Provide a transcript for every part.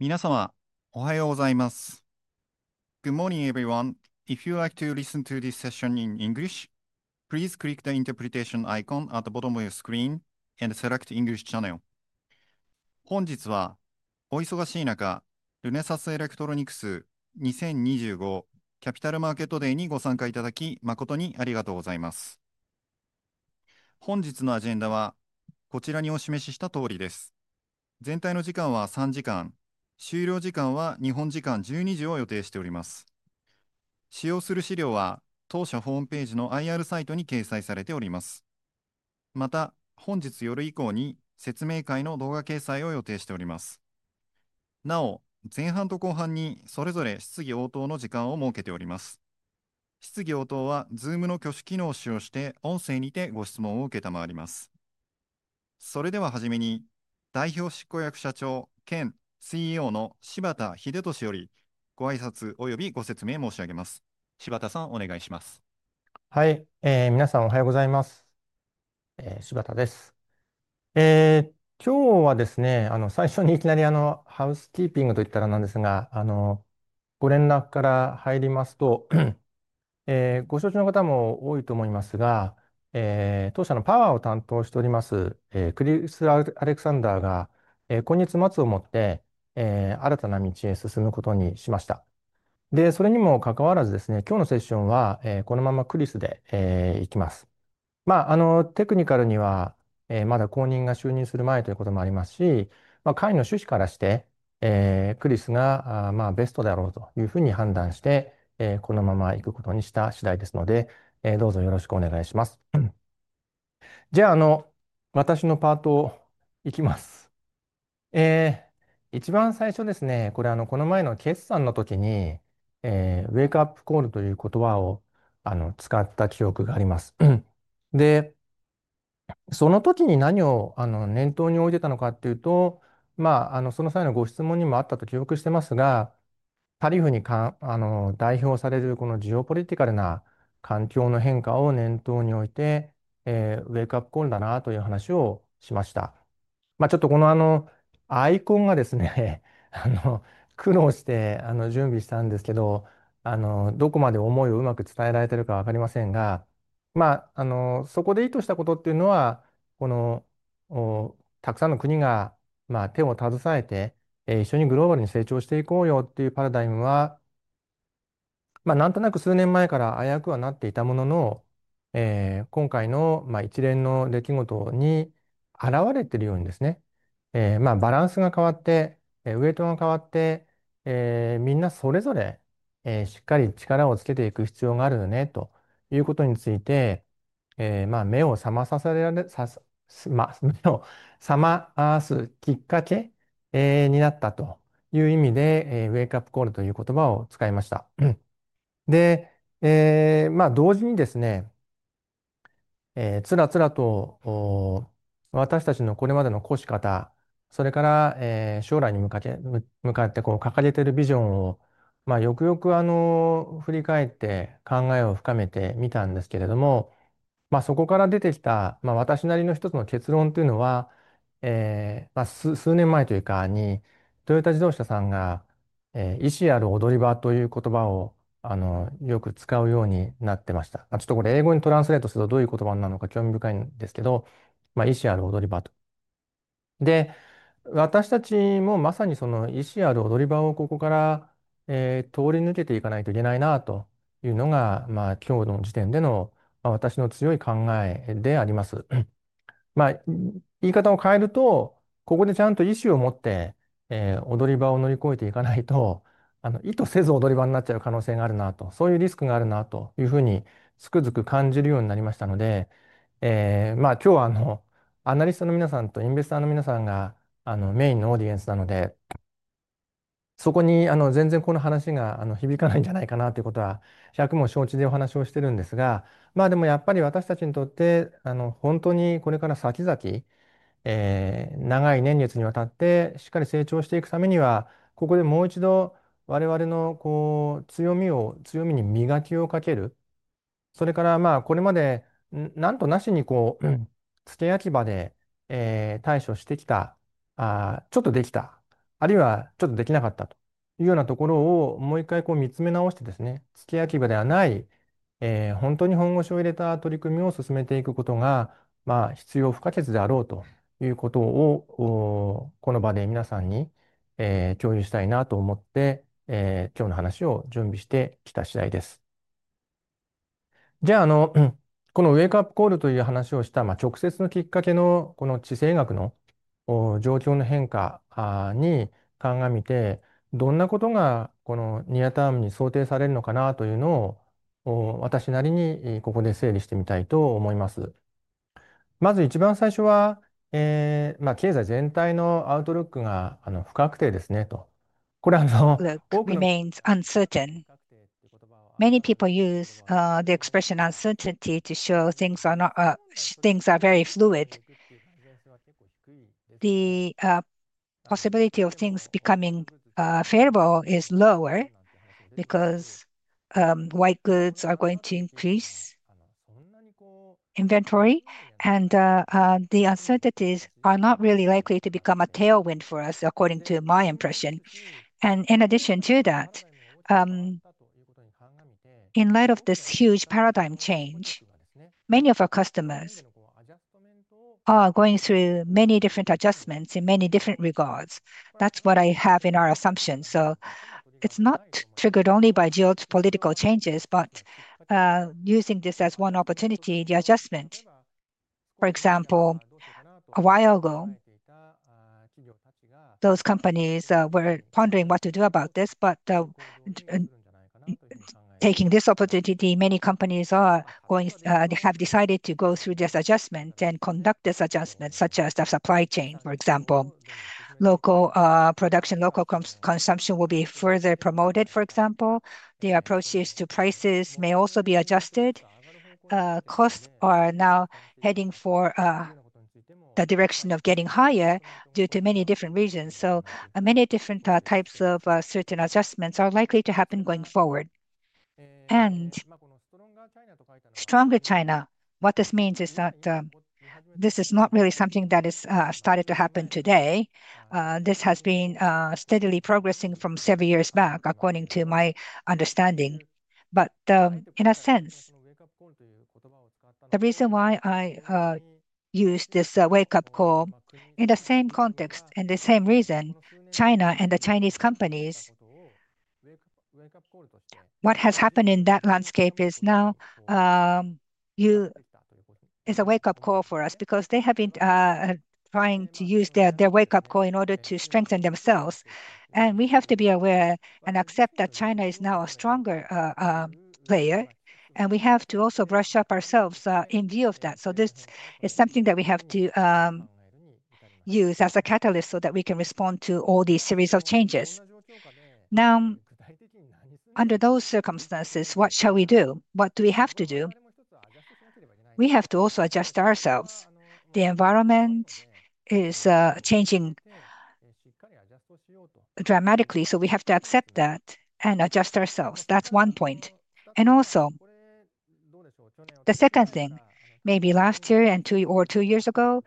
皆さま、おはようございます。Good morning, everyone. If you'd like to listen to this session in English, please click the interpretation icon at the bottom of your screen and select English channel. 本日は、お忙しい中、Renesas Electronics 2025 Capital Market Day にご参加いただき、誠にありがとうございます。本日のアジェンダは、こちらにお示ししたとおりです。全体の時間は 3 時間、終了時間は日本時間 12 時を予定しております。使用する資料は、当社ホームページの IR サイトに掲載されております。また、本日夜以降に説明会の動画掲載を予定しております。なお、前半と後半にそれぞれ質疑応答の時間を設けております。質疑応答は Zoom の挙手機能を使用して、音声にてご質問を承ります。それでは初めに、代表執行役社長兼 CEO の柴田秀俊よりご挨拶及びご説明申し上げます。柴田さん、お願いします。Remains uncertain. Many people use the expression uncertainty to show things are very fluid. The possibility of things becoming favorable is lower because white goods are going to increase inventory, and the uncertainties are not really likely to become a tailwind for us, according to my impression. In addition to that, in light of this huge paradigm change, many of our customers are going through many different adjustments in many different regards. That is what I have in our assumption. It is not triggered only by geopolitical changes, but using this as one opportunity, the adjustment. For example, a while ago, those companies were pondering what to do about this, but taking this opportunity, many companies have decided to go through this adjustment and conduct this adjustment, such as the supply chain, for example. Local production, local consumption will be further promoted, for example. The approaches to prices may also be adjusted. Costs are now heading for the direction of getting higher due to many different reasons. Many different types of certain adjustments are likely to happen going forward. Stronger China, what this means is that this is not really something that has started to happen today. This has been steadily progressing from several years back, according to my understanding. In a sense, the reason why I use this wake-up call, in the same context, in the same reason, China and the Chinese companies, what has happened in that landscape is now, it's a wake-up call for us because they have been trying to use their wake-up call in order to strengthen themselves. We have to be aware and accept that China is now a stronger player, and we have to also brush up ourselves in view of that. This is something that we have to use as a catalyst so that we can respond to all these series of changes. Now, under those circumstances, what shall we do? What do we have to do? We have to also adjust ourselves. The environment is changing dramatically, so we have to accept that and adjust ourselves. That's one point. Also, the second thing, maybe last year or two years ago,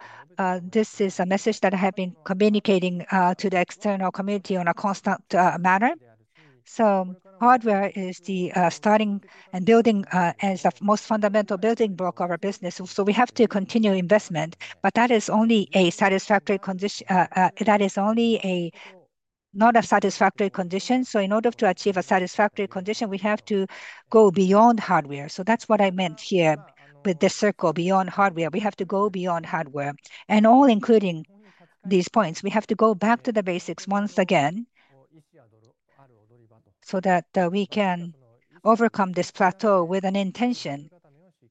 this is a message that I have been communicating to the external community in a constant manner. Hardware is the starting and building is the most fundamental building block of our business. We have to continue investment, but that is only a satisfactory condition. That is only not a satisfactory condition. In order to achieve a satisfactory condition, we have to go beyond hardware. That's what I meant here with this circle, beyond hardware. We have to go beyond hardware. All including these points, we have to go back to the basics once again so that we can overcome this plateau with an intention.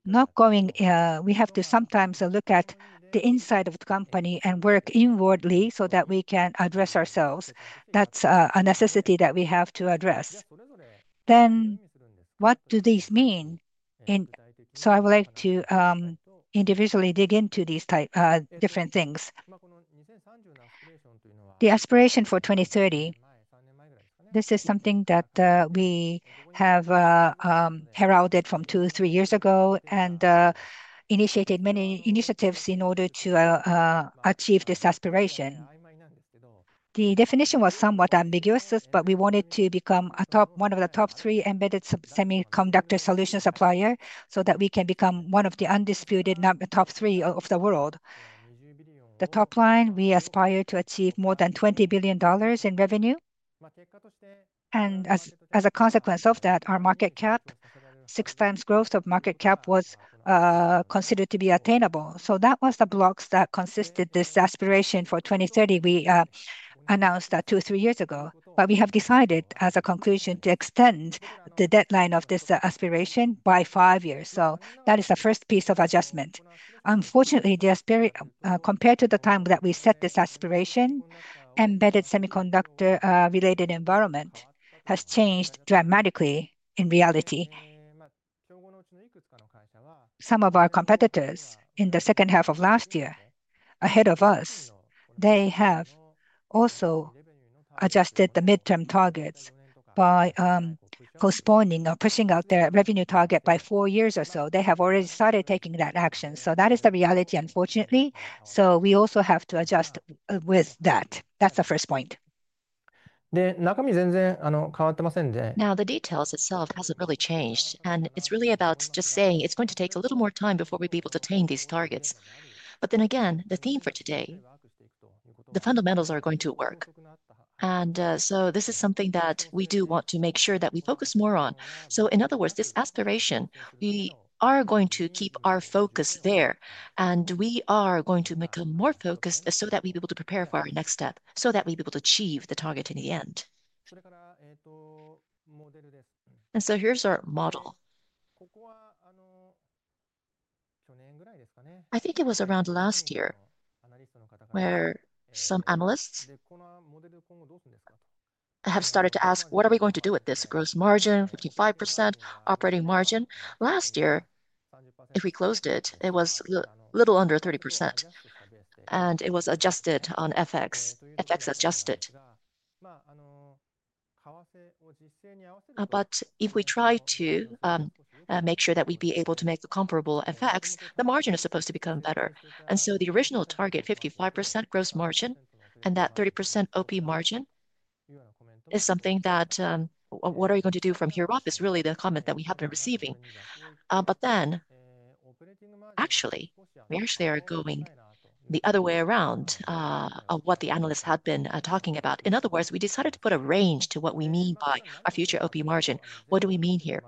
We have to sometimes look at the inside of the company and work inwardly so that we can address ourselves. That is a necessity that we have to address. What do these mean in. I would like to individually dig into these different things. The aspiration for 2030, this is something that we have heralded from two or three years ago and initiated many initiatives in order to achieve this aspiration. The definition was somewhat ambiguous, but we wanted to become one of the top three embedded semiconductor solution suppliers so that we can become one of the undisputed top three of the world. The top line, we aspire to achieve more than $20 billion in revenue. As a consequence of that, our market cap, six times growth of market cap was considered to be attainable. That was the blocks that consisted this aspiration for 2030. We announced that two or three years ago, but we have decided as a conclusion to extend the deadline of this aspiration by five years. That is the first piece of adjustment. Unfortunately, compared to the time that we set this aspiration, embedded semiconductor-related environment has changed dramatically in reality. Some of our competitors in the second half of last year ahead of us, they have also adjusted the midterm targets by postponing or pushing out their revenue target by four years or so. They have already started taking that action. That is the reality, unfortunately. We also have to adjust with that. That's the first point. Now, the details itself hasn't really changed, and it's really about just saying it's going to take a little more time before we be able to attain these targets. The theme for today, the fundamentals are going to work. This is something that we do want to make sure that we focus more on. In other words, this aspiration, we are going to keep our focus there, and we are going to make a more focused so that we be able to prepare for our next step, so that we be able to achieve the target in the end. Here's our model. I think it was around last year where some analysts have started to ask, what are we going to do with this gross margin, 55% operating margin? Last year, if we closed it, it was a little under 30%, and it was adjusted on FX, FX adjusted. If we try to make sure that we be able to make a comparable FX, the margin is supposed to become better. The original target, 55% gross margin and that 30% OP margin is something that, what are you going to do from here off is really the comment that we have been receiving. Actually, we actually are going the other way around of what the analysts had been talking about. In other words, we decided to put a range to what we mean by our future OP margin. What do we mean here?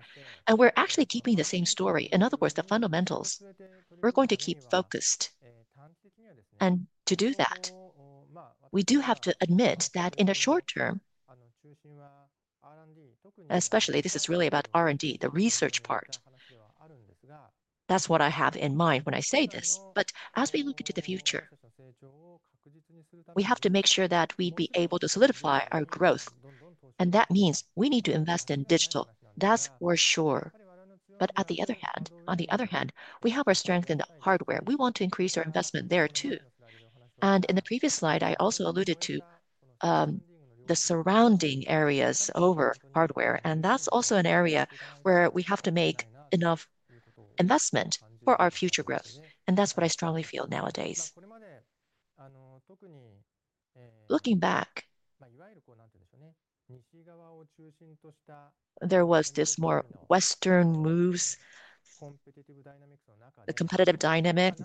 We are actually keeping the same story. In other words, the fundamentals, we are going to keep focused. To do that, we do have to admit that in the short term, especially this is really about R&D, the research part, that's what I have in mind when I say this. As we look into the future, we have to make sure that we be able to solidify our growth. That means we need to invest in digital. That's for sure. On the other hand, we have our strength in the hardware. We want to increase our investment there too. In the previous slide, I also alluded to the surrounding areas over hardware. That's also an area where we have to make enough investment for our future growth. That's what I strongly feel nowadays. Looking back, there was this more Western moves, the competitive dynamics,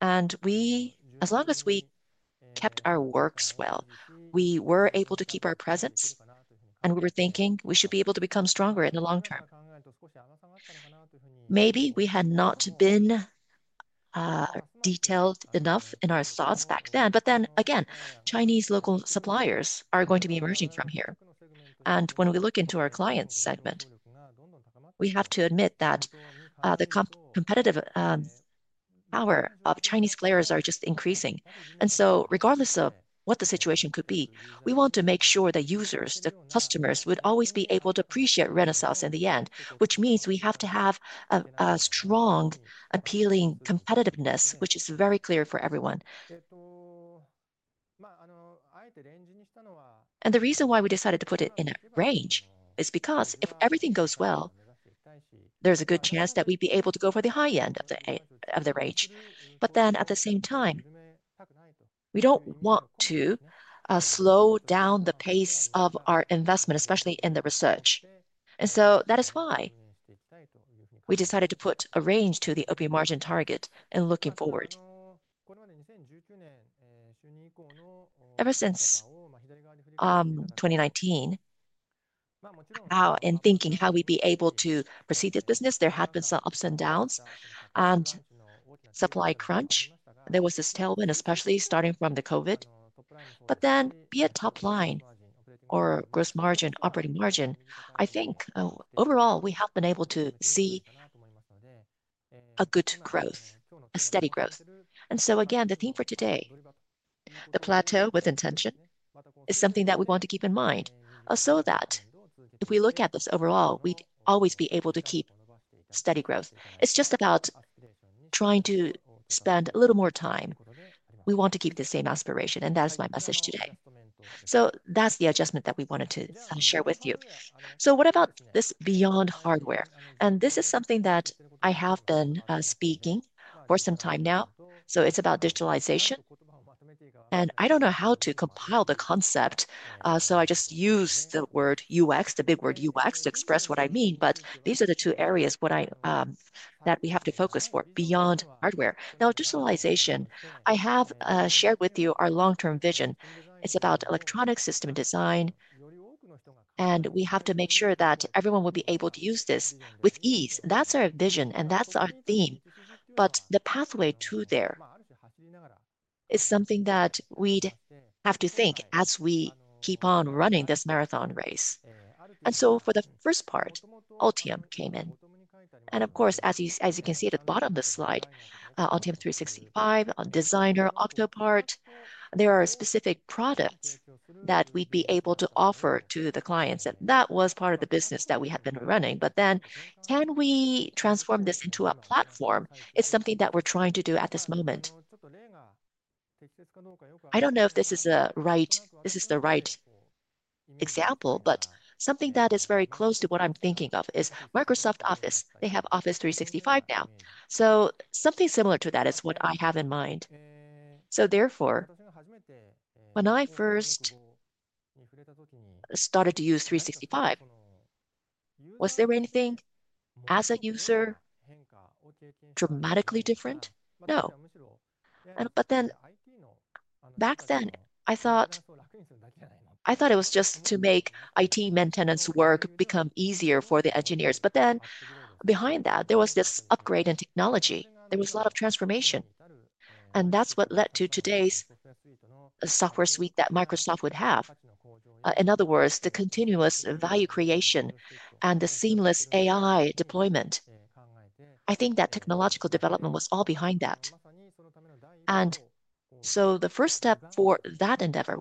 and as long as we kept our works well, we were able to keep our presence, and we were thinking we should be able to become stronger in the long term. Maybe we had not been detailed enough in our thoughts back then. Then again, Chinese local suppliers are going to be emerging from here. When we look into our client segment, we have to admit that the competitive power of Chinese players are just increasing. Regardless of what the situation could be, we want to make sure that users, the customers, would always be able to appreciate Renesas in the end, which means we have to have a strong, appealing competitiveness, which is very clear for everyone. The reason why we decided to put it in a range is because if everything goes well, there's a good chance that we'd be able to go for the high end of the range. At the same time, we do not want to slow down the pace of our investment, especially in the research. That is why we decided to put a range to the OP margin target in looking forward. Ever since 2019, in thinking how we'd be able to proceed this business, there had been some ups and downs and supply crunch. There was this tailwind, especially starting from the COVID. Be it top line or gross margin, operating margin, I think overall we have been able to see a good growth, a steady growth. The theme for today, the plateau with intention, is something that we want to keep in mind so that if we look at this overall, we'd always be able to keep steady growth. It's just about trying to spend a little more time. We want to keep the same aspiration, and that is my message today. That's the adjustment that we wanted to share with you. What about this beyond hardware? This is something that I have been speaking for some time now. It's about digitalization. I don't know how to compile the concept, so I just use the word UX, the big word UX, to express what I mean. These are the two areas that we have to focus for beyond hardware. Now, digitalization, I have shared with you our long-term vision. It's about electronic system design, and we have to make sure that everyone will be able to use this with ease. That's our vision, and that's our theme. The pathway to there is something that we'd have to think as we keep on running this marathon race. For the first part, Altium came in. Of course, as you can see at the bottom of the slide, Altium 365, on Designer, Octopart, there are specific products that we'd be able to offer to the clients. That was part of the business that we had been running. Can we transform this into a platform? It's something that we're trying to do at this moment. I don't know if this is the right example, but something that is very close to what I'm thinking of is Microsoft Office. They have Office 365 now. Something similar to that is what I have in mind. Therefore, when I first started to use 365, was there anything as a user dramatically different? No. Back then, I thought it was just to make IT maintenance work become easier for the engineers. Behind that, there was this upgrade in technology. There was a lot of transformation. That is what led to today's software suite that Microsoft would have. In other words, the continuous value creation and the seamless AI deployment. I think that technological development was all behind that. The first step for that endeavor,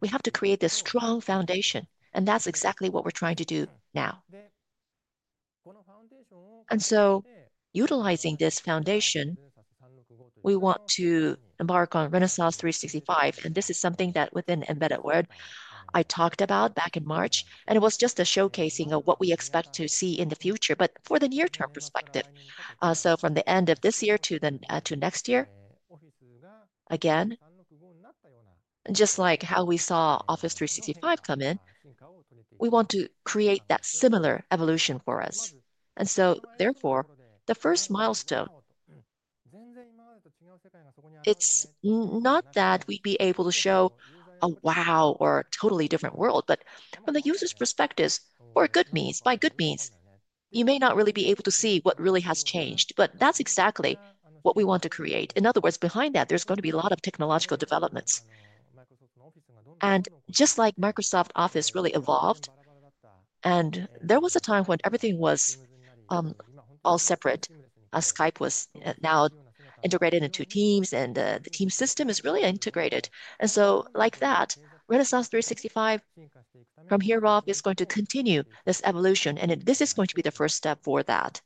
we have to create this strong foundation. That is exactly what we are trying to do now. Utilizing this foundation, we want to embark on Renesas 365. This is something that within Embedded World, I talked about back in March. It was just a showcasing of what we expect to see in the future, but for the near-term perspective. From the end of this year to next year, again, just like how we saw Office 365 come in, we want to create that similar evolution for us. Therefore, the first milestone, it's not that we'd be able to show a wow or a totally different world, but from the user's perspective, for good means, by good means, you may not really be able to see what really has changed, but that's exactly what we want to create. In other words, behind that, there's going to be a lot of technological developments. Just like Microsoft Office really evolved, and there was a time when everything was all separate, Skype was now integrated into Teams, and the Teams system is really integrated. Like that, Renesas 365 from here off is going to continue this evolution, and this is going to be the first step for that.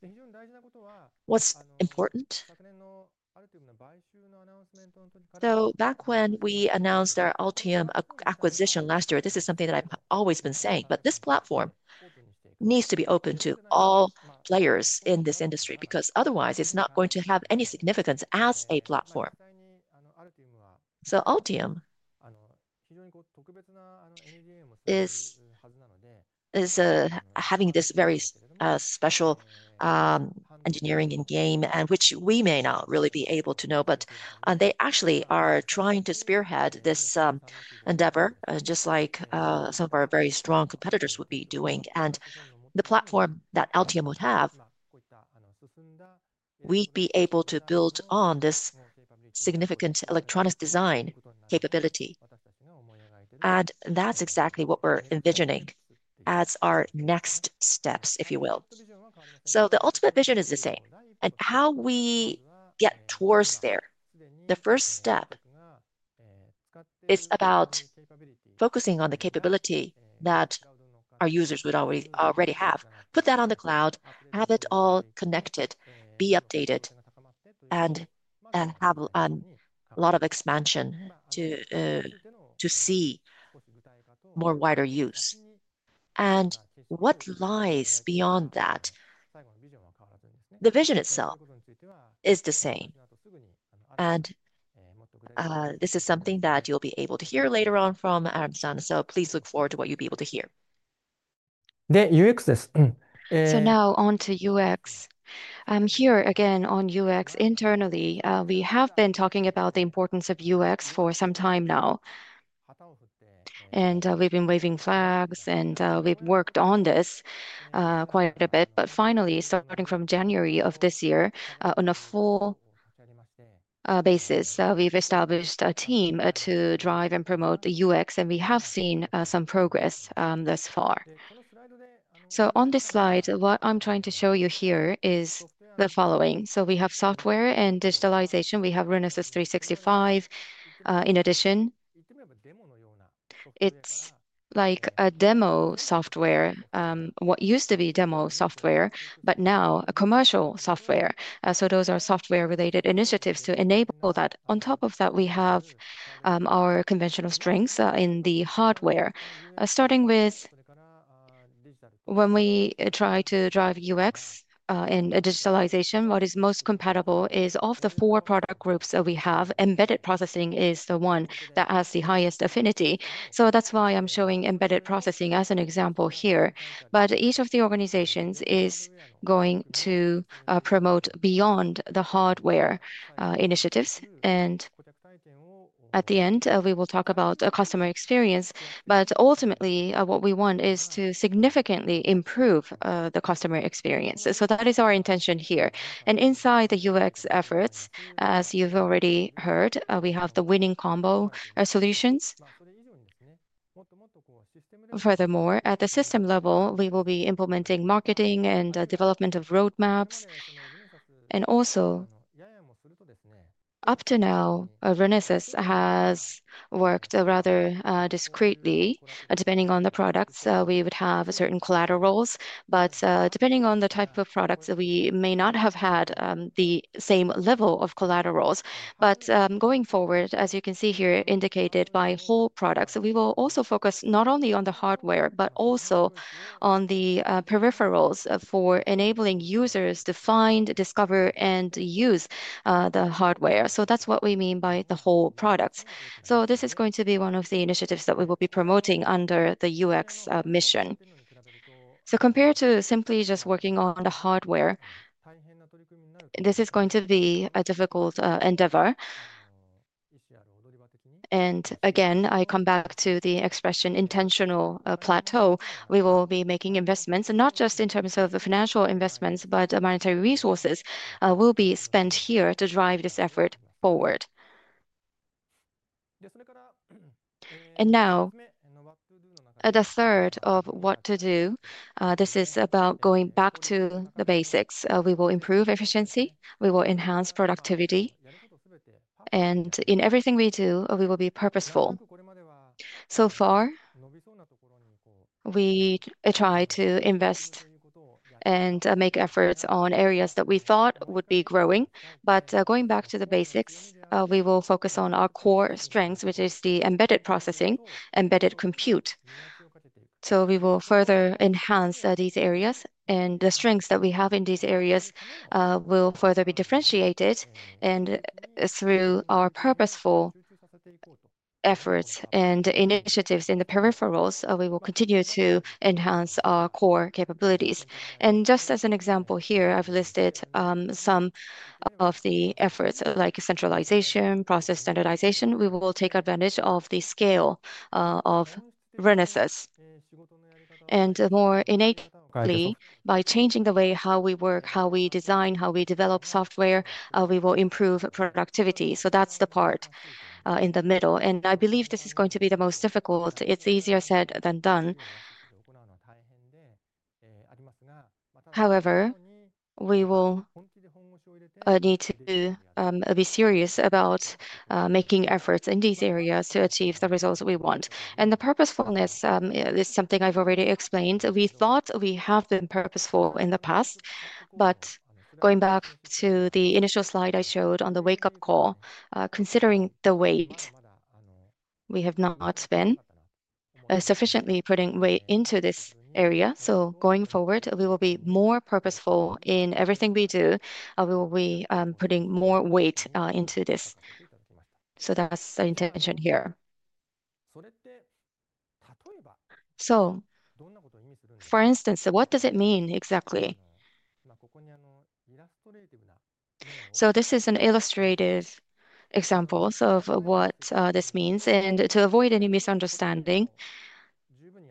What's important? Back when we announced our Altium acquisition last year, this is something that I've always been saying, but this platform needs to be open to all players in this industry because otherwise it's not going to have any significance as a platform. Altium is having this very special engineering in game, which we may not really be able to know, but they actually are trying to spearhead this endeavor just like some of our very strong competitors would be doing. The platform that Altium would have, we'd be able to build on this significant electronics design capability. That's exactly what we're envisioning as our next steps, if you will. The ultimate vision is the same. How we get towards there, the first step is about focusing on the capability that our users would already have, put that on the cloud, have it all connected, be updated, and have a lot of expansion to see more wider use. What lies beyond that? The vision itself is the same. This is something that you'll be able to hear later on from Aram San. Please look forward to what you'll be able to hear. Now on to UX. I'm here again on UX internally. We have been talking about the importance of UX for some time now. We've been waving flags, and we've worked on this quite a bit. Finally, starting from January of this year, on a full basis, we've established a team to drive and promote the UX, and we have seen some progress thus far. On this slide, what I'm trying to show you here is the following. We have software and digitalization. We have Renesas 365 in addition. It's like a demo software, what used to be demo software, but now a commercial software. Those are software-related initiatives to enable that. On top of that, we have our conventional strengths in the hardware. Starting with when we try to drive UX in digitalization, what is most compatible is of the four product groups that we have, embedded processing is the one that has the highest affinity. That's why I'm showing embedded processing as an example here. Each of the organizations is going to promote beyond the hardware initiatives. At the end, we will talk about customer experience. Ultimately, what we want is to significantly improve the customer experience. That is our intention here. Inside the UX efforts, as you've already heard, we have the winning combo solutions. Furthermore, at the system level, we will be implementing marketing and development of roadmaps. Up to now, Renesas has worked rather discreetly. Depending on the products, we would have certain collaterals. Depending on the type of products, we may not have had the same level of collaterals. Going forward, as you can see here, indicated by whole products, we will also focus not only on the hardware, but also on the peripherals for enabling users to find, discover, and use the hardware. That is what we mean by the whole products. This is going to be one of the initiatives that we will be promoting under the UX mission. Compared to simply just working on the hardware, this is going to be a difficult endeavor. I come back to the expression intentional plateau. We will be making investments, and not just in terms of the financial investments, but the monetary resources will be spent here to drive this effort forward. Now, the third of what to do, this is about going back to the basics. We will improve efficiency. We will enhance productivity. In everything we do, we will be purposeful. So far, we try to invest and make efforts on areas that we thought would be growing. Going back to the basics, we will focus on our core strengths, which is the embedded processing, embedded compute. We will further enhance these areas. The strengths that we have in these areas will further be differentiated. Through our purposeful efforts and initiatives in the peripherals, we will continue to enhance our core capabilities. Just as an example here, I've listed some of the efforts like centralization, process standardization. We will take advantage of the scale of Renesas. More innately, by changing the way how we work, how we design, how we develop software, we will improve productivity. That is the part in the middle. I believe this is going to be the most difficult. It is easier said than done. However, we will need to be serious about making efforts in these areas to achieve the results we want. The purposefulness is something I've already explained. We thought we have been purposeful in the past. Going back to the initial slide I showed on the wake-up call, considering the weight, we have not been sufficiently putting weight into this area. Going forward, we will be more purposeful in everything we do. We will be putting more weight into this. That is the intention here. For instance, what does it mean exactly? This is an illustrative example of what this means. To avoid any misunderstanding,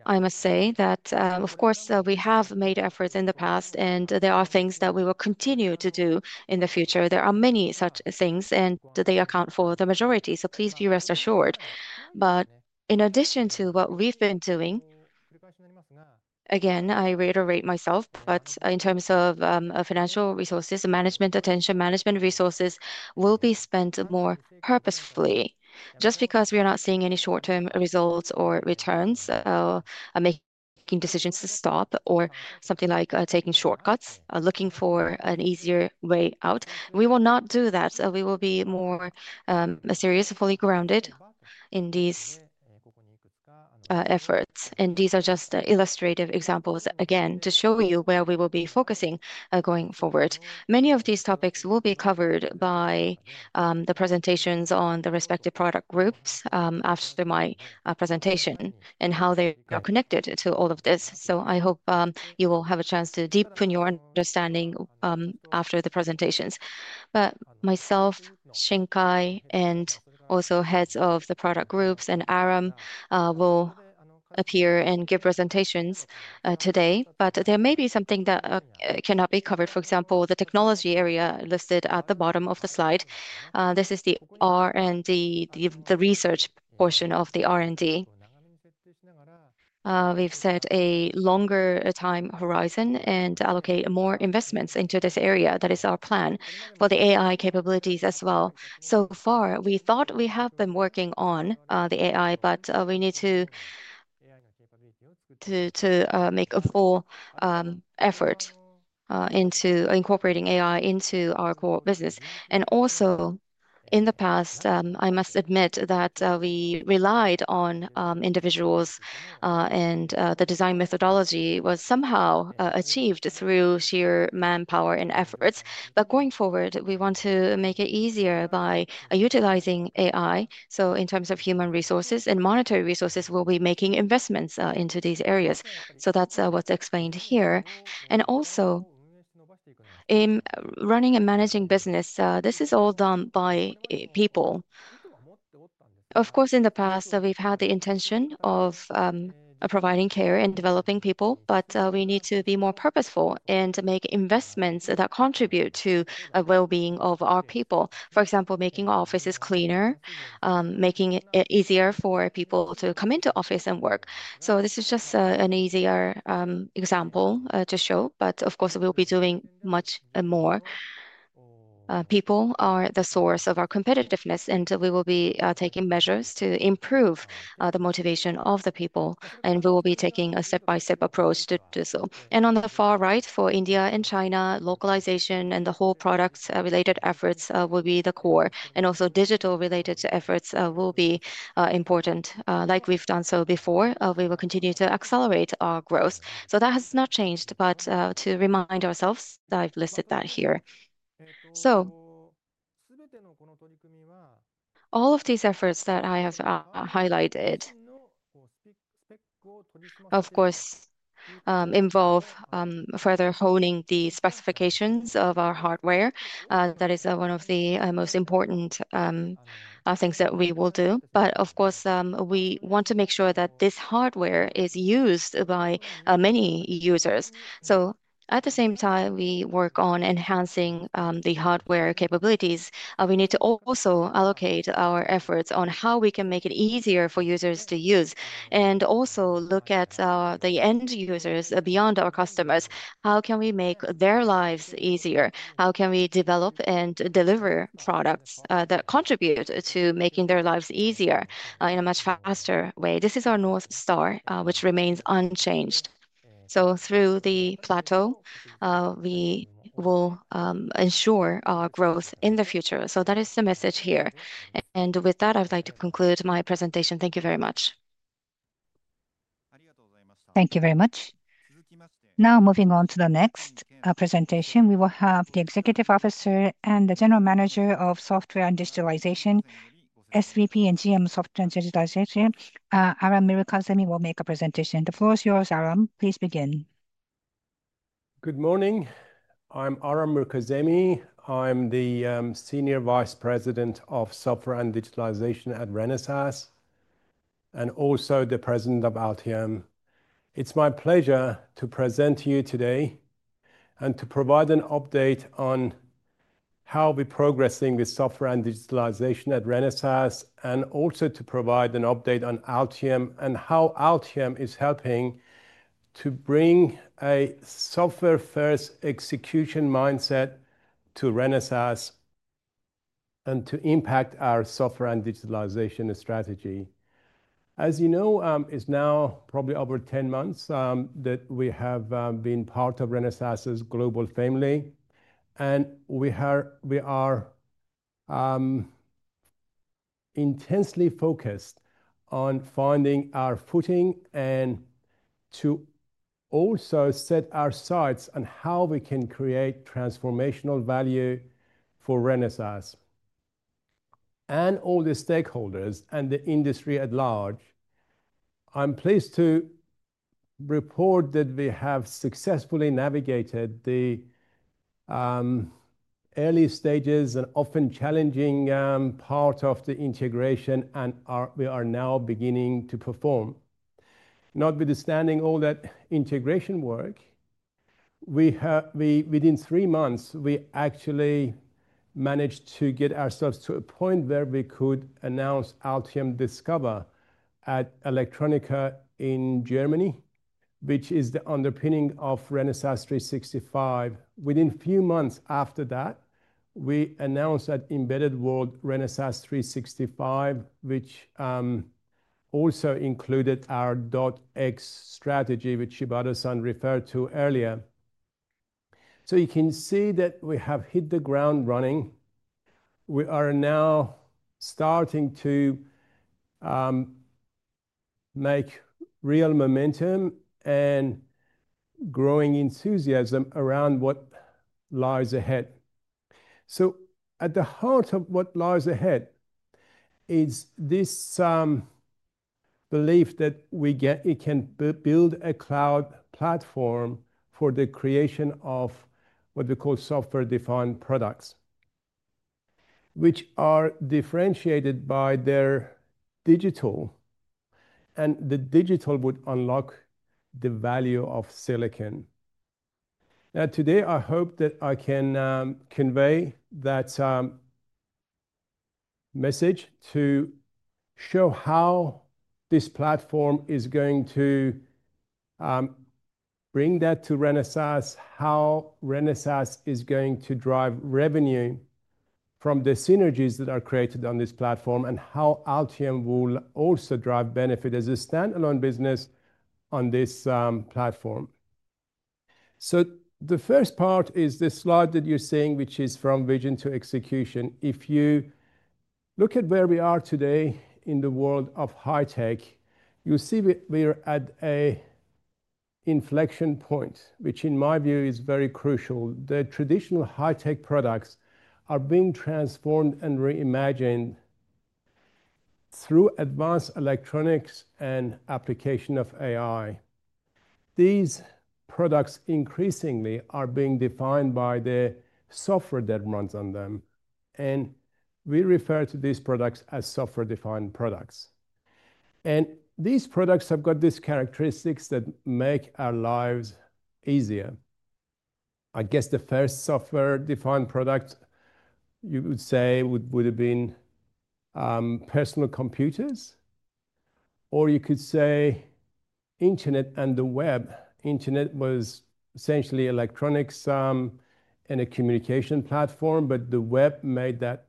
I must say that, of course, we have made efforts in the past, and there are things that we will continue to do in the future. There are many such things, and they account for the majority. Please be rest assured. In addition to what we've been doing, again, I reiterate myself, but in terms of financial resources, management, attention, management resources will be spent more purposefully. Just because we are not seeing any short-term results or returns, making decisions to stop or something like taking shortcuts, looking for an easier way out, we will not do that. We will be more serious, fully grounded in these efforts. These are just illustrative examples, again, to show you where we will be focusing going forward. Many of these topics will be covered by the presentations on the respective product groups after my presentation and how they are connected to all of this. I hope you will have a chance to deepen your understanding after the presentations. Myself, Shinkai, and also heads of the product groups and Aram will appear and give presentations today. There may be something that cannot be covered. For example, the technology area listed at the bottom of the slide. This is the R&D, the research portion of the R&D. We have set a longer time horizon and allocate more investments into this area. That is our plan for the AI capabilities as well. So far, we thought we have been working on the AI, but we need to make a full effort into incorporating AI into our core business. Also, in the past, I must admit that we relied on individuals, and the design methodology was somehow achieved through sheer manpower and efforts. Going forward, we want to make it easier by utilizing AI. In terms of human resources and monetary resources, we will be making investments into these areas. That is what is explained here. Also, in running and managing business, this is all done by people. Of course, in the past, we have had the intention of providing care and developing people, but we need to be more purposeful and make investments that contribute to the well-being of our people. For example, making offices cleaner, making it easier for people to come into office and work. This is just an easier example to show. Of course, we'll be doing much more. People are the source of our competitiveness, and we will be taking measures to improve the motivation of the people. We will be taking a step-by-step approach to do so. On the far right, for India and China, localization and the whole product-related efforts will be the core. Also, digital-related efforts will be important. Like we've done so before, we will continue to accelerate our growth. That has not changed, but to remind ourselves, I've listed that here. All of these efforts that I have highlighted, of course, involve further honing the specifications of our hardware. That is one of the most important things that we will do. Of course, we want to make sure that this hardware is used by many users. At the same time, we work on enhancing the hardware capabilities. We need to also allocate our efforts on how we can make it easier for users to use and also look at the end users beyond our customers. How can we make their lives easier? How can we develop and deliver products that contribute to making their lives easier in a much faster way? This is our North Star, which remains unchanged. Through the plateau, we will ensure our growth in the future. That is the message here. With that, I'd like to conclude my presentation. Thank you very much. Thank you very much. Now, moving on to the next presentation, we will have the Executive Officer and the General Manager of Software and Digitalization, SVP and GM of Software and Digitalization, Aram Mirkazemi, who will make a presentation. The floor is yours, Aram. Please begin. Good morning. I'm Aram Mirkazemi. I'm the Senior Vice President of Software and Digitalization at Renesas and also the President of Altium. It's my pleasure to present to you today and to provide an update on how we're progressing with software and digitalization at Renesas, and also to provide an update on Altium and how Altium is helping to bring a software-first execution mindset to Renesas and to impact our software and digitalization strategy. As you know, it's now probably over ten months that we have been part of Renesas' global family. We are intensely focused on finding our footing and to also set our sights on how we can create transformational value for Renesas and all the stakeholders and the industry at large. I'm pleased to report that we have successfully navigated the early stages and often challenging part of the integration, and we are now beginning to perform. Notwithstanding all that integration work, within three months, we actually managed to get ourselves to a point where we could announce Altium Discover at Electronica in Germany, which is the underpinning of Renesas 365. Within a few months after that, we announced at Embedded World Renesas 365, which also included our DOTX strategy, which Shibata-san referred to earlier. You can see that we have hit the ground running. We are now starting to make real momentum and growing enthusiasm around what lies ahead. At the heart of what lies ahead is this belief that we can build a cloud platform for the creation of what we call software-defined products, which are differentiated by their digital, and the digital would unlock the value of silicon. Now, today, I hope that I can convey that message to show how this platform is going to bring that to Renesas, how Renesas is going to drive revenue from the synergies that are created on this platform, and how Altium will also drive benefit as a standalone business on this platform. The first part is the slide that you're seeing, which is from vision to execution. If you look at where we are today in the world of high-tech, you'll see we're at an inflection point, which in my view is very crucial. The traditional high-tech products are being transformed and reimagined through advanced electronics and application of AI. These products increasingly are being defined by the software that runs on them. We refer to these products as software-defined products. These products have got these characteristics that make our lives easier. I guess the first software-defined product, you would say, would have been personal computers, or you could say internet and the web. Internet was essentially electronics and a communication platform, but the web made that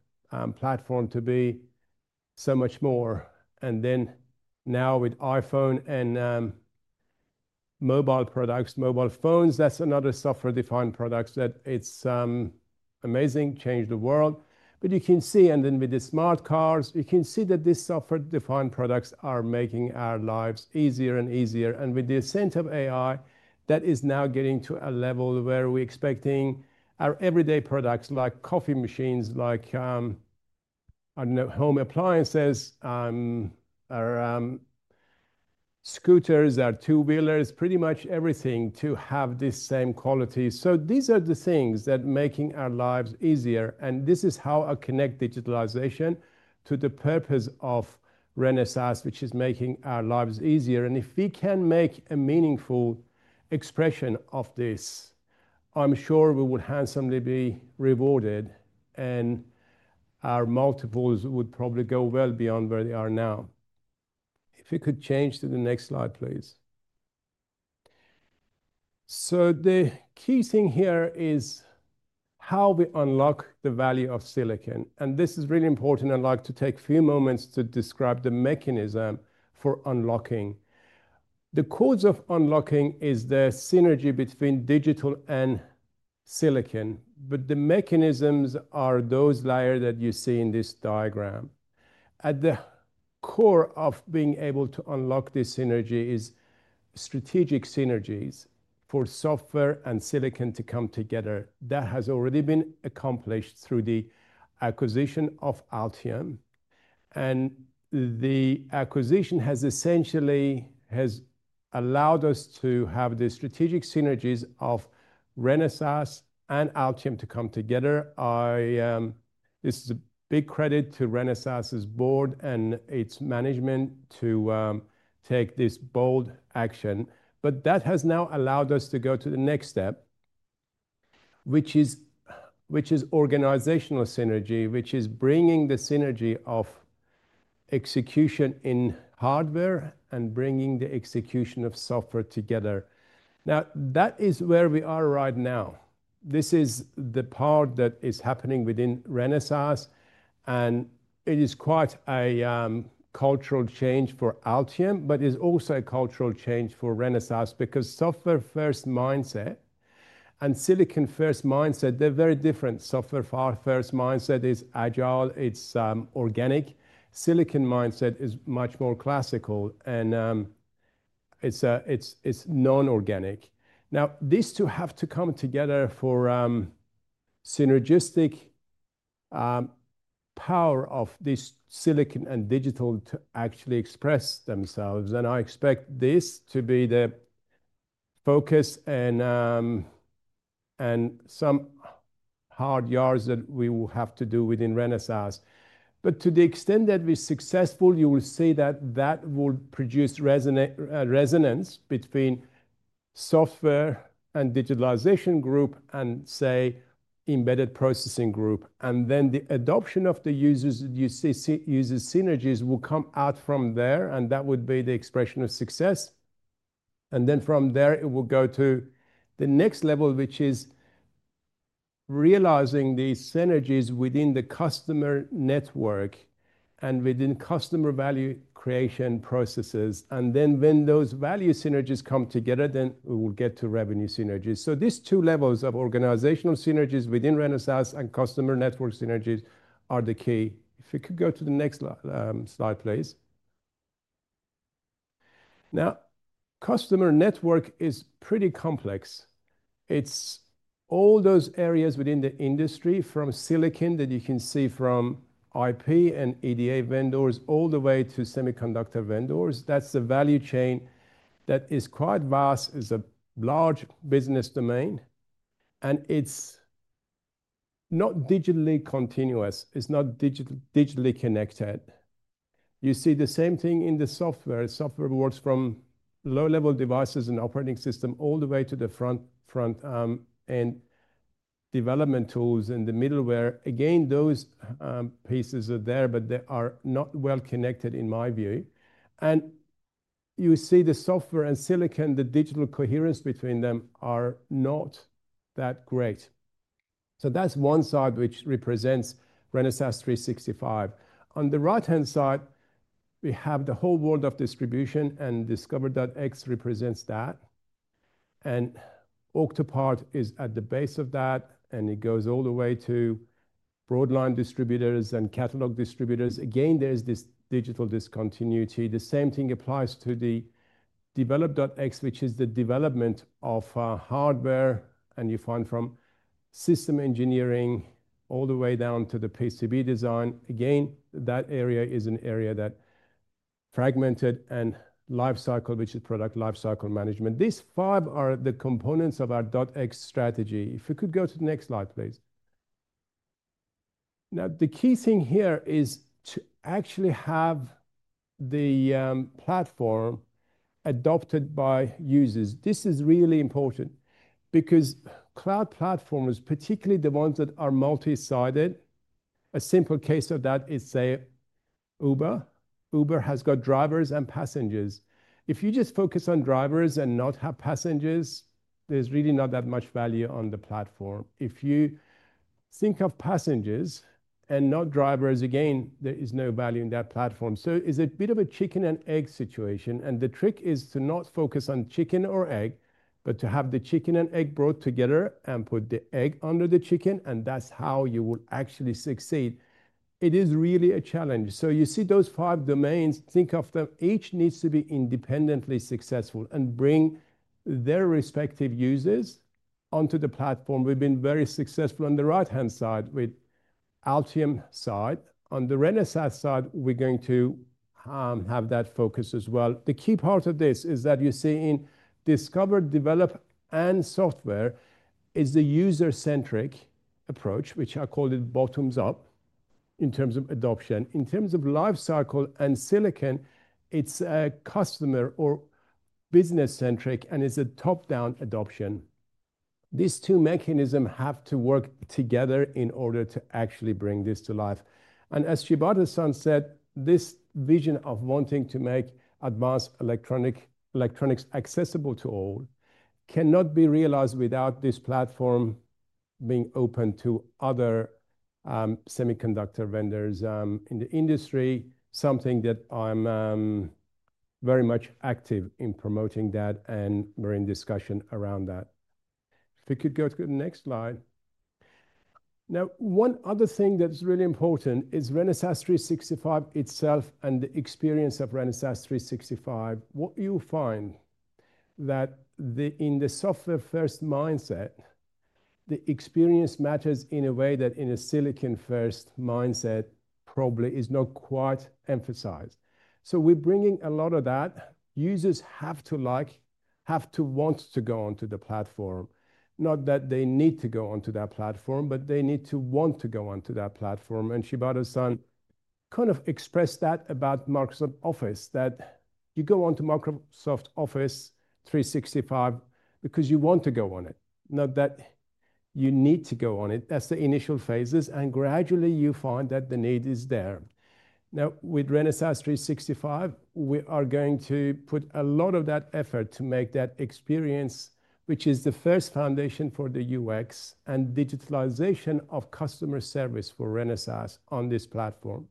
platform to be so much more. Now with iPhone and mobile products, mobile phones, that's another software-defined product that it's amazing, changed the world. You can see, and then with the smart cars, you can see that these software-defined products are making our lives easier and easier. With the ascent of AI, that is now getting to a level where we're expecting our everyday products like coffee machines, like home appliances, our scooters, our two-wheelers, pretty much everything to have the same quality. These are the things that are making our lives easier. This is how I connect digitalization to the purpose of Renesas, which is making our lives easier. If we can make a meaningful expression of this, I'm sure we would handsomely be rewarded, and our multiples would probably go well beyond where they are now. If you could change to the next slide, please. The key thing here is how we unlock the value of silicon. This is really important. I'd like to take a few moments to describe the mechanism for unlocking. The cause of unlocking is the synergy between digital and silicon. The mechanisms are those layers that you see in this diagram. At the core of being able to unlock this synergy is strategic synergies for software and silicon to come together. That has already been accomplished through the acquisition of Altium. The acquisition has essentially allowed us to have the strategic synergies of Renesas and Altium to come together. This is a big credit to Renesas' board and its management to take this bold action. That has now allowed us to go to the next step, which is organizational synergy, which is bringing the synergy of execution in hardware and bringing the execution of software together. That is where we are right now. This is the part that is happening within Renesas. It is quite a cultural change for Altium, but it is also a cultural change for Renesas because software-first mindset and silicon-first mindset, they're very different. Software-first mindset is agile. It's organic. Silicon mindset is much more classical, and it's non-organic. Now, these two have to come together for synergistic power of this silicon and digital to actually express themselves. I expect this to be the focus and some hard yards that we will have to do within Renesas. To the extent that we're successful, you will see that that will produce resonance between software and digitalization group and, say, embedded processing group. The adoption of the users' synergies will come out from there, and that would be the expression of success. From there, it will go to the next level, which is realizing these synergies within the customer network and within customer value creation processes. When those value synergies come together, we will get to revenue synergies. These two levels of organizational synergies within Renesas and customer network synergies are the key. If you could go to the next slide, please. Now, customer network is pretty complex. It is all those areas within the industry from silicon that you can see from IP and EDA vendors all the way to semiconductor vendors. That is the value chain that is quite vast. It is a large business domain. It is not digitally continuous. It is not digitally connected. You see the same thing in the software. Software works from low-level devices and operating system all the way to the front-end development tools in the middleware. Again, those pieces are there, but they are not well connected, in my view. You see the software and silicon, the digital coherence between them are not that great. That is one side which represents Renesas 365. On the right-hand side, we have the whole world of distribution, and Discover Dot X represents that. Octopart is at the base of that, and it goes all the way to broadline distributors and catalog distributors. Again, there is this digital discontinuity. The same thing applies to the developed DOTX, which is the development of hardware, and you find from system engineering all the way down to the PCB design. Again, that area is an area that is fragmented and lifecycle, which is product lifecycle management. These five are the components of our DOTX strategy. If you could go to the next slide, please. Now, the key thing here is to actually have the platform adopted by users. This is really important because cloud platforms, particularly the ones that are multi-sided, a simple case of that is, say, Uber. Uber has got drivers and passengers. If you just focus on drivers and not have passengers, there is really not that much value on the platform. If you think of passengers and not drivers, again, there is no value in that platform. It is a bit of a chicken and egg situation. The trick is to not focus on chicken or egg, but to have the chicken and egg brought together and put the egg under the chicken, and that is how you will actually succeed. It is really a challenge. You see those five domains, think of them. Each needs to be independently successful and bring their respective users onto the platform. We've been very successful on the right-hand side with Altium side. On the Renesas side, we're going to have that focus as well. The key part of this is that you see in Discover, Develop, and Software is the user-centric approach, which I call it bottoms-up in terms of adoption. In terms of lifecycle and silicon, it's customer or business-centric, and it's a top-down adoption. These two mechanisms have to work together in order to actually bring this to life. As Shibata-san said, this vision of wanting to make advanced electronics accessible to all cannot be realized without this platform being open to other semiconductor vendors in the industry, something that I'm very much active in promoting that and we're in discussion around that. If you could go to the next slide. Now, one other thing that's really important is Renesas 365 itself and the experience of Renesas 365. What you find that in the software-first mindset, the experience matters in a way that in a silicon-first mindset probably is not quite emphasized. We are bringing a lot of that. Users have to like, have to want to go onto the platform. Not that they need to go onto that platform, but they need to want to go onto that platform. Shibata-san kind of expressed that about Microsoft Office, that you go onto Microsoft Office 365 because you want to go on it. Not that you need to go on it. That is the initial phases. Gradually, you find that the need is there. Now, with Renesas 365, we are going to put a lot of that effort to make that experience, which is the first foundation for the UX and digitalization of customer service for Renesas on this platform.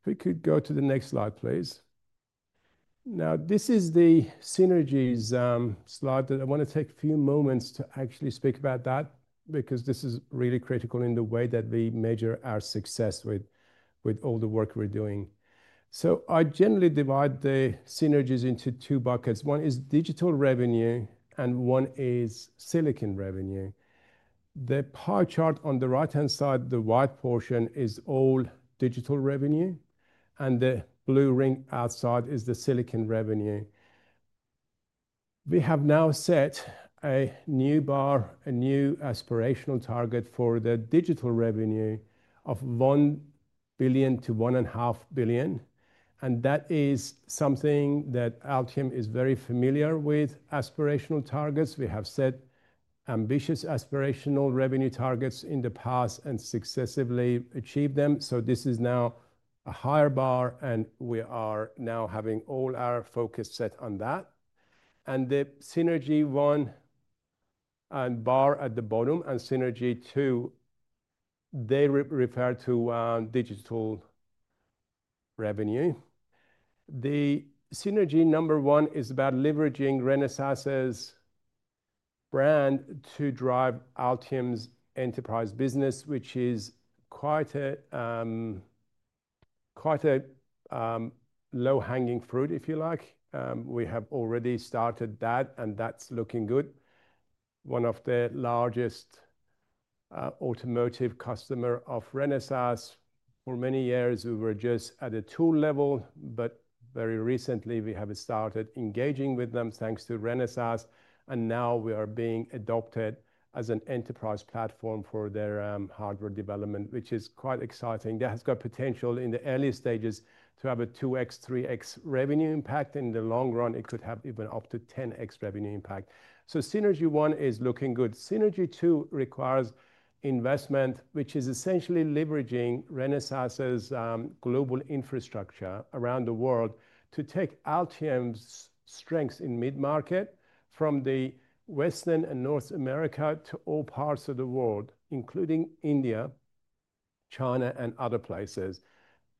If we could go to the next slide, please. Now, this is the synergies slide. I want to take a few moments to actually speak about that because this is really critical in the way that we measure our success with all the work we're doing. I generally divide the synergies into two buckets. One is digital revenue, and one is silicon revenue. The pie chart on the right-hand side, the white portion is all digital revenue, and the blue ring outside is the silicon revenue. We have now set a new bar, a new aspirational target for the digital revenue of $1 billion-$1.5 billion. That is something that Altium is very familiar with, aspirational targets. We have set ambitious aspirational revenue targets in the past and successively achieved them. This is now a higher bar, and we are now having all our focus set on that. The synergy one bar at the bottom and synergy two, they refer to digital revenue. The synergy number one is about leveraging Renesas's brand to drive Altium's enterprise business, which is quite a low-hanging fruit, if you like. We have already started that, and that's looking good. One of the largest automotive customers of Renesas for many years. We were just at a tool level, but very recently, we have started engaging with them thanks to Renesas. Now we are being adopted as an enterprise platform for their hardware development, which is quite exciting. That has got potential in the early stages to have a 2x-3x revenue impact. In the long run, it could have even up to 10x revenue impact. Synergy one is looking good. Synergy two requires investment, which is essentially leveraging Renesas's global infrastructure around the world to take Altium's strengths in mid-market from the Western and North America to all parts of the world, including India, China, and other places.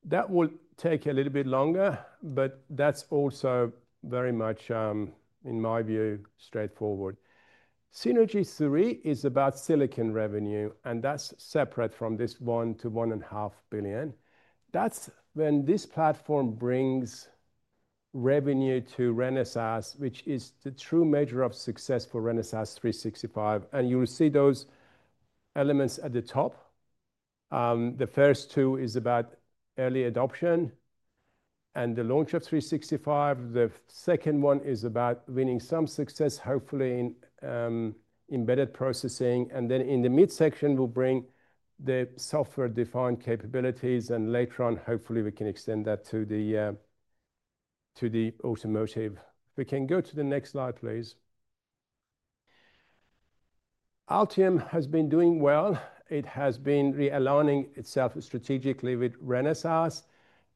That will take a little bit longer, but that is also very much, in my view, straightforward. Synergy three is about silicon revenue, and that is separate from this $1 billion-$1.5 billion. That is when this platform brings revenue to Renesas, which is the true measure of success for Renesas 365. You will see those elements at the top. The first two is about early adoption and the launch of 365. The second one is about winning some success, hopefully in embedded processing. In the mid-section, we will bring the software-defined capabilities. Later on, hopefully, we can extend that to the automotive. If we can go to the next slide, please. Altium has been doing well. It has been realigning itself strategically with Renesas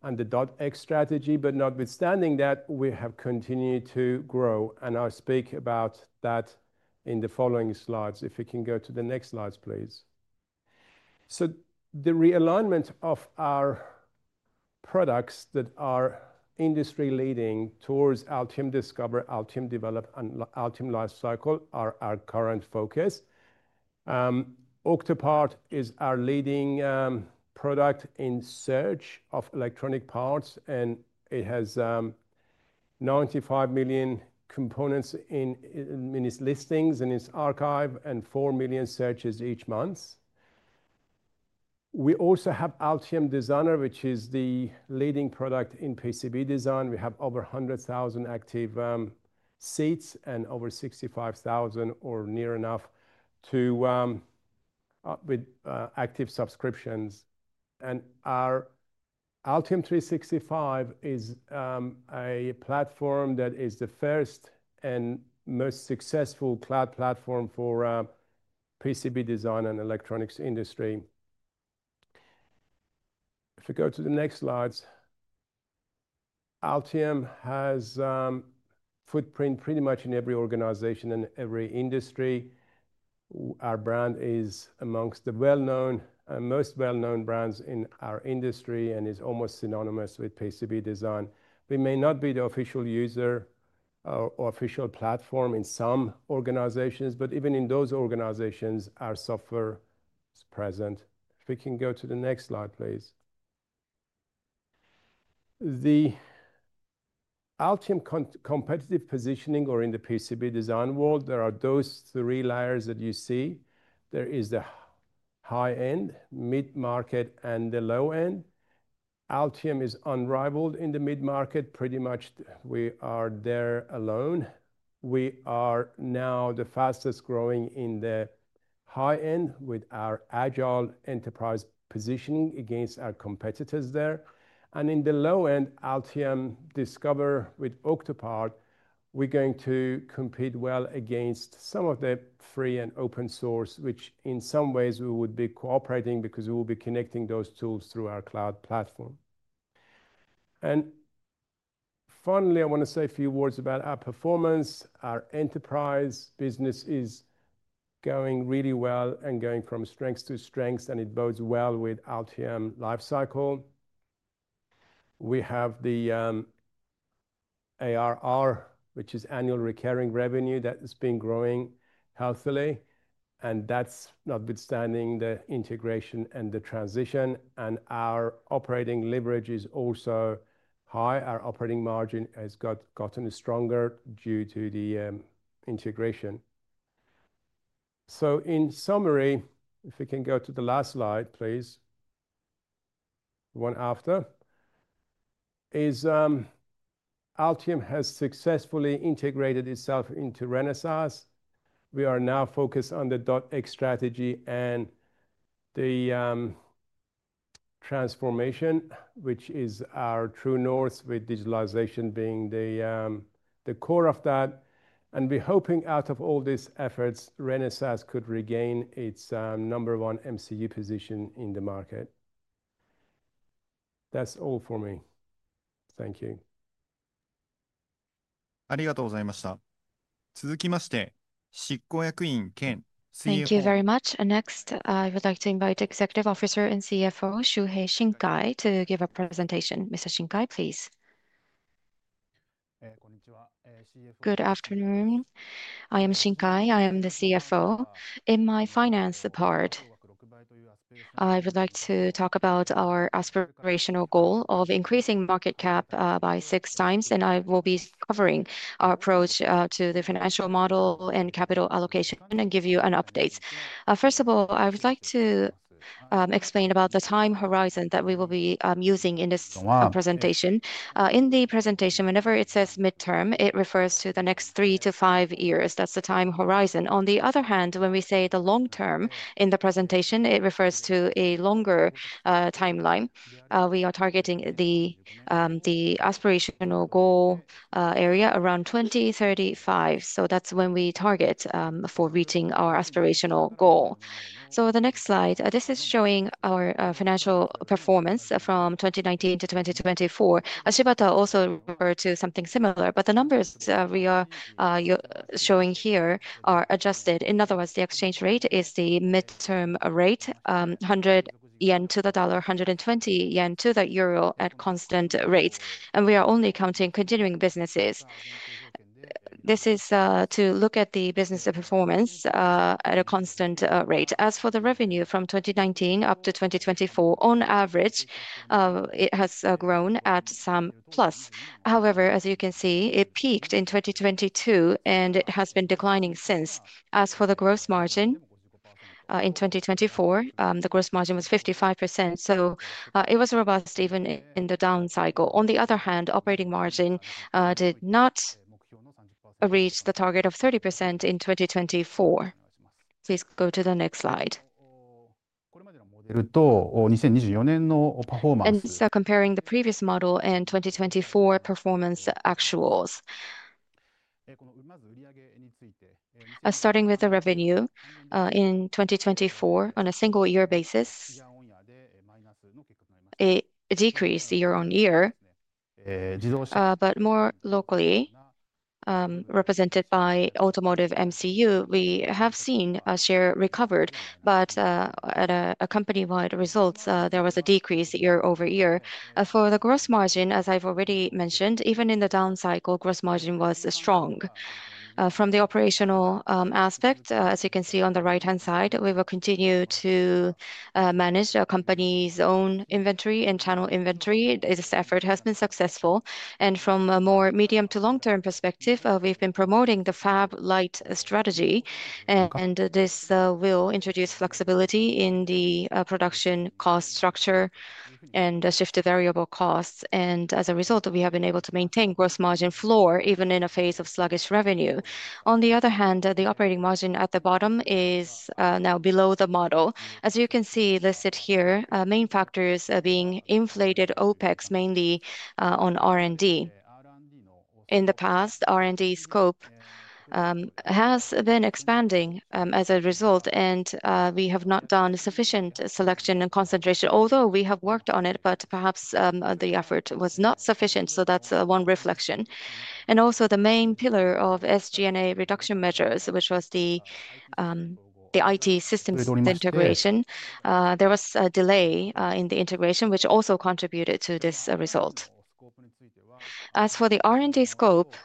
and the DOTX strategy. Notwithstanding that, we have continued to grow. I will speak about that in the following slides. If we can go to the next slides, please. The realignment of our products that are industry-leading towards Altium Discover, Altium Develop, and Altium Lifecycle are our current focus. Octopart is our leading product in search of electronic parts, and it has 95 million components in its listings and its archive and 4 million searches each month. We also have Altium Designer, which is the leading product in PCB design. We have over 100,000 active seats and over 65,000, or near enough, with active subscriptions. Our Altium 365 is a platform that is the first and most successful cloud platform for PCB design and electronics industry. If we go to the next slides, Altium has a footprint pretty much in every organization and every industry. Our brand is amongst the well-known and most well-known brands in our industry and is almost synonymous with PCB design. We may not be the official user or official platform in some organizations, but even in those organizations, our software is present. If we can go to the next slide, please. The Altium competitive positioning, or in the PCB design world, there are those three layers that you see. There is the high-end, mid-market, and the low-end. Altium is unrivaled in the mid-market. Pretty much, we are there alone. We are now the fastest growing in the high-end with our agile enterprise positioning against our competitors there. In the low-end, Altium Discover with Octopart, we're going to compete well against some of the free and open-source, which in some ways we would be cooperating because we will be connecting those tools through our cloud platform. Finally, I want to say a few words about our performance. Our enterprise business is going really well and going from strength to strength, and it bodes well with Altium Lifecycle. We have the ARR, which is annual recurring revenue that has been growing healthily. That's notwithstanding the integration and the transition. Our operating leverage is also high. Our operating margin has gotten stronger due to the integration. In summary, if we can go to the last slide, please, one after, Altium has successfully integrated itself into Renesas. We are now focused on the DOTX strategy and the transformation, which is our true north, with digitalization being the core of that. We're hoping out of all these efforts, Renesas could regain its number one MCU position in the market. That's all for me. Thank you. ありがとうございました。続きまして、執行役員兼CFO。Thank you very much. Next, I would like to invite Executive Officer and CFO, Shuhei Shinkai, to give a presentation. Mr. Shinkai, please. Good afternoon. I am Shinkai. I am the CFO in my finance department. I would like to talk about our aspirational goal of increasing market cap by six times, and I will be covering our approach to the financial model and capital allocation and give you an update. First of all, I would like to explain about the time horizon that we will be using in this presentation. In the presentation, whenever it says midterm, it refers to the next three to five years. That is the time horizon. On the other hand, when we say the long term in the presentation, it refers to a longer timeline. We are targeting the aspirational goal area around 2035. That is when we target for reaching our aspirational goal. The next slide, this is showing our financial performance from 2019 to 2024. Shibata also referred to something similar, but the numbers we are showing here are adjusted. In other words, the exchange rate is the midterm rate, $1 equals JPY 100, EUR 1 equals JPY120 at constant rates. We are only counting continuing businesses. This is to look at the business performance at a constant rate. As for the revenue from 2019 up to 2024, on average, it has grown at some plus. However, as you can see, it peaked in 2022, and it has been declining since. As for the gross margin, in 2024, the gross margin was 55%. So it was robust even in the down cycle. On the other hand, operating margin did not reach the target of 30% in 2024. Please go to the next slide. Comparing the previous model and 2024 performance actuals. Starting with the revenue in 2024, on a single-year basis, a decrease year-on-year, but more locally represented by automotive MCU, we have seen a share recovered. At a company-wide result, there was a decrease year-over-year. For the gross margin, as I've already mentioned, even in the down cycle, gross margin was strong. From the operational aspect, as you can see on the right-hand side, we will continue to manage the company's own inventory and channel inventory. This effort has been successful. From a more medium to long-term perspective, we have been promoting the Fab Light strategy. This will introduce flexibility in the production cost structure and shift to variable costs. As a result, we have been able to maintain gross margin floor even in a phase of sluggish revenue. On the other hand, the operating margin at the bottom is now below the model. As you can see listed here, main factors are being inflated, OPEX mainly on R&D. In the past, R&D scope has been expanding as a result, and we have not done sufficient selection and concentration, although we have worked on it, but perhaps the effort was not sufficient. That is one reflection. Also, the main pillar of SG&A reduction measures, which was the IT systems integration, there was a delay in the integration, which also contributed to this result. As for the R&D scope,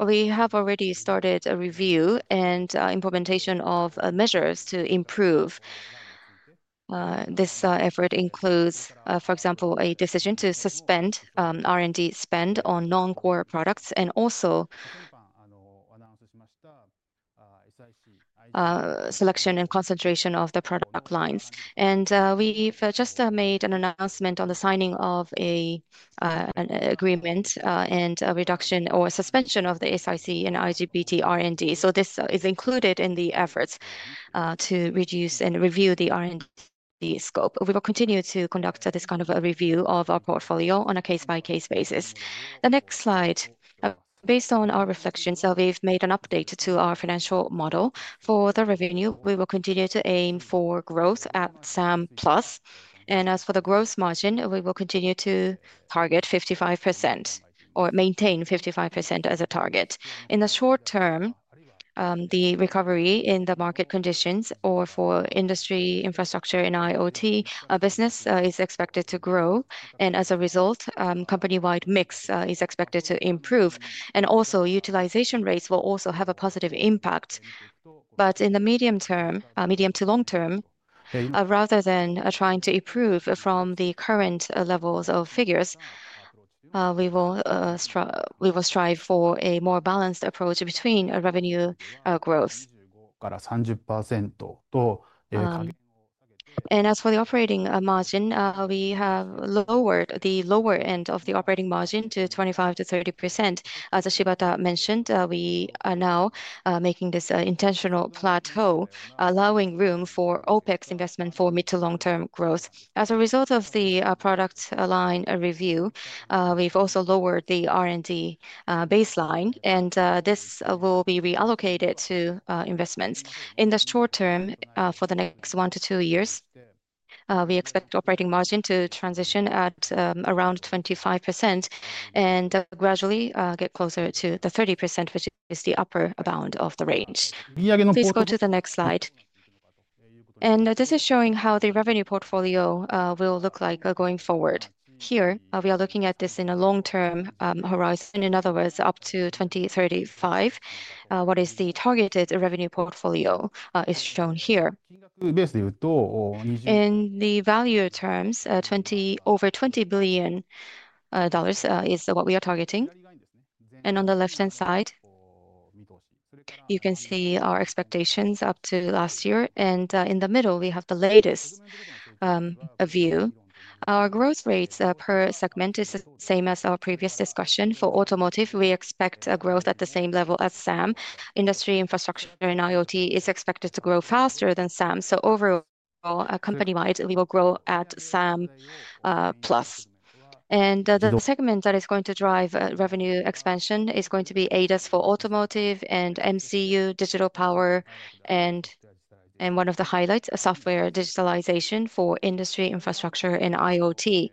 we have already started a review and implementation of measures to improve. This effort includes, for example, a decision to suspend R&D spend on non-core products and also selection and concentration of the product lines. We have just made an announcement on the signing of an agreement and a reduction or suspension of the SiC and IGBT R&D. This is included in the efforts to reduce and review the R&D scope. We will continue to conduct this kind of a review of our portfolio on a case-by-case basis. The next slide, based on our reflections, we have made an update to our financial model. For the revenue, we will continue to aim for growth at some plus. As for the gross margin, we will continue to target 55% or maintain 55% as a target. In the short term, the recovery in the market conditions or for industry infrastructure and IoT business is expected to grow. As a result, company-wide mix is expected to improve. Utilization rates will also have a positive impact. In the medium term, medium to long term, rather than trying to improve from the current levels of figures, we will strive for a more balanced approach between revenue growth. As for the operating margin, we have lowered the lower end of the operating margin to 25%-30%. As Shibata mentioned, we are now making this intentional plateau, allowing room for OPEX investment for mid to long-term growth. As a result of the product line review, we've also lowered the R&D baseline, and this will be reallocated to investments. In the short term, for the next one to two years, we expect operating margin to transition at around 25% and gradually get closer to the 30%, which is the upper bound of the range. Please go to the next slide. This is showing how the revenue portfolio will look like going forward. Here, we are looking at this in a long-term horizon. In other words, up to 2035, what is the targeted revenue portfolio is shown here. In the value terms, over $20 billion is what we are targeting. On the left-hand side, you can see our expectations up to last year. In the middle, we have the latest view. Our growth rates per segment is the same as our previous discussion. For automotive, we expect a growth at the same level as SAM. Industry infrastructure and IoT is expected to grow faster than SAM. Overall, company-wide, we will grow at some plus. The segment that is going to drive revenue expansion is going to be ADAS for automotive and MCU digital power, and one of the highlights, software digitalization for industry infrastructure and IoT.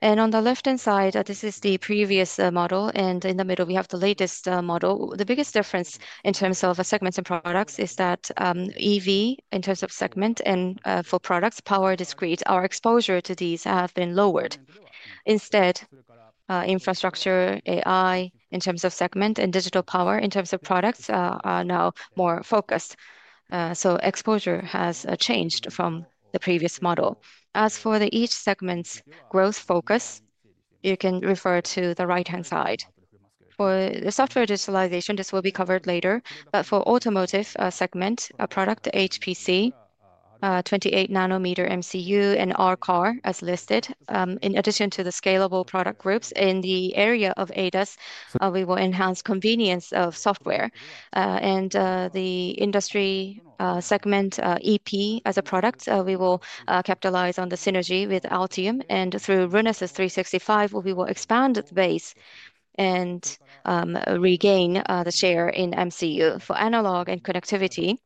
On the left-hand side, this is the previous model. In the middle, we have the latest model. The biggest difference in terms of segments and products is that EV, in terms of segment, and for products, power discrete, our exposure to these has been lowered. Instead, infrastructure, AI, in terms of segment, and digital power, in terms of products, are now more focused. Exposure has changed from the previous model. As for each segment's growth focus, you can refer to the right-hand side. For the software digitalization, this will be covered later. For the automotive segment, a product, HPC, 28-nano MCU, and ArcAR, as listed, in addition to the scalable product groups in the area of ADAS, we will enhance convenience of software. In the industry segment, EP as a product, we will capitalize on the synergy with Altium. Through Renesas 365, we will expand the base and regain the share in MCU. For analog and connectivity,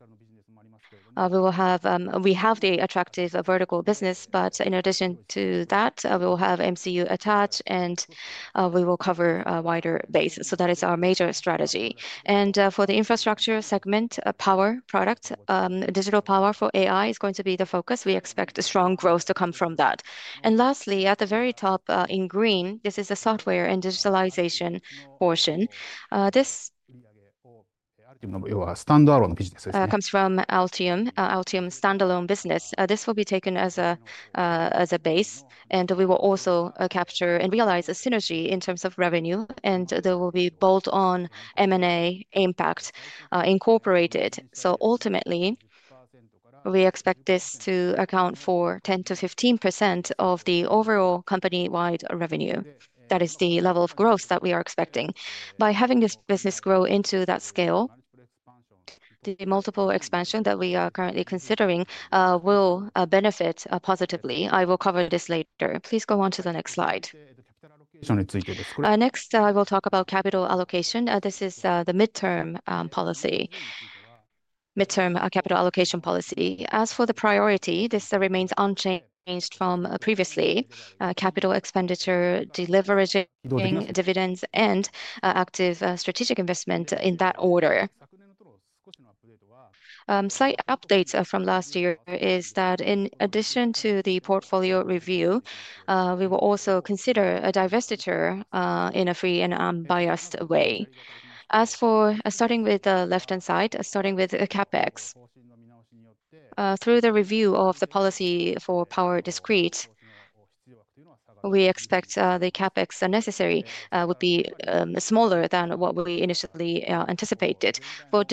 we will have the attractive vertical business. In addition to that, we will have MCU attached, and we will cover a wider base. That is our major strategy. For the infrastructure segment, power product, digital power for AI is going to be the focus. We expect strong growth to come from that. Lastly, at the very top in green, this is the software and digitalization portion. This comes from Altium, Altium standalone business. This will be taken as a base. We will also capture and realize a synergy in terms of revenue. There will be bolt-on M&A impact incorporated. Ultimately, we expect this to account for 10%-15% of the overall company-wide revenue. That is the level of growth that we are expecting. By having this business grow into that scale, the multiple expansion that we are currently considering will benefit positively. I will cover this later. Please go on to the next slide. Next, I will talk about capital allocation. This is the midterm policy, midterm capital allocation policy. As for the priority, this remains unchanged from previously: capital expenditure, delivery, dividends, and active strategic investment in that order. Slight updates from last year is that in addition to the portfolio review, we will also consider a divestiture in a free and unbiased way. As for starting with the left-hand side, starting with CAPEX, through the review of the policy for power discrete, we expect the CAPEX necessary would be smaller than what we initially anticipated. For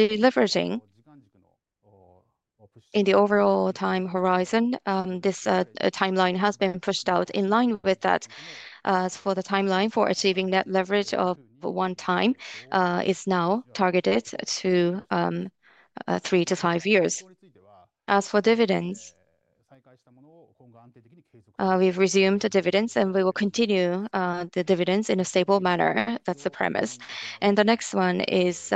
delivering, in the overall time horizon, this timeline has been pushed out in line with that. As for the timeline for achieving net leverage of one time, it's now targeted to three to five years. As for dividends, we've resumed dividends, and we will continue the dividends in a stable manner. That's the premise. The next one is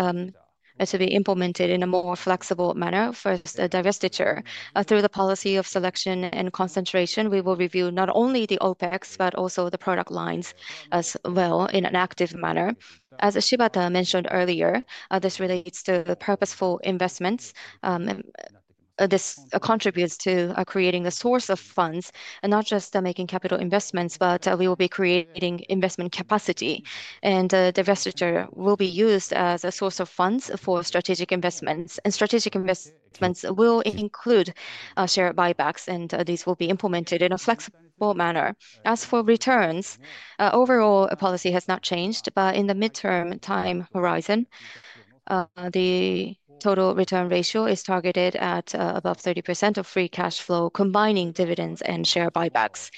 to be implemented in a more flexible manner for a divestiture. Through the policy of selection and concentration, we will review not only the OPEX but also the product lines as well in an active manner. As Shibata mentioned earlier, this relates to purposeful investments. This contributes to creating a source of funds and not just making capital investments, but we will be creating investment capacity. The divestiture will be used as a source of funds for strategic investments. Strategic investments will include share buybacks, and these will be implemented in a flexible manner. As for returns, overall policy has not changed, but in the midterm time horizon, the total return ratio is targeted at above 30% of free cash flow, combining dividends and share buybacks.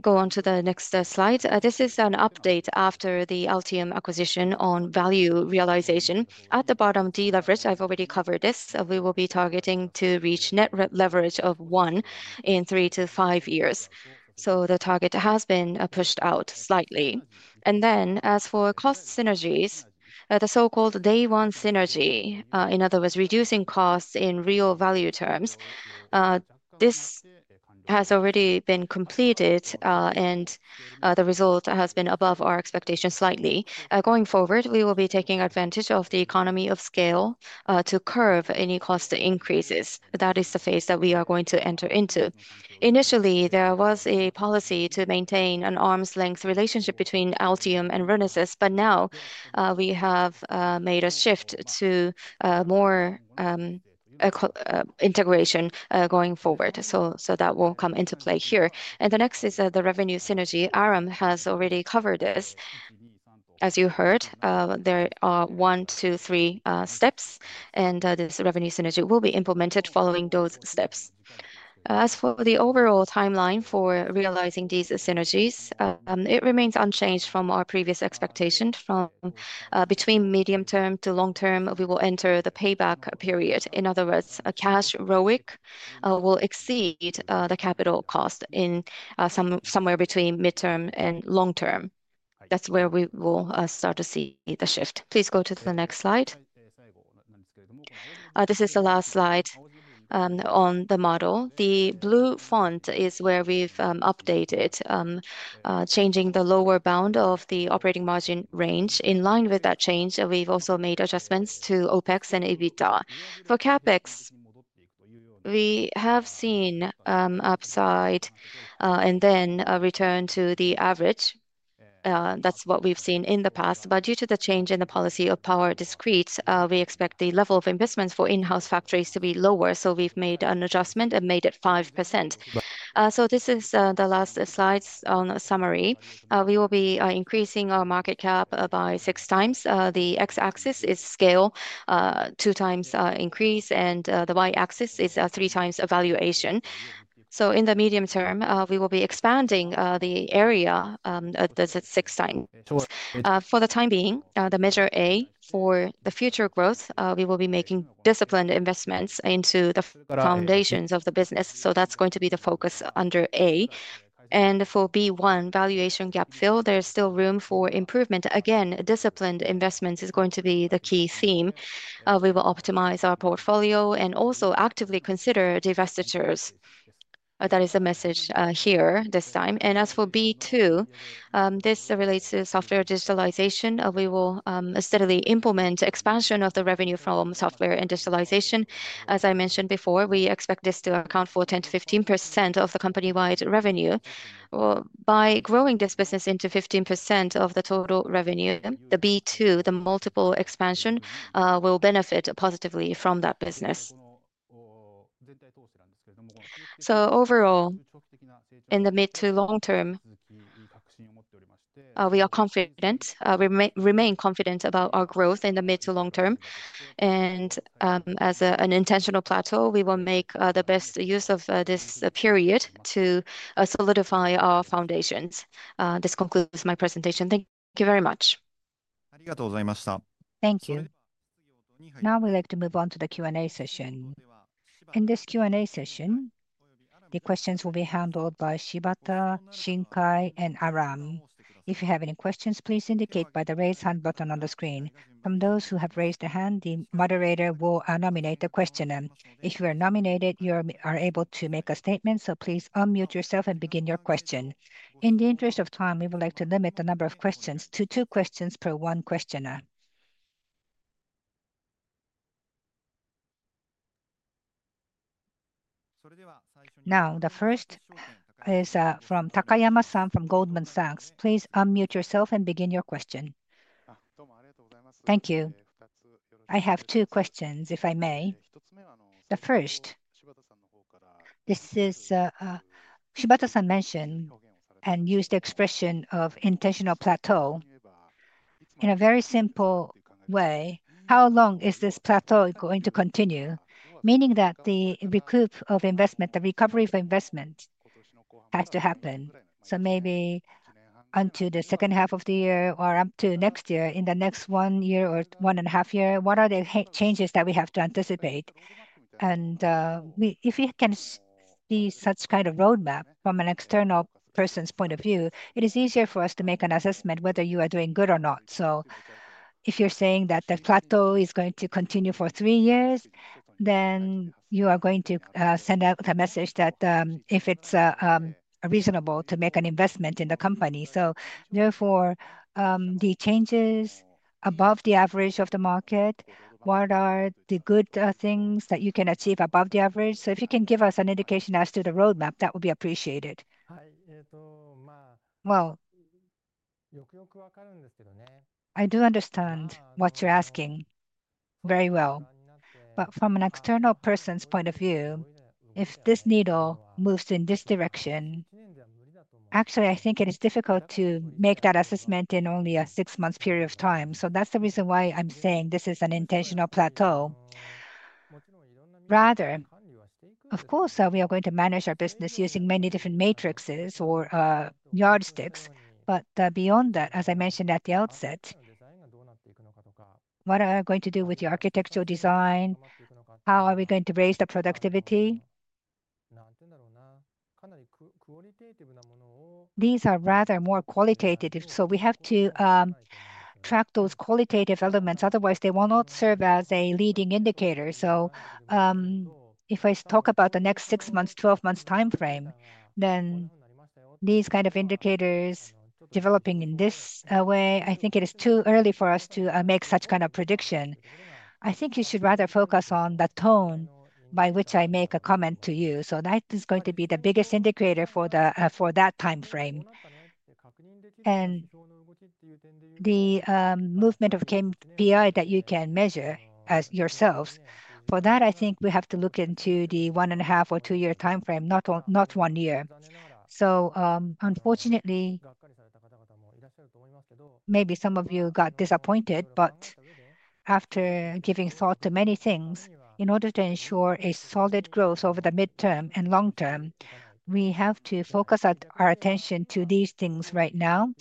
Go on to the next slide. This is an update after the Altium acquisition on value realization. At the bottom, deleveraged, I've already covered this. We will be targeting to reach net leverage of one in three to five years. The target has been pushed out slightly. As for cost synergies, the so-called day-one synergy, in other words, reducing costs in real value terms, this has already been completed, and the result has been above our expectations slightly. Going forward, we will be taking advantage of the economy of scale to curb any cost increases. That is the phase that we are going to enter into. Initially, there was a policy to maintain an arm's length relationship between Altium and Renesas, but now we have made a shift to more integration going forward. That will come into play here. The next is the revenue synergy. Aram has already covered this. As you heard, there are one, two, three steps, and this revenue synergy will be implemented following those steps. As for the overall timeline for realizing these synergies, it remains unchanged from our previous expectation. From between medium term to long term, we will enter the payback period. In other words, cash ROIC will exceed the capital cost in somewhere between midterm and long term. That is where we will start to see the shift. Please go to the next slide. This is the last slide on the model. The blue font is where we have updated, changing the lower bound of the operating margin range. In line with that change, we have also made adjustments to OPEX and EBITDA. For CAPEX, we have seen upside and then return to the average. That is what we have seen in the past. Due to the change in the policy of power discrete, we expect the level of investments for in-house factories to be lower. We have made an adjustment and made it 5%. This is the last slide on summary. We will be increasing our market cap by six times. The X-axis is scale, two times increase, and the Y-axis is three times valuation. In the medium term, we will be expanding the area at the six times. For the time being, the measure A for the future growth, we will be making disciplined investments into the foundations of the business. That is going to be the focus under A. For B1, valuation gap fill, there is still room for improvement. Again, disciplined investments is going to be the key theme. We will optimize our portfolio and also actively consider divestitures. That is the message here this time. As for B2, this relates to software digitalization. We will steadily implement expansion of the revenue from software and digitalization. As I mentioned before, we expect this to account for 10%-15% of the company-wide revenue. By growing this business into 15% of the total revenue, the B2, the multiple expansion will benefit positively from that business. Overall, in the mid to long term, we are confident. We remain confident about our growth in the mid to long term. As an intentional plateau, we will make the best use of this period to solidify our foundations. This concludes my presentation. Thank you very much. Thank you. Now we'd like to move on to the Q&A session. In this Q&A session, the questions will be handled by Shibata, Shinkai, and Aram. If you have any questions, please indicate by the raise hand button on the screen. From those who have raised their hand, the moderator will nominate the questioner. If you are nominated, you are able to make a statement, so please unmute yourself and begin your question. In the interest of time, we would like to limit the number of questions to two questions per one questioner. Now, the first is from Takayama-san from Goldman Sachs. Please unmute yourself and begin your question. Thank you. I have two questions, if I may. The first, this is Shibata-san mentioned and used the expression of intentional plateau in a very simple way. How long is this plateau going to continue? Meaning that the recovery of investment has to happen. Maybe until the second half of the year or up to next year, in the next one year or one and a half year, what are the changes that we have to anticipate? If we can see such kind of roadmap from an external person's point of view, it is easier for us to make an assessment whether you are doing good or not. If you're saying that the plateau is going to continue for three years, then you are going to send out a message that if it's reasonable to make an investment in the company. Therefore, the changes above the average of the market, what are the good things that you can achieve above the average? If you can give us an indication as to the roadmap, that would be appreciated. I do understand what you're asking very well. From an external person's point of view, if this needle moves in this direction, actually, I think it is difficult to make that assessment in only a six-month period of time. That's the reason why I'm saying this is an intentional plateau. Rather, of course, we are going to manage our business using many different matrixes or yardsticks. Beyond that, as I mentioned at the outset, what are we going to do with the architectural design? How are we going to raise the productivity? These are rather more qualitative. We have to track those qualitative elements. Otherwise, they will not serve as a leading indicator. If I talk about the next six months, 12 months timeframe, then these kind of indicators developing in this way, I think it is too early for us to make such kind of prediction. I think you should rather focus on the tone by which I make a comment to you. That is going to be the biggest indicator for that timeframe. The movement of KPI that you can measure yourselves, for that, I think we have to look into the one and a half or two-year timeframe, not one year. Unfortunately, maybe some of you got disappointed, but after giving thought to many things, in order to ensure a solid growth over the midterm and long term, we have to focus our attention to these things right now.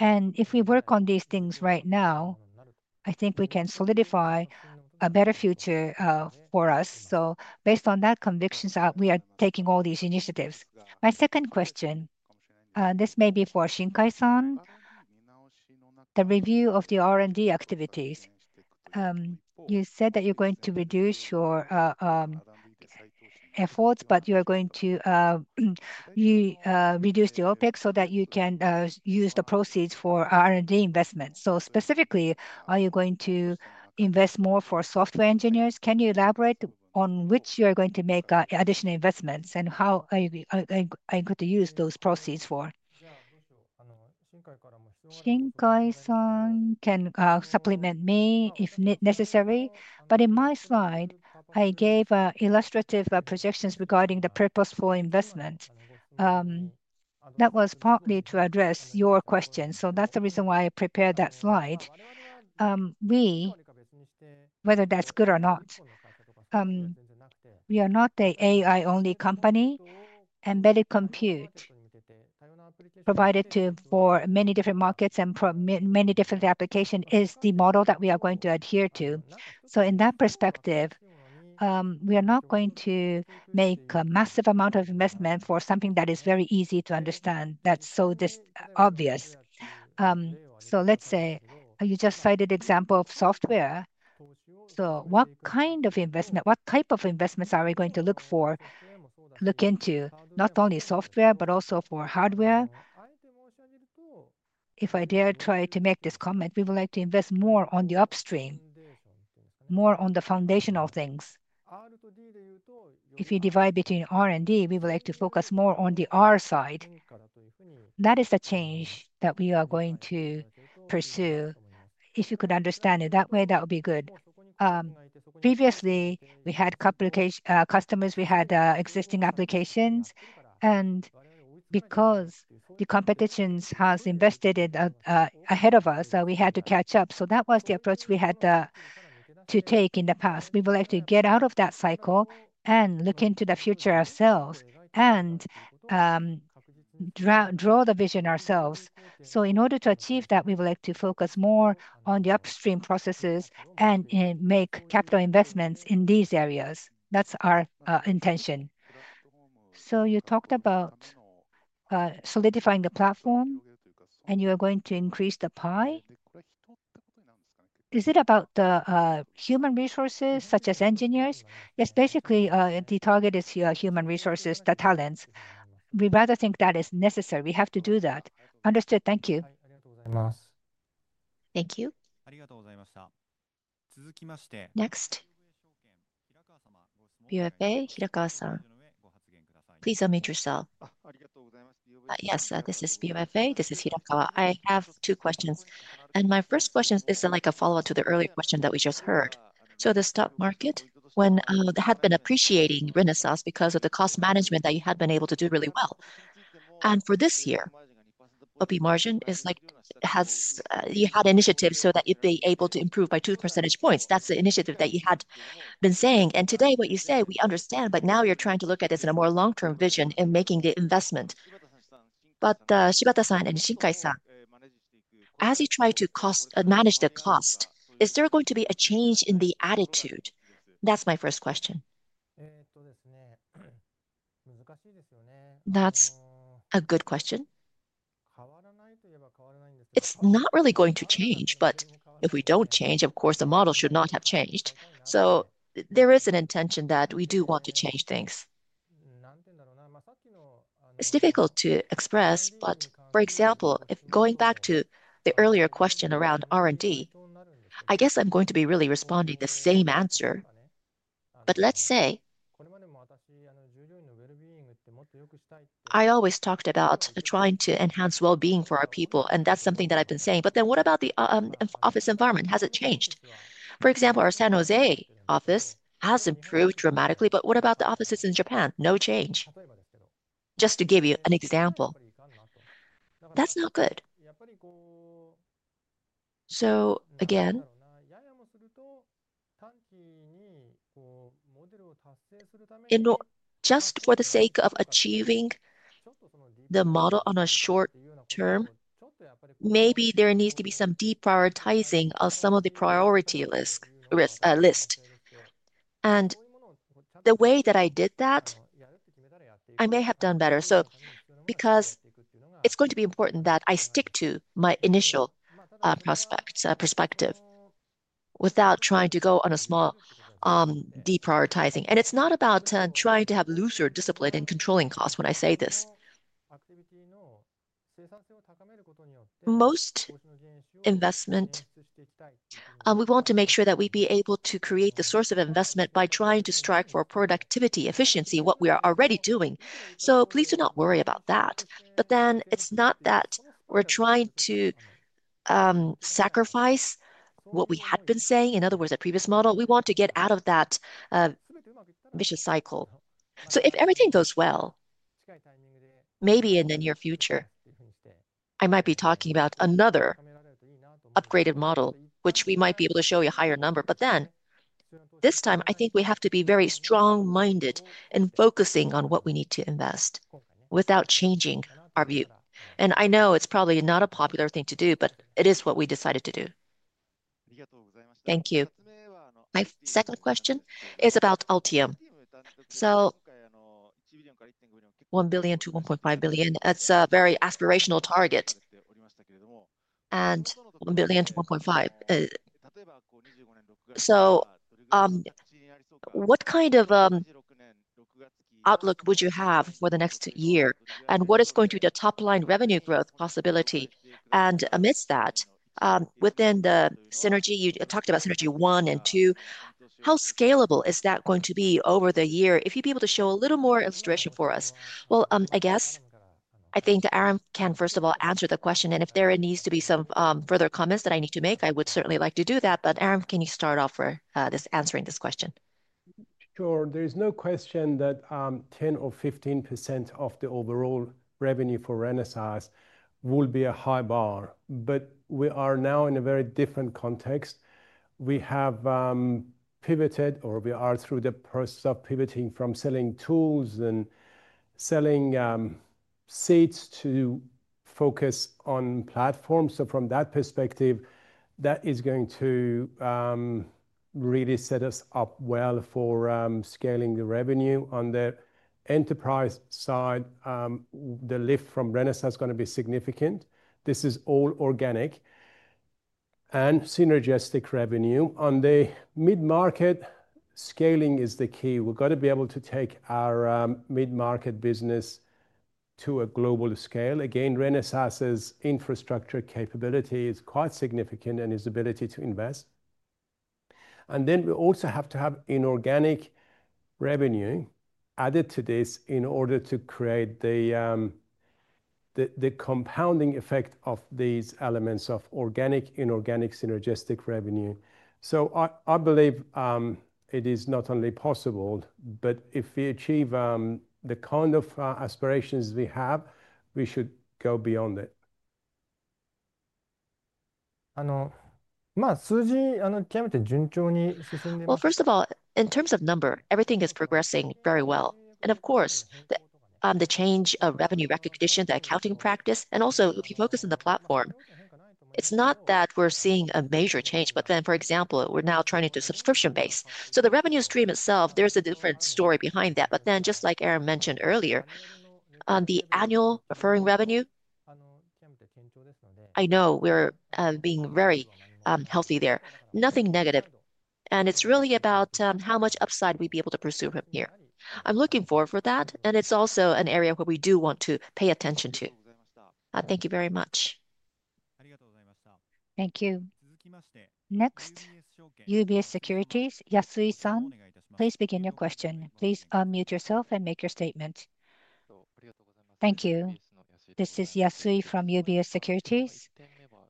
If we work on these things right now, I think we can solidify a better future for us. Based on that conviction, we are taking all these initiatives. My second question, this may be for Shinkai-san, the review of the R&D activities. You said that you're going to reduce your efforts, but you are going to reduce the OpEx so that you can use the proceeds for R&D investments. Specifically, are you going to invest more for software engineers? Can you elaborate on which you are going to make additional investments and how are you going to use those proceeds for? Shinkai-san can supplement me if necessary. In my slide, I gave illustrative projections regarding the purposeful investment. That was partly to address your question. That is the reason why I prepared that slide. Whether that is good or not, we are not the AI-only company. Embedded compute provided for many different markets and for many different applications is the model that we are going to adhere to. In that perspective, we are not going to make a massive amount of investment for something that is very easy to understand. That is so obvious. You just cited the example of software. What kind of investment, what type of investments are we going to look for, look into not only software, but also for hardware? If I dare try to make this comment, we would like to invest more on the upstream, more on the foundational things. If you divide between R&D, we would like to focus more on the R side. That is the change that we are going to pursue. If you could understand it that way, that would be good. Previously, we had customers, we had existing applications, and because the competition has invested ahead of us, we had to catch up. That was the approach we had to take in the past. We would like to get out of that cycle and look into the future ourselves and draw the vision ourselves. In order to achieve that, we would like to focus more on the upstream processes and make capital investments in these areas. That is our intention. You talked about solidifying the platform, and you are going to increase the pie. Is it about the human resources, such as engineers? Yes, basically, the target is human resources, the talents. We'd rather think that is necessary. We have to do that. Understood. Thank you. Thank you. Next. Hirakawa-san. Please unmute yourself. Yes, this is Hirakawa. I have two questions. My first question is like a follow-up to the earlier question that we just heard. The stock market, when it had been appreciating Renesas because of the cost management that you had been able to do really well. For this year, OP margin is like you had initiatives so that you'd be able to improve by two percentage points. That's the initiative that you had been saying. Today, what you say, we understand, but now you're trying to look at this in a more long-term vision in making the investment. Shibata-san and Shinkai-san, as you try to manage the cost, is there going to be a change in the attitude? That's my first question. That's a good question. It's not really going to change, but if we don't change, of course, the model should not have changed. There is an intention that we do want to change things. It's difficult to express, but for example, going back to the earlier question around R&D, I guess I'm going to be really responding the same answer. Let's say, I always talked about trying to enhance well-being for our people, and that's something that I've been saying. What about the office environment? Has it changed? For example, our San Jose office has improved dramatically, but what about the offices in Japan? No change. Just to give you an example. That's not good. Again, just for the sake of achieving the model on a short term, maybe there needs to be some deprioritizing of some of the priority lists. The way that I did that, I may have done better. It is going to be important that I stick to my initial perspective without trying to go on a small deprioritizing. It is not about trying to have looser discipline and controlling costs when I say this. Most investment, we want to make sure that we be able to create the source of investment by trying to strive for productivity, efficiency, what we are already doing. Please do not worry about that. It is not that we are trying to sacrifice what we had been saying, in other words, a previous model. We want to get out of that vicious cycle. If everything goes well, maybe in the near future, I might be talking about another upgraded model, which we might be able to show you a higher number. Then this time, I think we have to be very strong-minded and focusing on what we need to invest without changing our view. I know it's probably not a popular thing to do, but it is what we decided to do. Thank you. My second question is about Altium. $1 billion-$1.5 billion, that's a very aspirational target. $1 billion-$1.5 billion. What kind of outlook would you have for the next year? What is going to be the top-line revenue growth possibility? Amidst that, within the synergy, you talked about synergy one and two, how scalable is that going to be over the year? If you'd be able to show a little more illustration for us. I guess I think that Aram can, first of all, answer the question. If there needs to be some further comments that I need to make, I would certainly like to do that. Aram, can you start off for answering this question? Sure. There is no question that 10% or 15% of the overall revenue for Renesas will be a high bar. We are now in a very different context. We have pivoted, or we are through the process of pivoting from selling tools and selling seats to focus on platforms. From that perspective, that is going to really set us up well for scaling the revenue. On the enterprise side, the lift from Renesas is going to be significant. This is all organic and synergistic revenue. On the mid-market, scaling is the key. We've got to be able to take our mid-market business to a global scale. Again, Renesas's infrastructure capability is quite significant and his ability to invest. We also have to have inorganic revenue added to this in order to create the compounding effect of these elements of organic, inorganic, synergistic revenue. I believe it is not only possible, but if we achieve the kind of aspirations we have, we should go beyond it. First of all, in terms of number, everything is progressing very well. Of course, the change of revenue recognition, the accounting practice, and also if you focus on the platform, it's not that we're seeing a major change. For example, we're now trying to do subscription-based. The revenue stream itself, there's a different story behind that. Just like Aram mentioned earlier, on the annual recurring revenue, I know we're being very healthy there. Nothing negative. It is really about how much upside we would be able to pursue from here. I am looking forward to that. It is also an area where we do want to pay attention. Thank you very much. Thank you. Next, UBS Securities, Yasui-san, please begin your question. Please unmute yourself and make your statement. Thank you. This is Yasui from UBS Securities.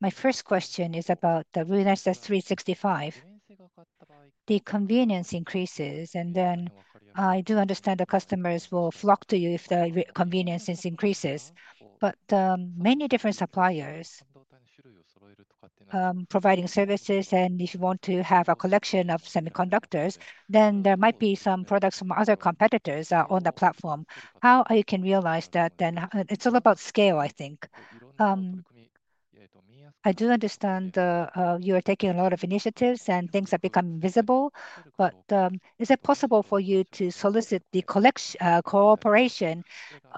My first question is about the Renesas 365. The convenience increases, and then I do understand the customers will flock to you if the convenience increases. Many different suppliers are providing services, and if you want to have a collection of semiconductors, then there might be some products from other competitors on the platform. How you can realize that, it is all about scale, I think. I do understand you are taking a lot of initiatives and things are becoming visible. Is it possible for you to solicit the cooperation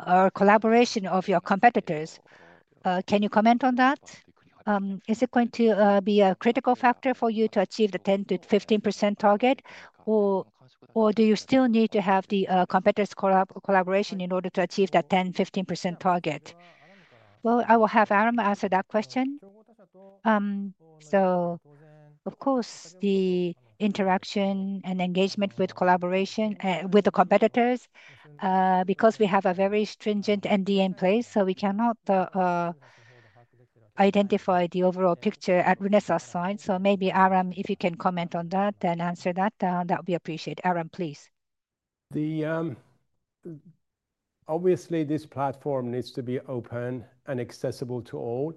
or collaboration of your competitors? Can you comment on that? Is it going to be a critical factor for you to achieve the 10-15% target, or do you still need to have the competitors' collaboration in order to achieve that 10-15% target? I will have Aram answer that question. Of course, the interaction and engagement with collaboration with the competitors, because we have a very stringent NDA in place, we cannot identify the overall picture at Renesas' side. Maybe Aram, if you can comment on that and answer that, that would be appreciated. Aram, please. Obviously, this platform needs to be open and accessible to all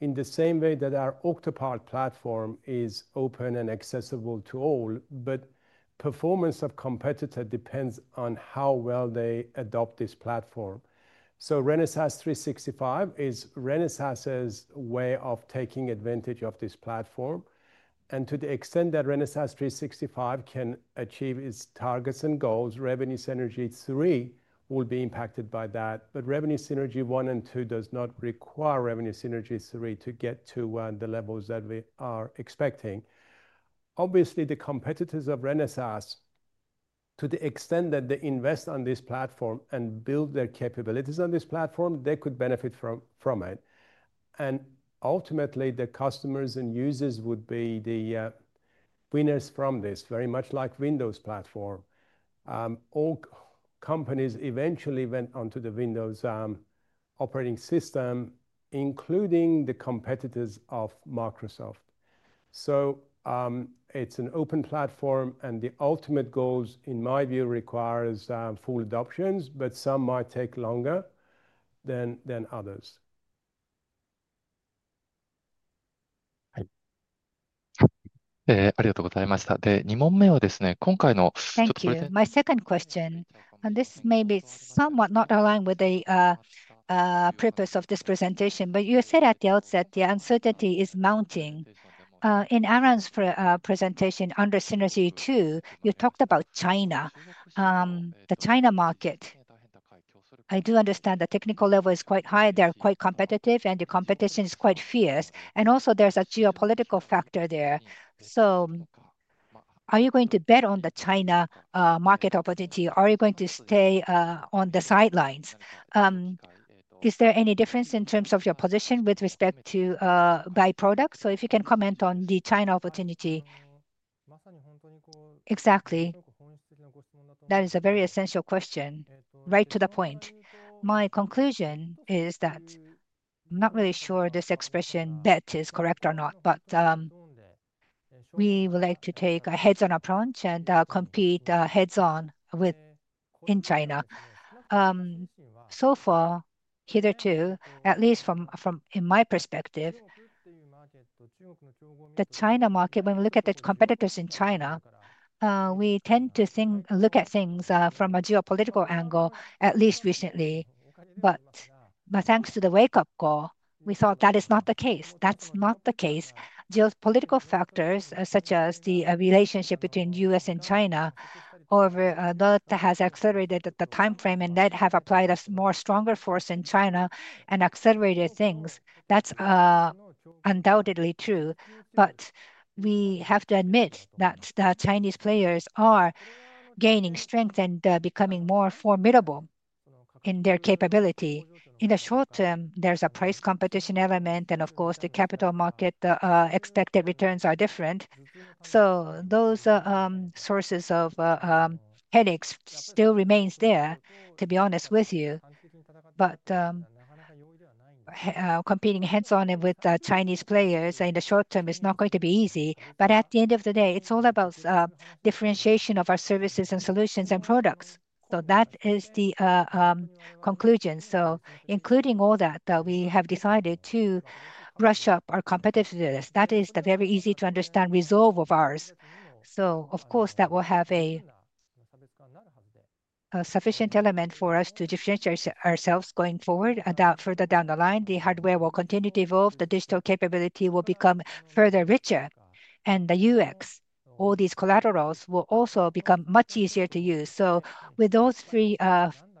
in the same way that our Octopart platform is open and accessible to all. Performance of competitors depends on how well they adopt this platform. Renesas 365 is Renesas's way of taking advantage of this platform. To the extent that Renesas 365 can achieve its targets and goals, revenue synergy three will be impacted by that. Revenue synergy one and two do not require revenue synergy three to get to the levels that we are expecting. Obviously, the competitors of Renesas, to the extent that they invest on this platform and build their capabilities on this platform, could benefit from it. Ultimately, the customers and users would be the winners from this, very much like the Windows platform. All companies eventually went onto the Windows operating system, including the competitors of Microsoft. It is an open platform, and the ultimate goals, in my view, require full adoptions, but some might take longer than others. Thank you. My second question, and this may be somewhat not aligned with the purpose of this presentation, but you said at the outset the uncertainty is mounting. In Aram's presentation under synergy two, you talked about China, the China market. I do understand the technical level is quite high. They're quite competitive, and the competition is quite fierce. Also, there's a geopolitical factor there. Are you going to bet on the China market opportunity? Are you going to stay on the sidelines? Is there any difference in terms of your position with respect to byproducts? If you can comment on the China opportunity. Exactly. That is a very essential question. Right to the point. My conclusion is that I'm not really sure this expression bet is correct or not, but we would like to take a heads-on approach and compete heads-on in China. So far, hitherto. At least from my perspective, the China market, when we look at the competitors in China, we tend to look at things from a geopolitical angle, at least recently. Thanks to the wake-up call, we thought that is not the case. That's not the case. Geopolitical factors such as the relationship between the US and China, however, that has accelerated the timeframe, and that has applied a more stronger force in China and accelerated things. That's undoubtedly true. We have to admit that the Chinese players are gaining strength and becoming more formidable in their capability. In the short term, there's a price competition element, and of course, the capital market expected returns are different. Those sources of headaches still remain there, to be honest with you. Competing heads-on with Chinese players in the short term is not going to be easy. At the end of the day, it's all about differentiation of our services and solutions and products. That is the conclusion. Including all that, we have decided to brush up our competitiveness. That is the very easy to understand resolve of ours. Of course, that will have a sufficient element for us to differentiate ourselves going forward. Further down the line, the hardware will continue to evolve. The digital capability will become further richer. The UX, all these collaterals will also become much easier to use. With those three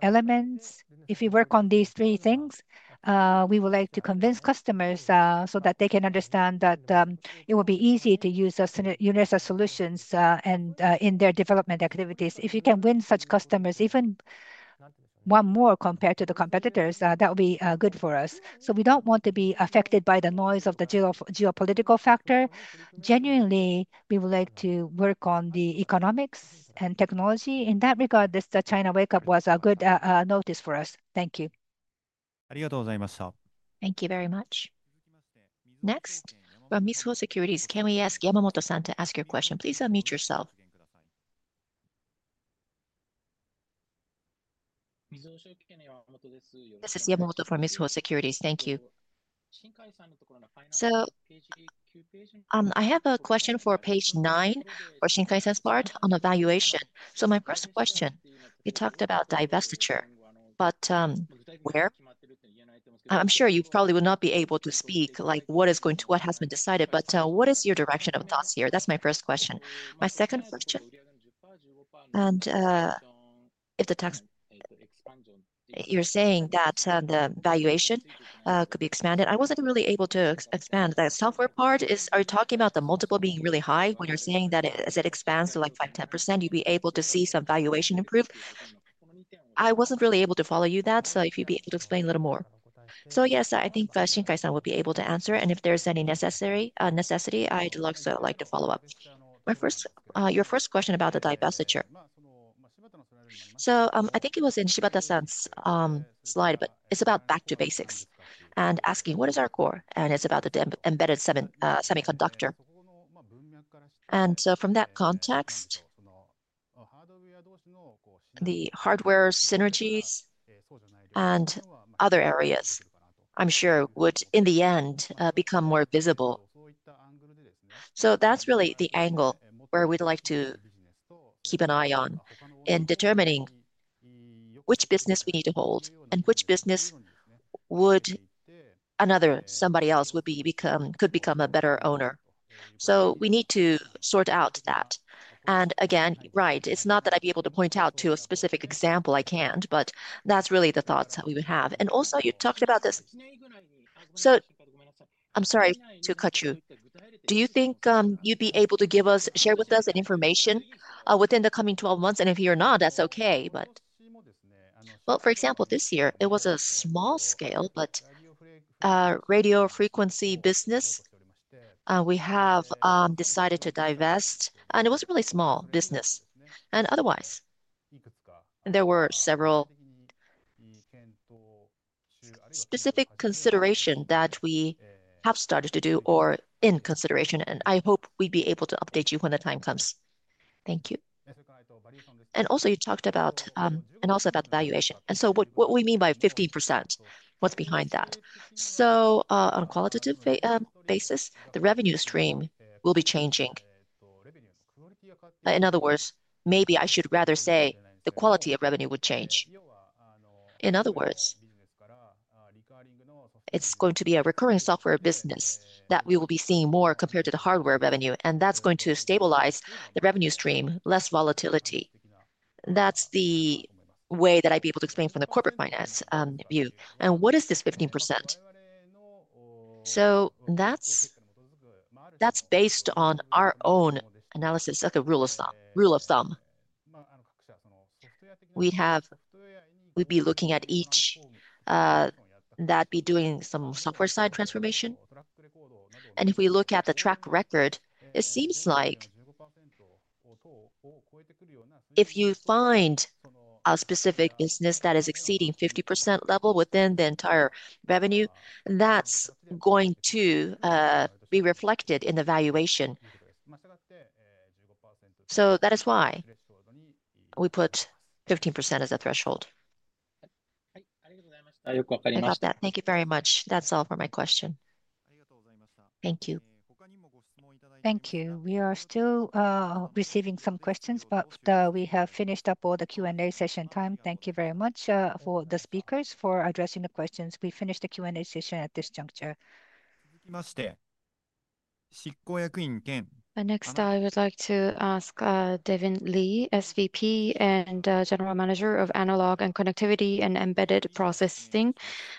elements, if we work on these three things, we would like to convince customers so that they can understand that it will be easy to use Renesas solutions in their development activities. If you can win such customers, even one more compared to the competitors, that will be good for us. We do not want to be affected by the noise of the geopolitical factor. Genuinely, we would like to work on the economics and technology. In that regard, this China wake-up was a good notice for us. Thank you. Thank you very much. Next, from Mizuho Securities, can we ask Yamamoto-san to ask your question? Please unmute yourself. This is Yamamoto for Mizuho Securities. Thank you. I have a question for page nine for Shinkai's part on evaluation. My first question, you talked about divestiture, but where? I am sure you probably will not be able to speak like what has been decided, but what is your direction of thoughts here? That is my first question. My second question, and if the tax you are saying that the valuation could be expanded, I was not really able to expand the software part. Are you talking about the multiple being really high when you're saying that as it expands to like 5%, 10%, you'd be able to see some valuation improve? I wasn't really able to follow you that, so if you'd be able to explain a little more. Yes, I think Shinkai-san would be able to answer, and if there's any necessity, I'd like to follow up. Your first question about the divestiture. I think it was in Shibata-san's slide, but it's about back to basics and asking what is our core, and it's about the embedded semiconductor. From that context, the hardware synergies and other areas, I'm sure, would in the end become more visible. That is really the angle where we would like to keep an eye on in determining which business we need to hold and which business somebody else could become a better owner. We need to sort out that. Again, it is not that I would be able to point out a specific example. I cannot, but that is really the thoughts that we would have. Also, you talked about this. I am sorry to cut you. Do you think you would be able to share with us information within the coming 12 months? If you are not, that is okay. For example, this year, it was a small scale, but radio frequency business. We have decided to divest, and it was a really small business. Otherwise, there were several specific considerations that we have started to do or in consideration, and I hope we'd be able to update you when the time comes. Thank you. You talked about, and also about the valuation. What we mean by 15%, what's behind that? On a qualitative basis, the revenue stream will be changing. In other words, maybe I should rather say the quality of revenue would change. In other words, it's going to be a recurring software business that we will be seeing more compared to the hardware revenue, and that's going to stabilize the revenue stream, less volatility. That's the way that I'd be able to explain from the corporate finance view. What is this 15%? That's based on our own analysis of the rule of thumb. We'd be looking at each that'd be doing some software side transformation. If we look at the track record, it seems like if you find a specific business that is exceeding 50% level within the entire revenue, that's going to be reflected in the valuation. That is why we put 15% as a threshold. Thank you very much. That's all for my question. Thank you. We are still receiving some questions, but we have finished up all the Q&A session time. Thank you very much for the speakers for addressing the questions. We finished the Q&A session at this juncture. Next, I would like to ask Devin Lee, SVP and General Manager of Analog and Connectivity and Embedded Processing,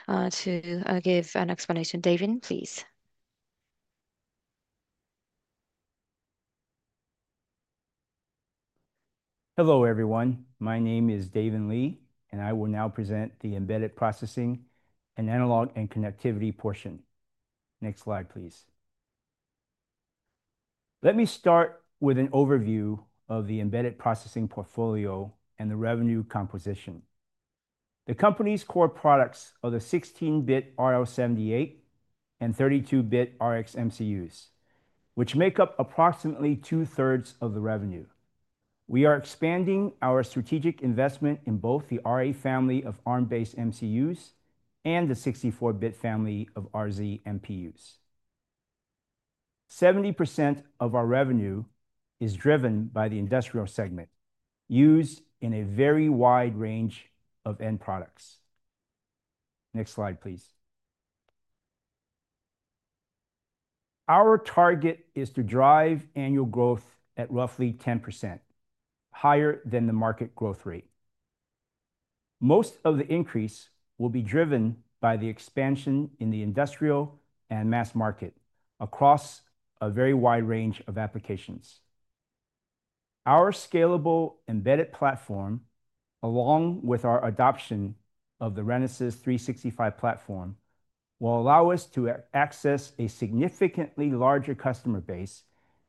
to give an explanation. Devin, please. Hello everyone. My name is Devin Lee, and I will now present the embedded processing and analog and connectivity portion. Next slide, please. Let me start with an overview of the embedded processing portfolio and the revenue composition. The company's core products are the 16-bit RL78 and 32-bit RX MCUs, which make up approximately two-thirds of the revenue. We are expanding our strategic investment in both the RA family of ARM-based MCUs and the 64-bit family of RZ MPUs. 70% of our revenue is driven by the industrial segment used in a very wide range of end products. Next slide, please. Our target is to drive annual growth at roughly 10%, higher than the market growth rate. Most of the increase will be driven by the expansion in the industrial and mass market across a very wide range of applications. Our scalable embedded platform, along with our adoption of the Renesas 365 platform, will allow us to access a significantly larger customer base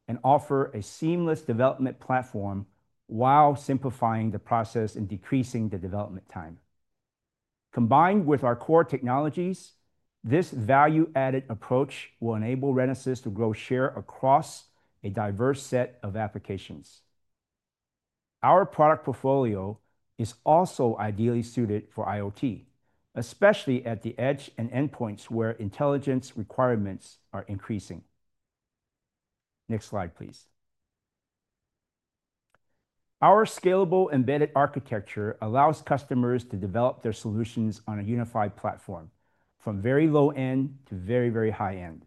and offer a seamless development platform while simplifying the process and decreasing the development time. Combined with our core technologies, this value-added approach will enable Renesas to grow share across a diverse set of applications. Our product portfolio is also ideally suited for IoT, especially at the edge and endpoints where intelligence requirements are increasing. Next slide, please. Our scalable embedded architecture allows customers to develop their solutions on a unified platform from very low-end to very, very high-end.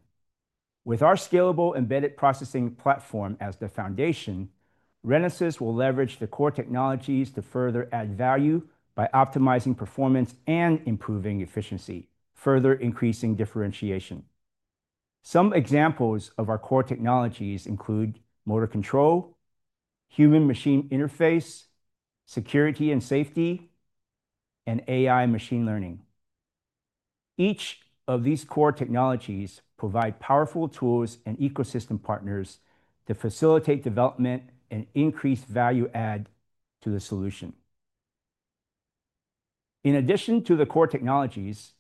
With our scalable embedded processing platform as the foundation, Renesas will leverage the core technologies to further add value by optimizing performance and improving efficiency, further increasing differentiation. Some examples of our core technologies include motor control, human-machine interface, security and safety, and AI machine learning. Each of these core technologies provides powerful tools and ecosystem partners to facilitate development and increase value-add to the solution. In addition to the core technologies,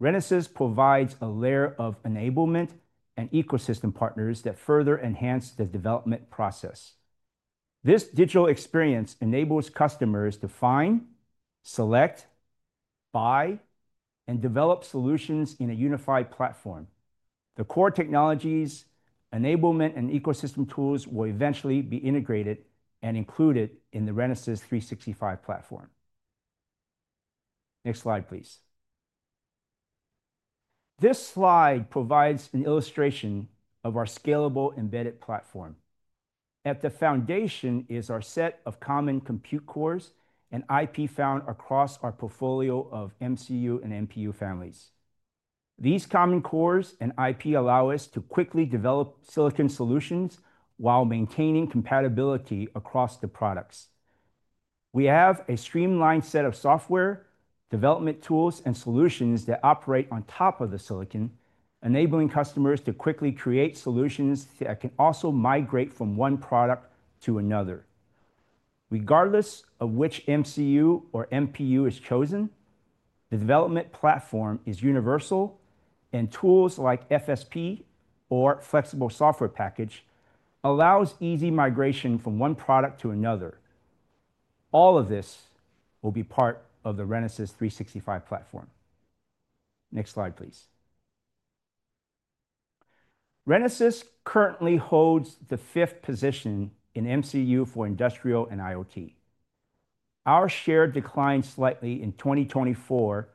Renesas provides a layer of enablement and ecosystem partners that further enhance the development process. This digital experience enables customers to find, select, buy, and develop solutions in a unified platform. The core technologies, enablement, and ecosystem tools will eventually be integrated and included in the Renesas 365 platform. Next slide, please. This slide provides an illustration of our scalable embedded platform. At the foundation is our set of common compute cores and IP found across our portfolio of MCU and MPU families. These common cores and IP allow us to quickly develop silicon solutions while maintaining compatibility across the products. We have a streamlined set of software, development tools, and solutions that operate on top of the silicon, enabling customers to quickly create solutions that can also migrate from one product to another. Regardless of which MCU or MPU is chosen, the development platform is universal, and tools like FSP or Flexible Software Package allow easy migration from one product to another. All of this will be part of the Renesas 365 platform. Next slide, please. Renesas currently holds the fifth position in MCU for industrial and IoT. Our share declined slightly in 2024,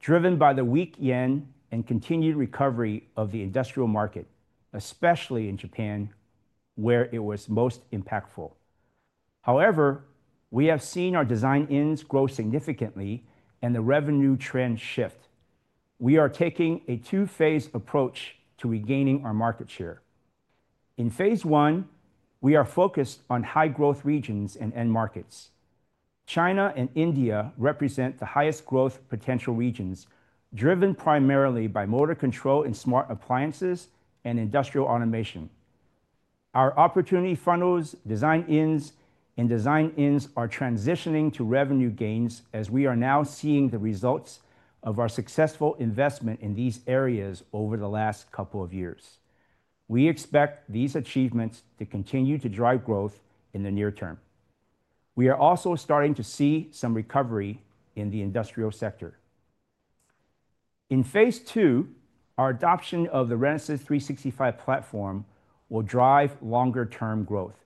driven by the weak yen and continued recovery of the industrial market, especially in Japan, where it was most impactful. However, we have seen our design wins grow significantly and the revenue trend shift. We are taking a two-phase approach to regaining our market share. In phase one, we are focused on high-growth regions and end markets. China and India represent the highest growth potential regions, driven primarily by motor control and smart appliances and industrial automation. Our opportunity funnels, design wins, and design ends are transitioning to revenue gains as we are now seeing the results of our successful investment in these areas over the last couple of years. We expect these achievements to continue to drive growth in the near term. We are also starting to see some recovery in the industrial sector. In phase two, our adoption of the Renesas 365 platform will drive longer-term growth.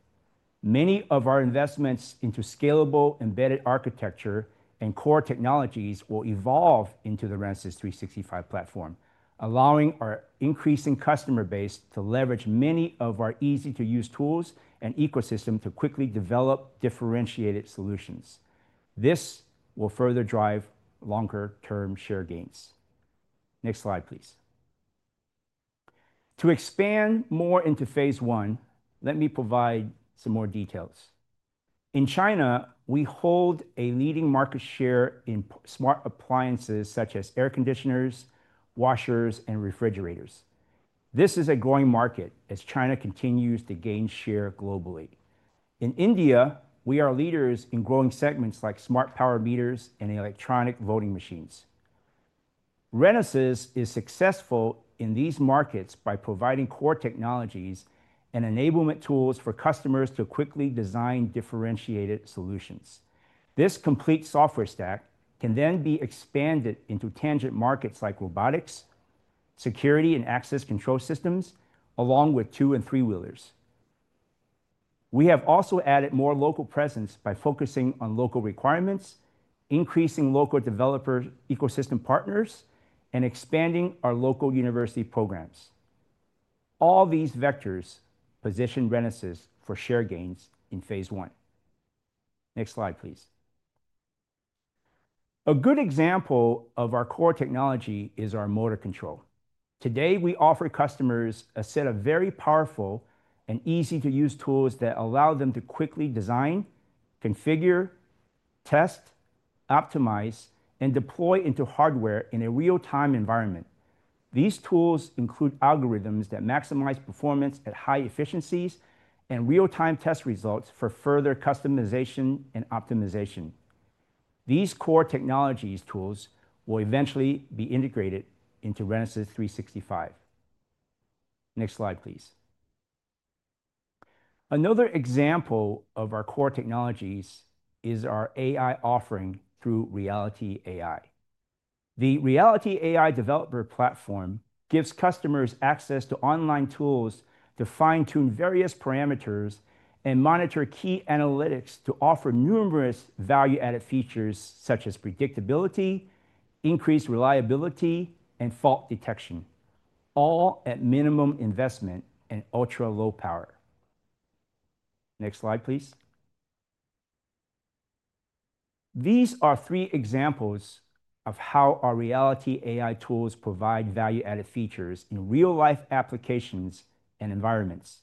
Many of our investments into scalable embedded architecture and core technologies will evolve into the Renesas 365 platform, allowing our increasing customer base to leverage many of our easy-to-use tools and ecosystem to quickly develop differentiated solutions. This will further drive longer-term share gains. Next slide, please. To expand more into phase one, let me provide some more details. In China, we hold a leading market share in smart appliances such as air conditioners, washers, and refrigerators. This is a growing market as China continues to gain share globally. In India, we are leaders in growing segments like smart power meters and electronic voting machines. Renesas is successful in these markets by providing core technologies and enablement tools for customers to quickly design differentiated solutions. This complete software stack can then be expanded into tangent markets like robotics, security, and access control systems, along with two and three-wheelers. We have also added more local presence by focusing on local requirements, increasing local developer ecosystem partners, and expanding our local university programs. All these vectors position Renesas for share gains in phase one. Next slide, please. A good example of our core technology is our motor control. Today, we offer customers a set of very powerful and easy-to-use tools that allow them to quickly design, configure, test, optimize, and deploy into hardware in a real-time environment. These tools include algorithms that maximize performance at high efficiencies and real-time test results for further customization and optimization. These core technologies tools will eventually be integrated into Renesas 365. Next slide, please. Another example of our core technologies is our AI offering through Reality AI. The Reality AI developer platform gives customers access to online tools to fine-tune various parameters and monitor key analytics to offer numerous value-added features such as predictability, increased reliability, and fault detection, all at minimum investment and ultra-low power. Next slide, please. These are three examples of how our Reality AI tools provide value-added features in real-life applications and environments.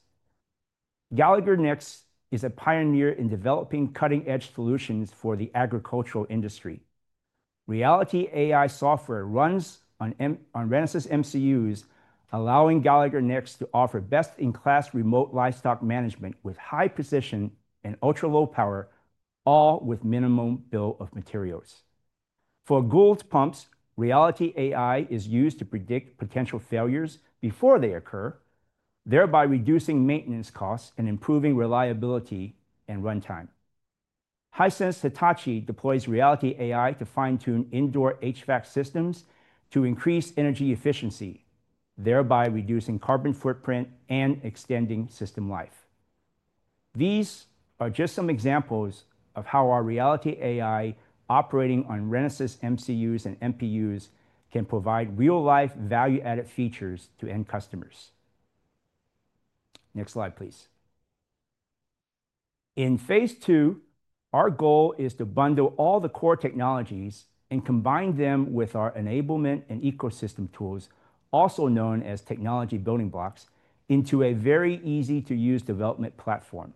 Gallagher Next is a pioneer in developing cutting-edge solutions for the agricultural industry. Reality AI software runs on Renesas MCUs, allowing Gallagher Next to offer best-in-class remote livestock management with high precision and ultra-low power, all with minimum bill of materials. For Gould Pumps, Reality AI is used to predict potential failures before they occur, thereby reducing maintenance costs and improving reliability and runtime. Hisense Hitachi deploys Reality AI to fine-tune indoor HVAC systems to increase energy efficiency, thereby reducing carbon footprint and extending system life. These are just some examples of how our Reality AI operating on Renesas MCUs and MPUs can provide real-life value-added features to end customers. Next slide, please. In phase two, our goal is to bundle all the core technologies and combine them with our enablement and ecosystem tools, also known as technology building blocks, into a very easy-to-use development platform.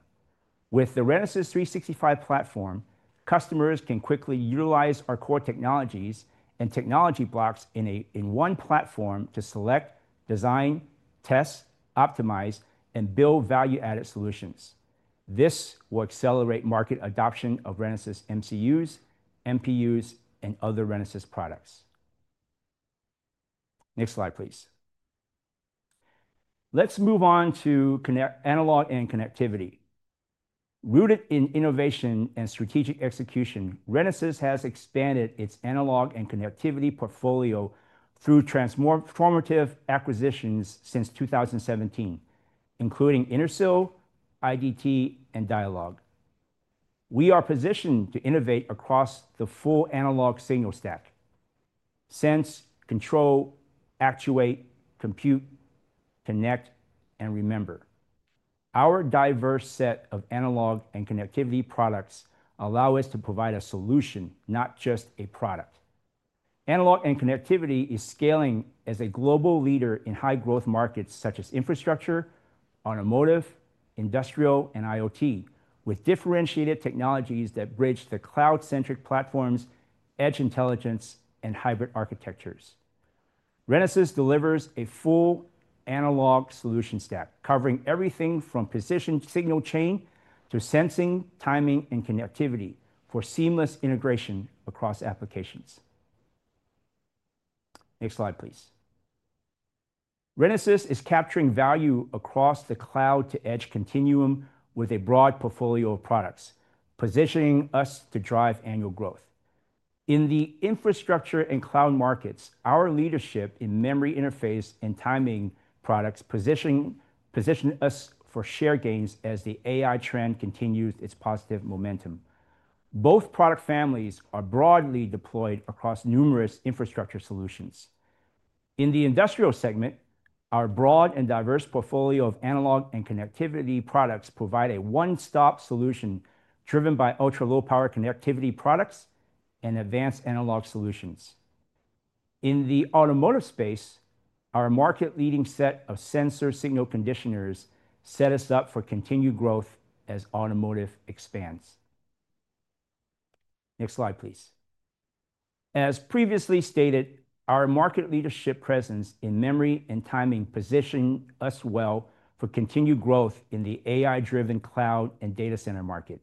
With the Renesas 365 platform, customers can quickly utilize our core technologies and technology blocks in one platform to select, design, test, optimize, and build value-added solutions. This will accelerate market adoption of Renesas MCUs, MPUs, and other Renesas products. Next slide, please. Let's move on to analog and connectivity. Rooted in innovation and strategic execution, Renesas has expanded its analog and connectivity portfolio through transformative acquisitions since 2017, including Intersil, IDT, and Dialog. We are positioned to innovate across the full analog signal stack: sense, control, actuate, compute, connect, and remember. Our diverse set of analog and connectivity products allows us to provide a solution, not just a product. Analog and connectivity is scaling as a global leader in high-growth markets such as infrastructure, automotive, industrial, and IoT, with differentiated technologies that bridge the cloud-centric platforms, edge intelligence, and hybrid architectures. Renesas delivers a full analog solution stack covering everything from position signal chain to sensing, timing, and connectivity for seamless integration across applications. Next slide, please. Renesas is capturing value across the cloud-to-edge continuum with a broad portfolio of products, positioning us to drive annual growth. In the infrastructure and cloud markets, our leadership in memory interface and timing products position us for share gains as the AI trend continues its positive momentum. Both product families are broadly deployed across numerous infrastructure solutions. In the industrial segment, our broad and diverse portfolio of analog and connectivity products provides a one-stop solution driven by ultra-low-power connectivity products and advanced analog solutions. In the automotive space, our market-leading set of sensor signal conditioners sets us up for continued growth as automotive expands. Next slide, please. As previously stated, our market leadership presence in memory and timing positions us well for continued growth in the AI-driven cloud and data center market.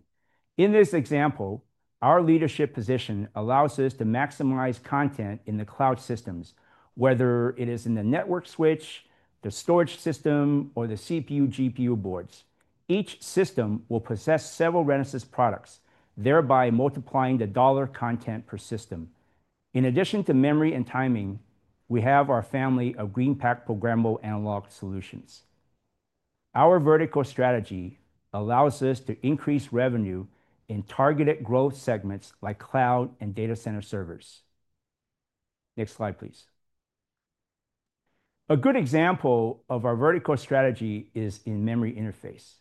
In this example, our leadership position allows us to maximize content in the cloud systems, whether it is in the network switch, the storage system, or the CPU/GPU boards. Each system will possess several Renesas products, thereby multiplying the dollar content per system. In addition to memory and timing, we have our family of green-packed programmable analog solutions. Our vertical strategy allows us to increase revenue in targeted growth segments like cloud and data center servers. Next slide, please. A good example of our vertical strategy is in memory interface.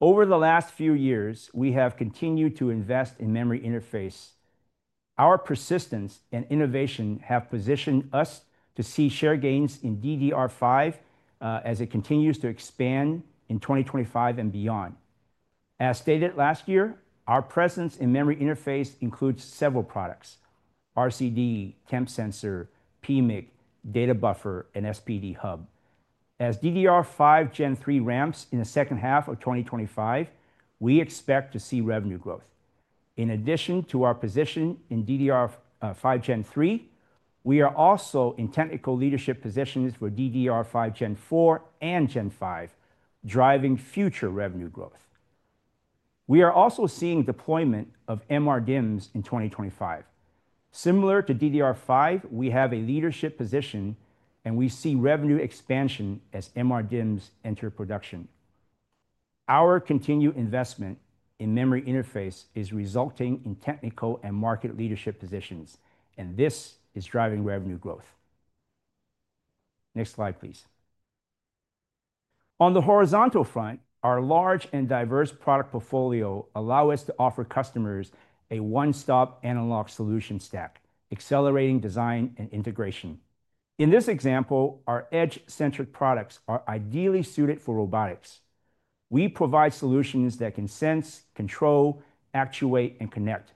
Over the last few years, we have continued to invest in memory interface. Our persistence and innovation have positioned us to see share gains in DDR5 as it continues to expand in 2025 and beyond. As stated last year, our presence in memory interface includes several products: RCD, temp sensor, PMIC, data buffer, and SPD hub. As DDR5 Gen 3 ramps in the second half of 2025, we expect to see revenue growth. In addition to our position in DDR5 Gen 3, we are also in technical leadership positions for DDR5 Gen 4 and Gen 5, driving future revenue growth. We are also seeing deployment of MRDIMMs in 2025. Similar to DDR5, we have a leadership position, and we see revenue expansion as MRDIMMs enter production. Our continued investment in memory interface is resulting in technical and market leadership positions, and this is driving revenue growth. Next slide, please. On the horizontal front, our large and diverse product portfolio allows us to offer customers a one-stop analog solution stack, accelerating design and integration. In this example, our edge-centric products are ideally suited for robotics. We provide solutions that can sense, control, actuate, and connect.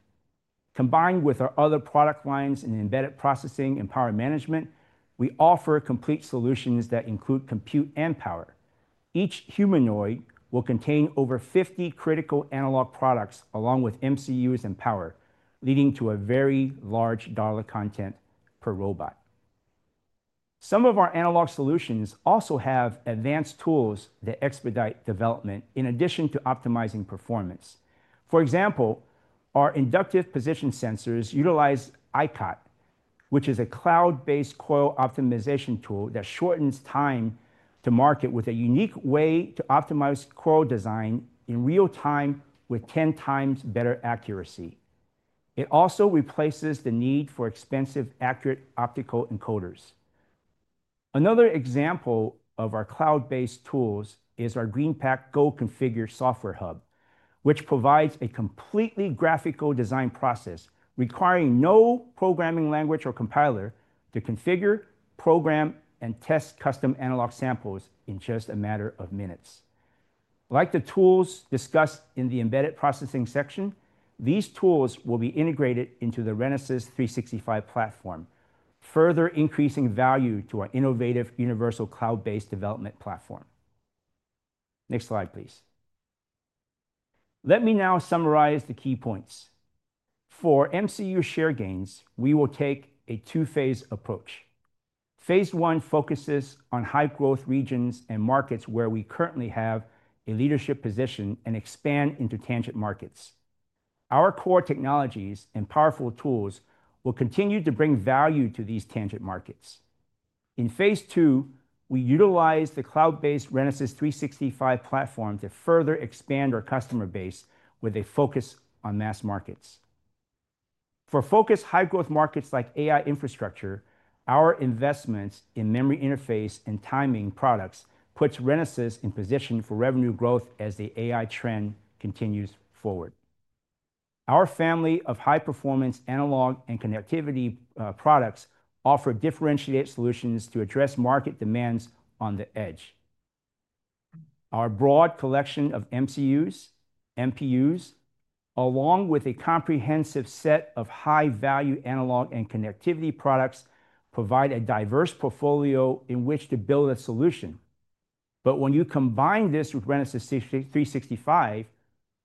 Combined with our other product lines in embedded processing and power management, we offer complete solutions that include compute and power. Each humanoid will contain over 50 critical analog products along with MCUs and power, leading to a very large dollar content per robot. Some of our analog solutions also have advanced tools that expedite development in addition to optimizing performance. For example, our inductive position sensors utilize ICOT, which is a cloud-based coil optimization tool that shortens time to market with a unique way to optimize coil design in real time with 10 times better accuracy. It also replaces the need for expensive, accurate optical encoders. Another example of our cloud-based tools is our GreenPAK Go Configure software hub, which provides a completely graphical design process requiring no programming language or compiler to configure, program, and test custom analog samples in just a matter of minutes. Like the tools discussed in the embedded processing section, these tools will be integrated into the Renesas 365 platform, further increasing value to our innovative universal cloud-based development platform. Next slide, please. Let me now summarize the key points. For MCU share gains, we will take a two-phase approach. Phase one focuses on high-growth regions and markets where we currently have a leadership position and expand into tangent markets. Our core technologies and powerful tools will continue to bring value to these tangent markets. In phase two, we utilize the cloud-based Renesas 365 platform to further expand our customer base with a focus on mass markets. For focused high-growth markets like AI infrastructure, our investments in memory interface and timing products put Renesas in position for revenue growth as the AI trend continues forward. Our family of high-performance analog and connectivity products offers differentiated solutions to address market demands on the edge. Our broad collection of MCUs, MPUs, along with a comprehensive set of high-value analog and connectivity products, provides a diverse portfolio in which to build a solution. When you combine this with Renesas 365,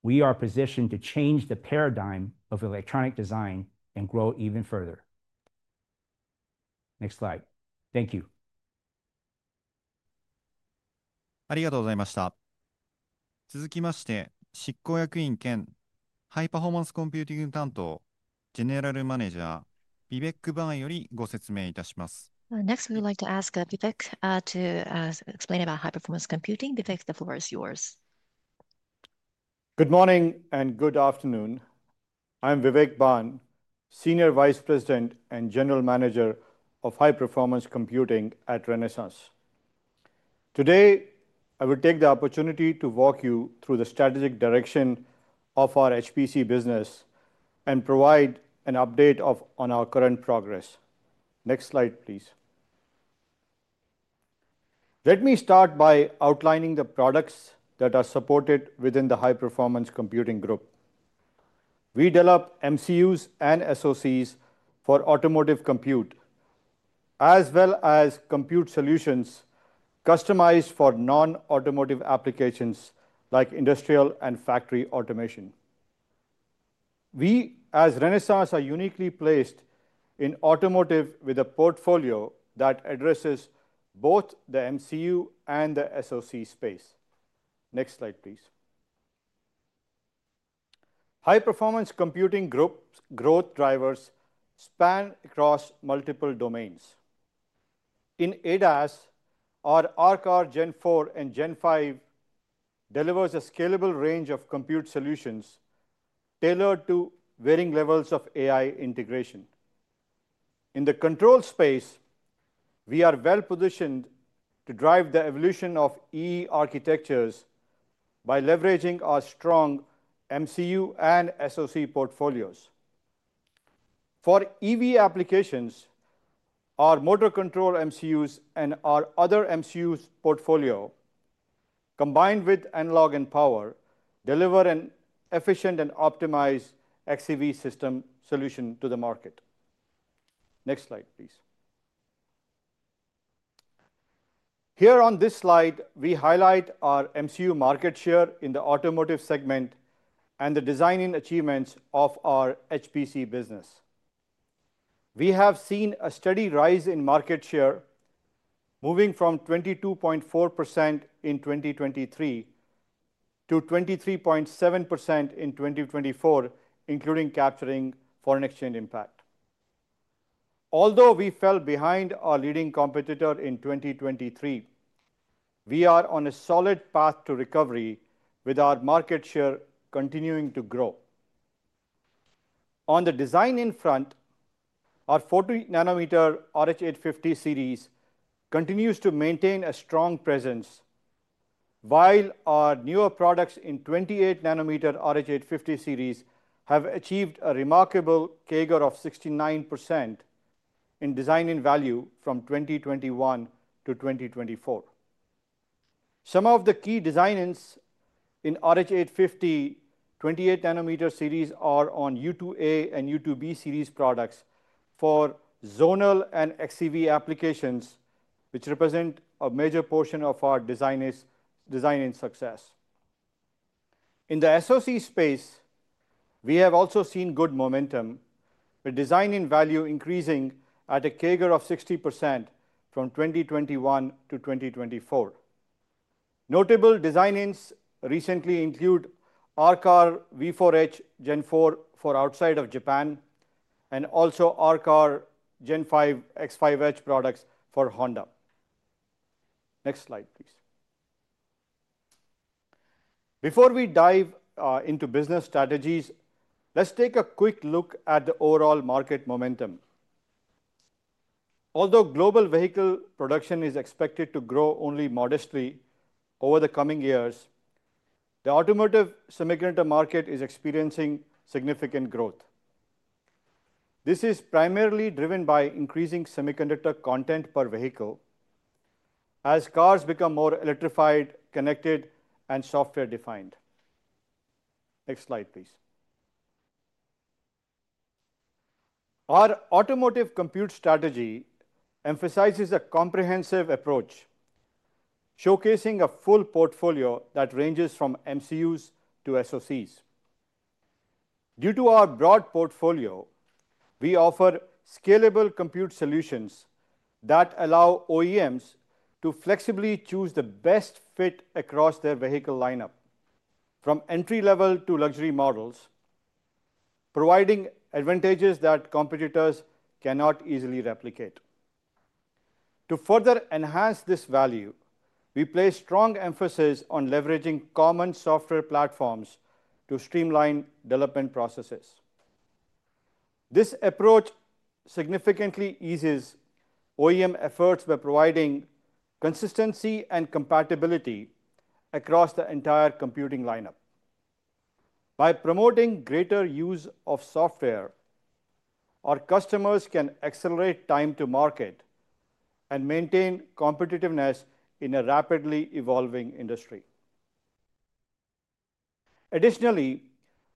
we are positioned to change the paradigm of electronic design and grow even further. Next slide. Thank you. ありがとうございました。続きまして、執行役員兼ハイパフォーマンスコンピューティング担当、ジェネラルマネージャー、ヴィヴェック・バーンよりご説明いたします。Next, we would like to ask Vivek to explain about high-performance computing. Vivek, the floor is yours. Good morning and good afternoon. I'm Vivek Bhan, Senior Vice President and General Manager of High Performance Computing at Renesas. Today, I will take the opportunity to walk you through the strategic direction of our HPC business and provide an update on our current progress. Next slide, please. Let me start by outlining the products that are supported within the High Performance Computing Group. We develop MCUs and SoCs for automotive compute, as well as compute solutions customized for non-automotive applications like industrial and factory automation. We, as Renesas, are uniquely placed in automotive with a portfolio that addresses both the MCU and the SoC space. Next slide, please. High Performance Computing Group's growth drivers span across multiple domains. In ADAS, our ArcAR Gen 4 and Gen 5 deliver a scalable range of compute solutions tailored to varying levels of AI integration. In the control space, we are well positioned to drive the evolution of EE architectures by leveraging our strong MCU and SoC portfolios. For EV applications, our motor control MCUs and our other MCUs portfolio, combined with analog and power, deliver an efficient and optimized xEV system solution to the market. Next slide, please. Here on this slide, we highlight our MCU market share in the automotive segment and the design achievements of our HPC business. We have seen a steady rise in market share, moving from 22.4% in 2023 to 23.7% in 2024, including capturing foreign exchange impact. Although we fell behind our leading competitor in 2023, we are on a solid path to recovery with our market share continuing to grow. On the design front, our 40-nanometer RH850 series continues to maintain a strong presence, while our newer products in 28-nanometer RH850 series have achieved a remarkable CAGR of 69% in design value from 2021 to 2024. Some of the key designs in RH850 28-nano series are on U2A and U2B series products for zonal and XCV applications, which represent a major portion of our design success. In the SoC space, we have also seen good momentum, with design value increasing at a CAGR of 60% from 2021 to 2024. Notable designs recently include ArcAR V4H Gen 4 for outside of Japan and also ArcAR Gen 5 X5H products for Honda. Next slide, please. Before we dive into business strategies, let's take a quick look at the overall market momentum. Although global vehicle production is expected to grow only modestly over the coming years, the automotive semiconductor market is experiencing significant growth. This is primarily driven by increasing semiconductor content per vehicle as cars become more electrified, connected, and software-defined. Next slide, please. Our automotive compute strategy emphasizes a comprehensive approach, showcasing a full portfolio that ranges from MCUs to SoCs. Due to our broad portfolio, we offer scalable compute solutions that allow OEMs to flexibly choose the best fit across their vehicle lineup, from entry-level to luxury models, providing advantages that competitors cannot easily replicate. To further enhance this value, we place strong emphasis on leveraging common software platforms to streamline development processes. This approach significantly eases OEM efforts by providing consistency and compatibility across the entire computing lineup. By promoting greater use of software, our customers can accelerate time to market and maintain competitiveness in a rapidly evolving industry. Additionally,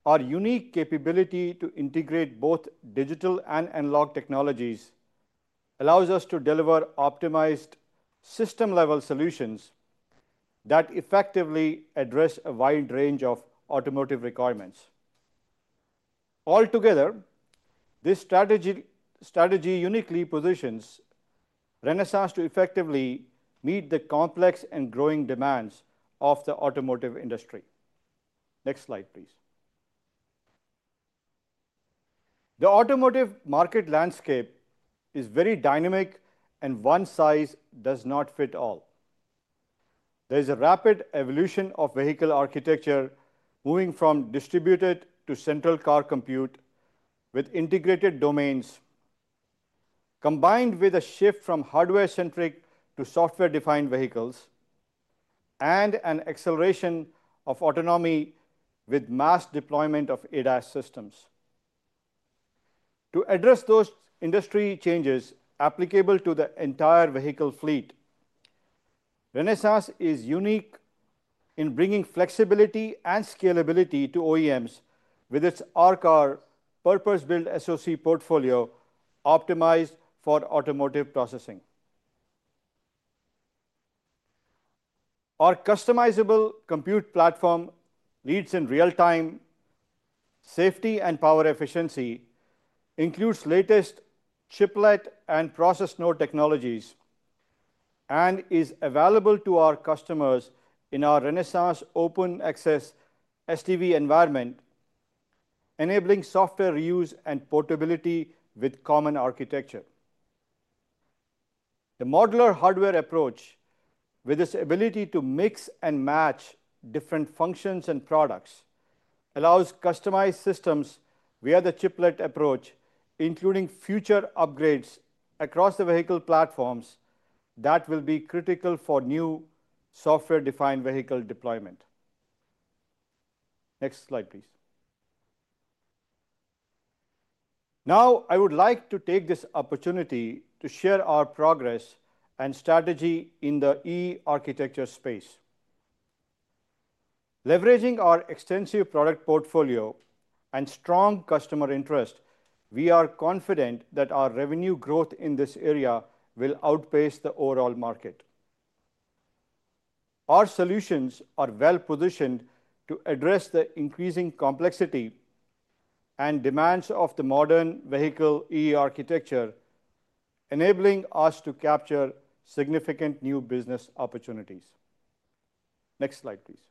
our unique capability to integrate both digital and analog technologies allows us to deliver optimized system-level solutions that effectively address a wide range of automotive requirements. Altogether, this strategy uniquely positions Renesas to effectively meet the complex and growing demands of the automotive industry. Next slide, please. The automotive market landscape is very dynamic, and one size does not fit all. There is a rapid evolution of vehicle architecture, moving from distributed to central car compute with integrated domains, combined with a shift from hardware-centric to software-defined vehicles, and an acceleration of autonomy with mass deployment of ADAS systems. To address those industry changes applicable to the entire vehicle fleet, Renesas is unique in bringing flexibility and scalability to OEMs with its ArcAR purpose-built SoC portfolio optimized for automotive processing. Our customizable compute platform leads in real-time safety and power efficiency, includes latest chiplet and process node technologies, and is available to our customers in our Renesas open-access SDV environment, enabling software reuse and portability with common architecture. The modular hardware approach, with its ability to mix and match different functions and products, allows customized systems via the chiplet approach, including future upgrades across the vehicle platforms that will be critical for new software-defined vehicle deployment. Next slide, please. Now, I would like to take this opportunity to share our progress and strategy in the EE architecture space. Leveraging our extensive product portfolio and strong customer interest, we are confident that our revenue growth in this area will outpace the overall market. Our solutions are well positioned to address the increasing complexity and demands of the modern vehicle EE architecture, enabling us to capture significant new business opportunities. Next slide, please.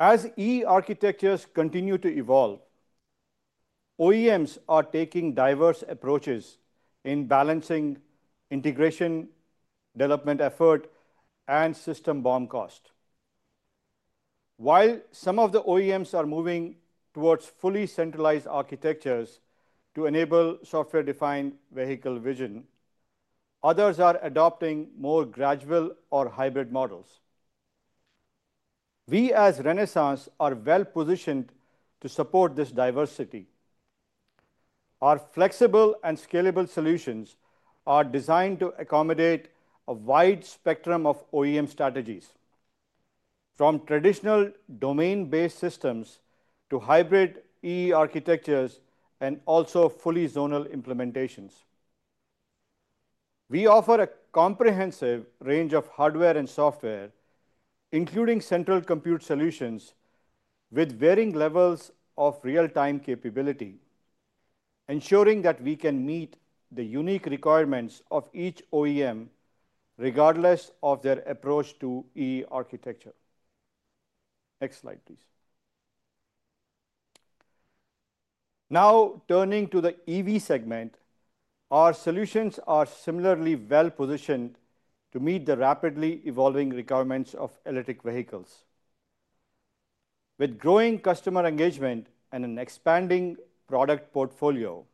As EE architectures continue to evolve, OEMs are taking diverse approaches in balancing integration, development effort, and system BOM cost. While some of the OEMs are moving towards fully centralized architectures to enable software-defined vehicle vision, others are adopting more gradual or hybrid models. We, as Renesas, are well positioned to support this diversity. Our flexible and scalable solutions are designed to accommodate a wide spectrum of OEM strategies, from traditional domain-based systems to hybrid EE architectures and also fully zonal implementations. We offer a comprehensive range of hardware and software, including central compute solutions with varying levels of real-time capability, ensuring that we can meet the unique requirements of each OEM, regardless of their approach to EE architecture. Next slide, please. Now, turning to the EV segment, our solutions are similarly well positioned to meet the rapidly evolving requirements of electric vehicles. With growing customer engagement and an expanding product portfolio,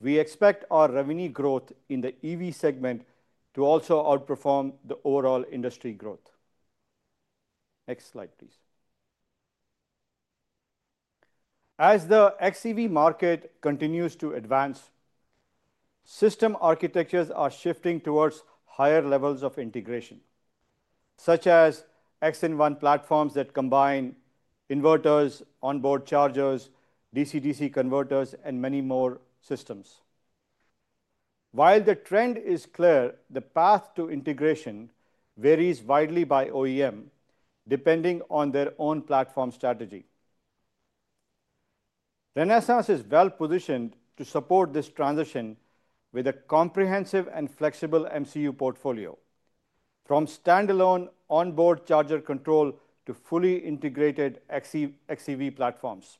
we expect our revenue growth in the EV segment to also outperform the overall industry growth. Next slide, please. As the xEV market continues to advance, system architectures are shifting towards higher levels of integration, such as X-in-one platforms that combine inverters, onboard chargers, DCDC converters, and many more systems. While the trend is clear, the path to integration varies widely by OEM, depending on their own platform strategy. Renesas is well positioned to support this transition with a comprehensive and flexible MCU portfolio, from standalone onboard charger control to fully integrated xEV platforms.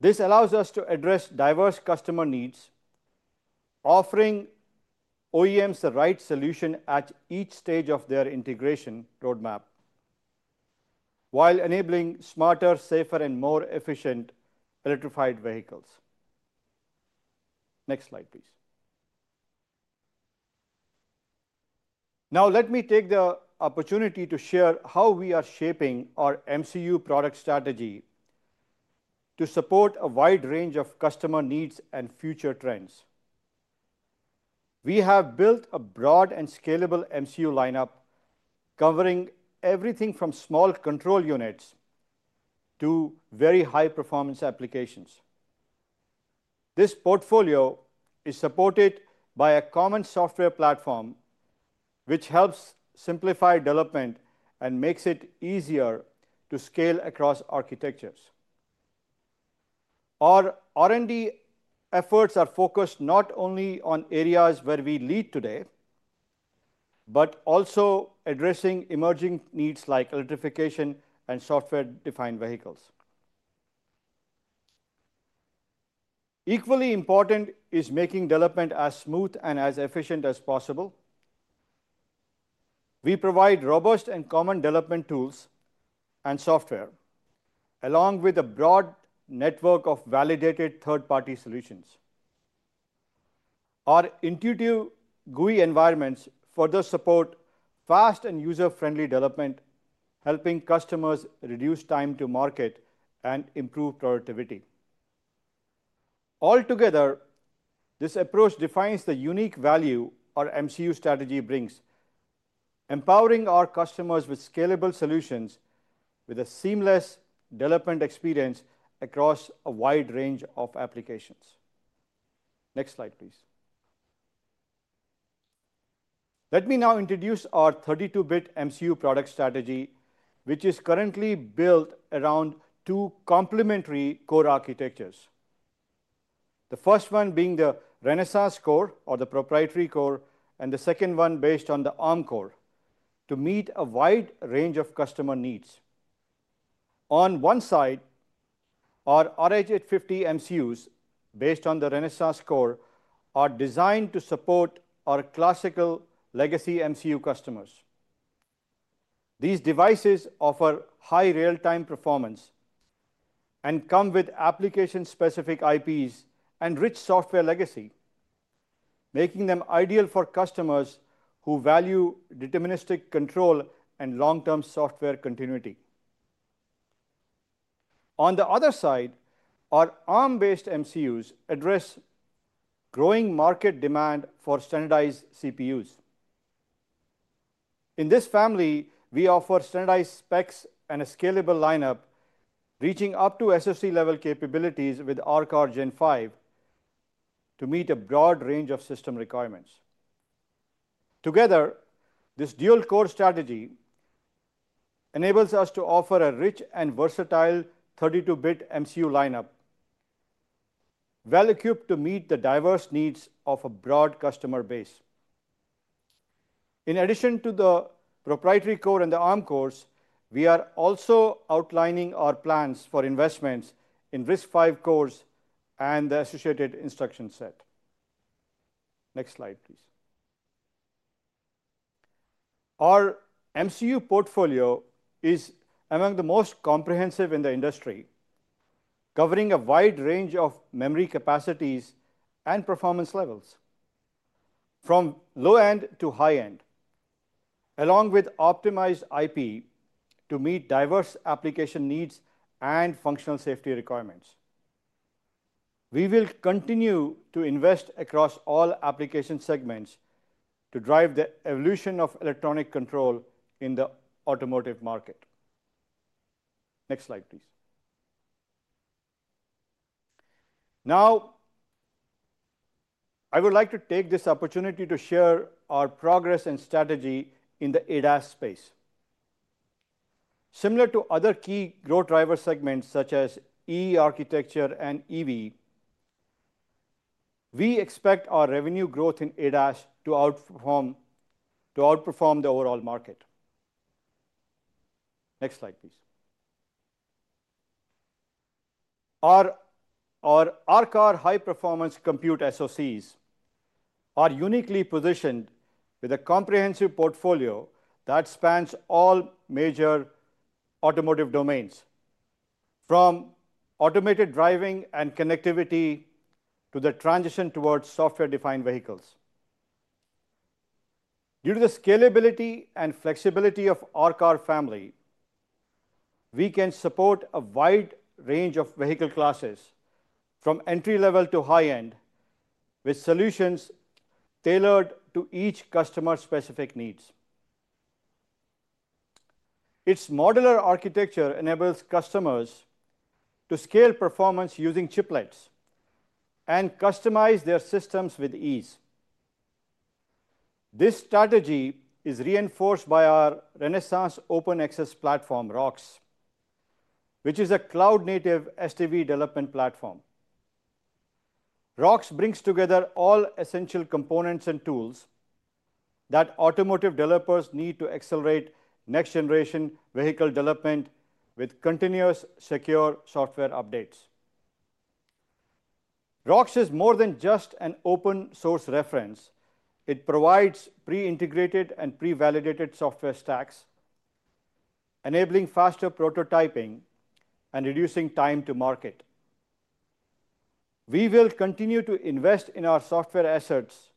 This allows us to address diverse customer needs, offering OEMs the right solution at each stage of their integration roadmap, while enabling smarter, safer, and more efficient electrified vehicles. Next slide, please. Now, let me take the opportunity to share how we are shaping our MCU product strategy to support a wide range of customer needs and future trends. We have built a broad and scalable MCU lineup, covering everything from small control units to very high-performance applications. This portfolio is supported by a common software platform, which helps simplify development and makes it easier to scale across architectures. Our R&D efforts are focused not only on areas where we lead today, but also addressing emerging needs like electrification and software-defined vehicles. Equally important is making development as smooth and as efficient as possible. We provide robust and common development tools and software, along with a broad network of validated third-party solutions. Our intuitive GUI environments further support fast and user-friendly development, helping customers reduce time to market and improve productivity. Altogether, this approach defines the unique value our MCU strategy brings, empowering our customers with scalable solutions, with a seamless development experience across a wide range of applications. Next slide, please. Let me now introduce our 32-bit MCU product strategy, which is currently built around two complementary core architectures. The first one being the Renesas core, or the proprietary core, and the second one based on the ARM core, to meet a wide range of customer needs. On one side, our RH850 MCUs, based on the Renesas core, are designed to support our classical legacy MCU customers. These devices offer high real-time performance and come with application-specific IPs and rich software legacy, making them ideal for customers who value deterministic control and long-term software continuity. On the other side, our ARM-based MCUs address growing market demand for standardized CPUs. In this family, we offer standardized specs and a scalable lineup, reaching up to SoC-level capabilities with ArcAR Gen 5 to meet a broad range of system requirements. Together, this dual-core strategy enables us to offer a rich and versatile 32-bit MCU lineup, well-equipped to meet the diverse needs of a broad customer base. In addition to the proprietary core and the ARM cores, we are also outlining our plans for investments in RISC-V cores and the associated instruction set. Next slide, please. Our MCU portfolio is among the most comprehensive in the industry, covering a wide range of memory capacities and performance levels, from low-end to high-end, along with optimized IP to meet diverse application needs and functional safety requirements. We will continue to invest across all application segments to drive the evolution of electronic control in the automotive market. Next slide, please. Now, I would like to take this opportunity to share our progress and strategy in the ADAS space. Similar to other key growth driver segments, such as EE architecture and EV, we expect our revenue growth in ADAS to outperform the overall market. Next slide, please. Our ArcAR high-performance compute SoCs are uniquely positioned with a comprehensive portfolio that spans all major automotive domains, from automated driving and connectivity to the transition towards software-defined vehicles. Due to the scalability and flexibility of our ArcAR family, we can support a wide range of vehicle classes, from entry-level to high-end, with solutions tailored to each customer's specific needs. Its modular architecture enables customers to scale performance using chiplets and customize their systems with ease. This strategy is reinforced by our Renesas open-access platform, ROX, which is a cloud-native SDV development platform. ROX brings together all essential components and tools that automotive developers need to accelerate next-generation vehicle development with continuous secure software updates. ROX is more than just an open-source reference. It provides pre-integrated and pre-validated software stacks, enabling faster prototyping and reducing time to market. We will continue to invest in our software assets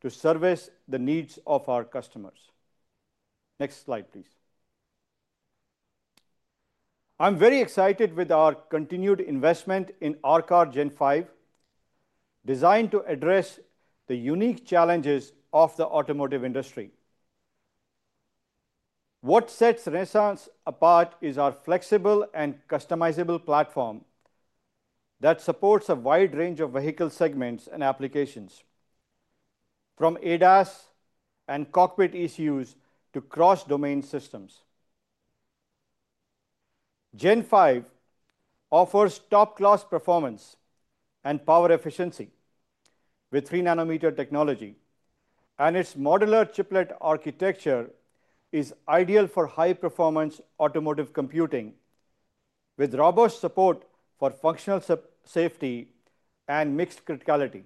to service the needs of our customers. Next slide, please. I'm very excited with our continued investment in ArcAR Gen 5, designed to address the unique challenges of the automotive industry. What sets Renesas apart is our flexible and customizable platform that supports a wide range of vehicle segments and applications, from ADAS and cockpit ECUs to cross-domain systems. Gen 5 offers top-class performance and power efficiency with 3-nanometer technology, and its modular chiplet architecture is ideal for high-performance automotive computing, with robust support for functional safety and mixed criticality.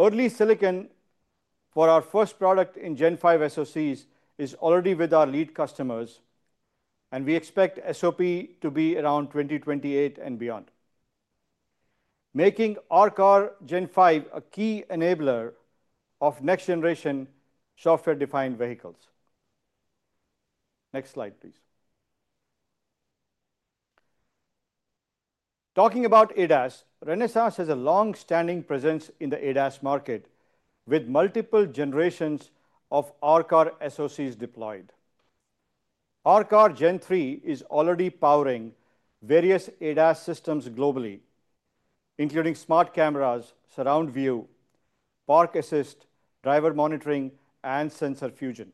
Early silicon for our first product in Gen 5 SoCs is already with our lead customers, and we expect SOP to be around 2028 and beyond, making ArcAR Gen 5 a key enabler of next-generation software-defined vehicles. Next slide, please. Talking about ADAS, Renesas has a long-standing presence in the ADAS market, with multiple generations of ArcAR SoCs deployed. ArcAR Gen 3 is already powering various ADAS systems globally, including smart cameras, surround view, park assist, driver monitoring, and sensor fusion.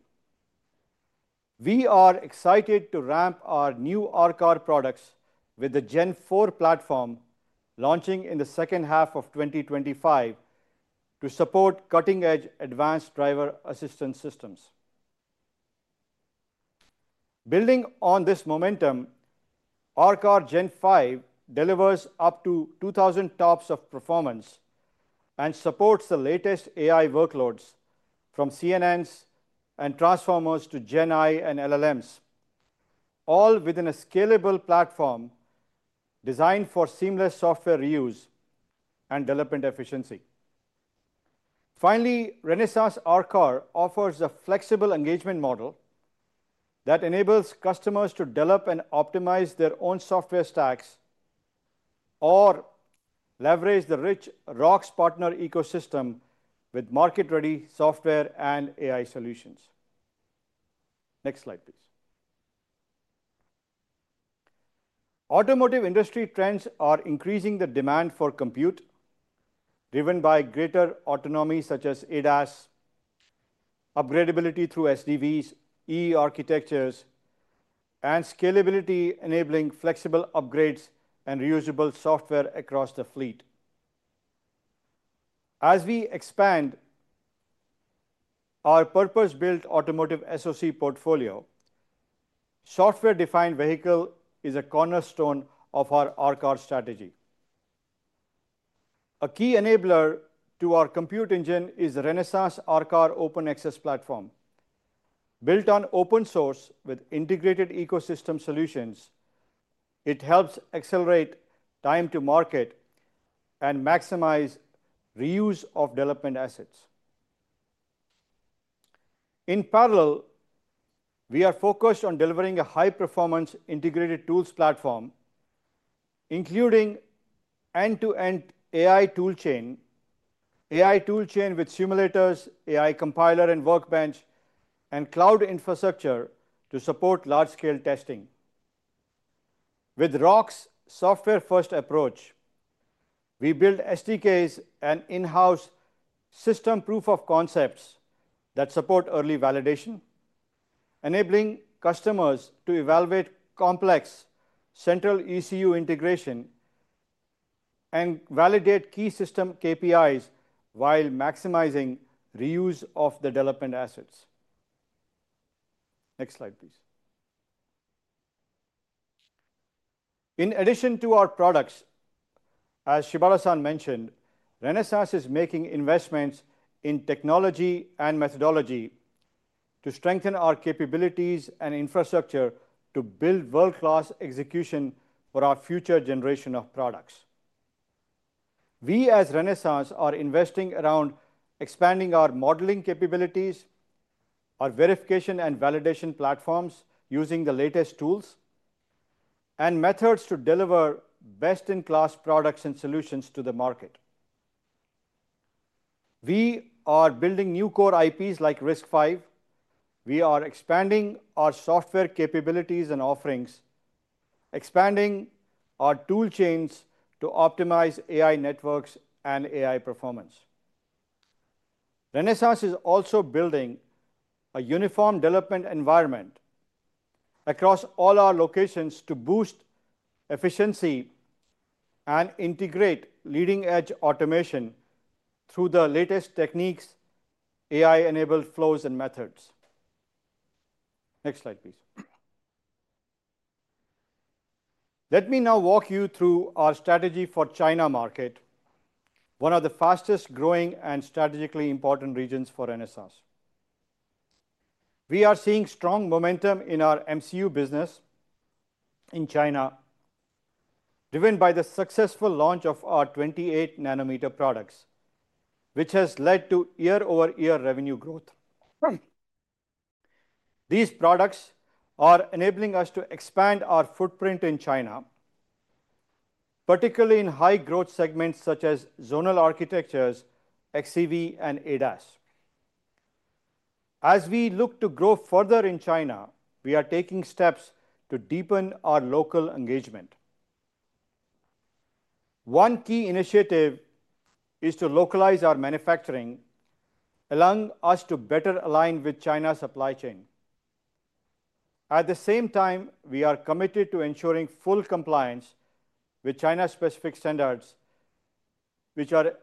We are excited to ramp our new ArcAR products with the Gen 4 platform launching in the second half of 2025 to support cutting-edge advanced driver-assistance systems. Building on this momentum, ArcAR Gen 5 delivers up to 2,000 TOPS of performance and supports the latest AI workloads, from CNNs and transformers to Gen AI and LLMs, all within a scalable platform designed for seamless software reuse and development efficiency. Finally, Renesas ArcAR offers a flexible engagement model that enables customers to develop and optimize their own software stacks or leverage the rich ROX partner ecosystem with market-ready software and AI solutions. Next slide, please. Automotive industry trends are increasing the demand for compute, driven by greater autonomy such as ADAS, upgradability through SDVs, EE architectures, and scalability, enabling flexible upgrades and reusable software across the fleet. As we expand our purpose-built automotive SoC portfolio, software-defined vehicle is a cornerstone of our ArcAR strategy. A key enabler to our compute engine is Renesas ArcAR open-access platform. Built on open source with integrated ecosystem solutions, it helps accelerate time to market and maximize reuse of development assets. In parallel, we are focused on delivering a high-performance integrated tools platform, including end-to-end AI toolchain, AI toolchain with simulators, AI compiler and workbench, and cloud infrastructure to support large-scale testing. With ROX's software-first approach, we build SDKs and in-house system proof of concepts that support early validation, enabling customers to evaluate complex central ECU integration and validate key system KPIs while maximizing reuse of the development assets. Next slide, please. In addition to our products, as Shibata-san mentioned, Renesas is making investments in technology and methodology to strengthen our capabilities and infrastructure to build world-class execution for our future generation of products. We, as Renesas, are investing around expanding our modeling capabilities, our verification and validation platforms using the latest tools and methods to deliver best-in-class products and solutions to the market. We are building new core IPs like RISC-V. We are expanding our software capabilities and offerings, expanding our toolchains to optimize AI networks and AI performance. Renesas is also building a uniform development environment across all our locations to boost efficiency and integrate leading-edge automation through the latest techniques, AI-enabled flows, and methods. Next slide, please. Let me now walk you through our strategy for China market, one of the fastest-growing and strategically important regions for Renesas. We are seeing strong momentum in our MCU business in China, driven by the successful launch of our 28-nano products, which has led to year-over-year revenue growth. These products are enabling us to expand our footprint in China, particularly in high-growth segments such as zonal architectures, XCV, and ADAS. As we look to grow further in China, we are taking steps to deepen our local engagement. One key initiative is to localize our manufacturing, allowing us to better align with China's supply chain. At the same time, we are committed to ensuring full compliance with China-specific standards, which are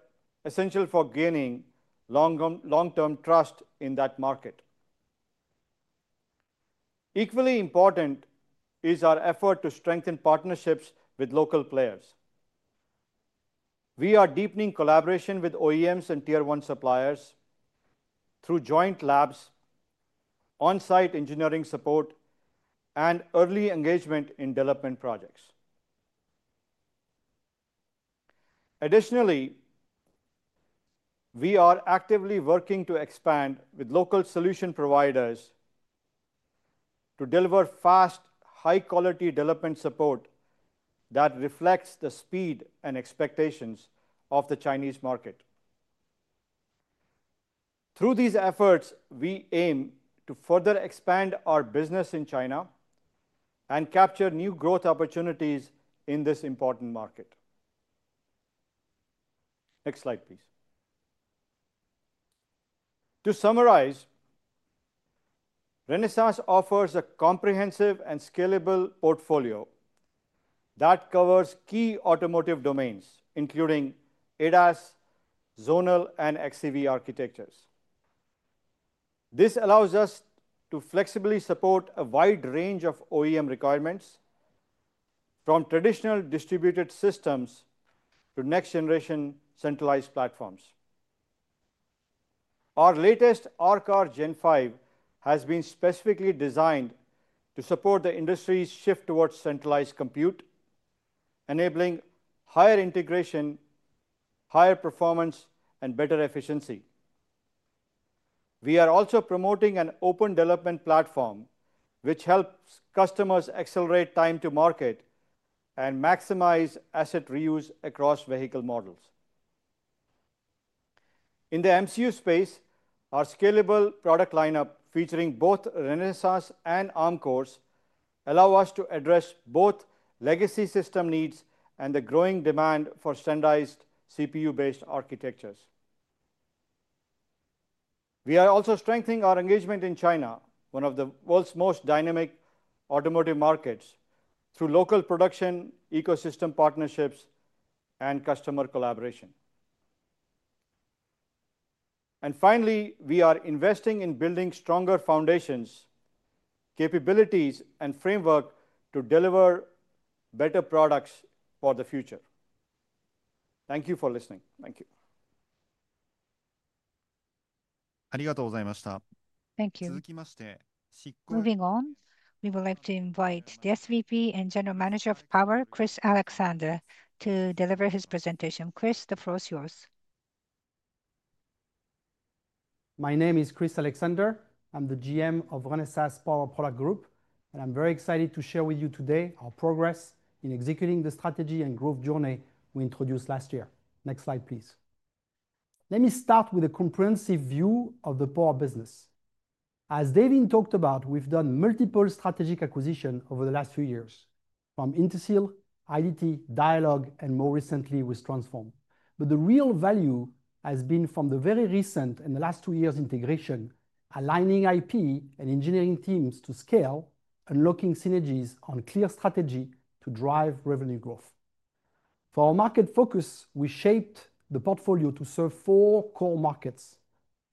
essential for gaining long-term trust in that market. Equally important is our effort to strengthen partnerships with local players. We are deepening collaboration with OEMs and tier-one suppliers through joint labs, on-site engineering support, and early engagement in development projects. Additionally, we are actively working to expand with local solution providers to deliver fast, high-quality development support that reflects the speed and expectations of the Chinese market. Through these efforts, we aim to further expand our business in China and capture new growth opportunities in this important market. Next slide, please. To summarize, Renesas offers a comprehensive and scalable portfolio that covers key automotive domains, including ADAS, zonal, and xEV architectures. This allows us to flexibly support a wide range of OEM requirements, from traditional distributed systems to next-generation centralized platforms. Our latest ArcAR Gen 5 has been specifically designed to support the industry's shift towards centralized compute, enabling higher integration, higher performance, and better efficiency. We are also promoting an open development platform, which helps customers accelerate time to market and maximize asset reuse across vehicle models. In the MCU space, our scalable product lineup, featuring both Renesas and ARM cores, allows us to address both legacy system needs and the growing demand for standardized CPU-based architectures. We are also strengthening our engagement in China, one of the world's most dynamic automotive markets, through local production ecosystem partnerships and customer collaboration. Finally, we are investing in building stronger foundations, capabilities, and frameworks to deliver better products for the future. Thank you for listening. Thank you. ありがとうございました。Thank you. 続きまして、シッコリ。Moving on, we would like to invite the SVP and General Manager of Power, Chris Alexander, to deliver his presentation. Chris, the floor is yours. My name is Chris Alexander. I'm the GM of Renesas Power Product Group, and I'm very excited to share with you today our progress in executing the strategy and growth journey we introduced last year. Next slide, please. Let me start with a comprehensive view of the power business. As Devin talked about, we've done multiple strategic acquisitions over the last few years, from Intersil, IDT, Dialog, and more recently with Transform. The real value has been from the very recent and the last two years' integration, aligning IP and engineering teams to scale, unlocking synergies on clear strategy to drive revenue growth. For our market focus, we shaped the portfolio to serve four core markets: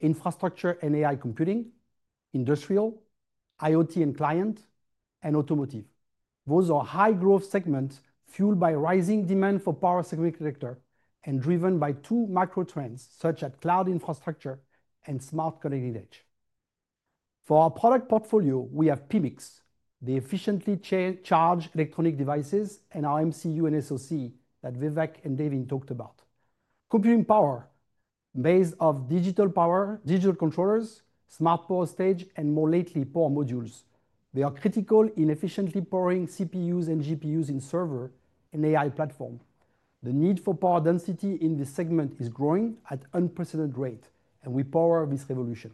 infrastructure and AI computing, industrial, IoT and client, and automotive. Those are high-growth segments fueled by rising demand for power segment sector and driven by two macro trends, such as cloud infrastructure and smart connectivity. For our product portfolio, we have PMICs, the efficiently charged electronic devices, and our MCU and SoC that Vivek and Devin talked about. Computing power made of digital power, digital controllers, smart power stage, and more lately, power modules. They are critical in efficiently powering CPUs and GPUs in server and AI platforms. The need for power density in this segment is growing at an unprecedented rate, and we power this revolution.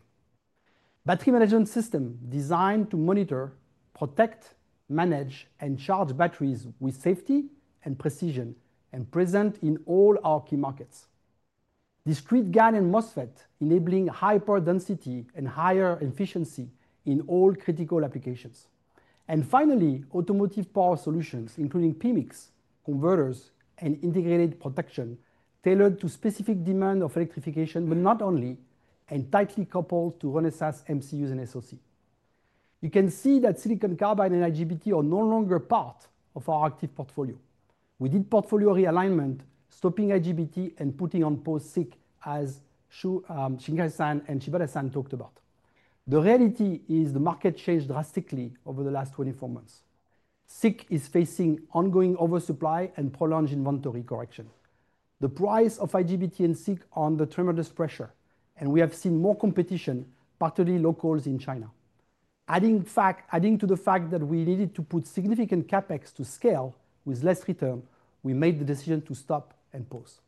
Battery management systems designed to monitor, protect, manage, and charge batteries with safety and precision are present in all our key markets. Discrete GaN and MOSFET enabling high power density and higher efficiency in all critical applications. Finally, automotive power solutions, including PMICs, converters, and integrated protection tailored to specific demands of electrification, but not only, and tightly coupled to Renesas MCUs and SoC. You can see that silicon carbide and IGBT are no longer part of our active portfolio. We did portfolio realignment, stopping IGBT and putting on pause SiC, as Shinkai-san and Shibata-san talked about. The reality is the market changed drastically over the last 24 months. SiC is facing ongoing oversupply and prolonged inventory correction. The price of IGBT and SiC is under tremendous pressure, and we have seen more competition, particularly locals in China. Adding to the fact that we needed to put significant CAPEX to scale with less return, we made the decision to stop and pause.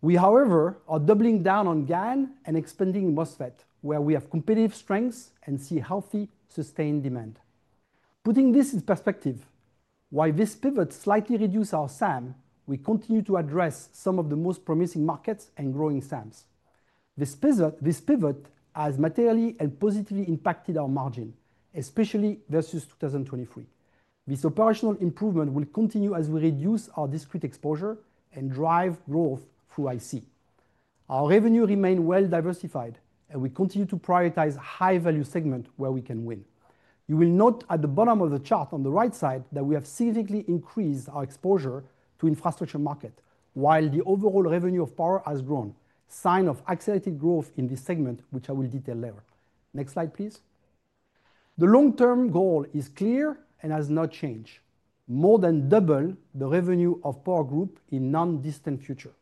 We, however, are doubling down on GaN and expanding MOSFET, where we have competitive strengths and see healthy, sustained demand. Putting this in perspective, while this pivot slightly reduced our SAM, we continue to address some of the most promising markets and growing SAMs. This pivot has materially and positively impacted our margin, especially versus 2023. This operational improvement will continue as we reduce our discrete exposure and drive growth through IC. Our revenue remains well-diversified, and we continue to prioritize high-value segments where we can win. You will note at the bottom of the chart on the right side that we have significantly increased our exposure to infrastructure markets, while the overall revenue of Power has grown, sign of accelerated growth in this segment, which I will detail later. Next slide, please. The long-term goal is clear and has not changed: more than double the revenue of Power Group in the non-distant future.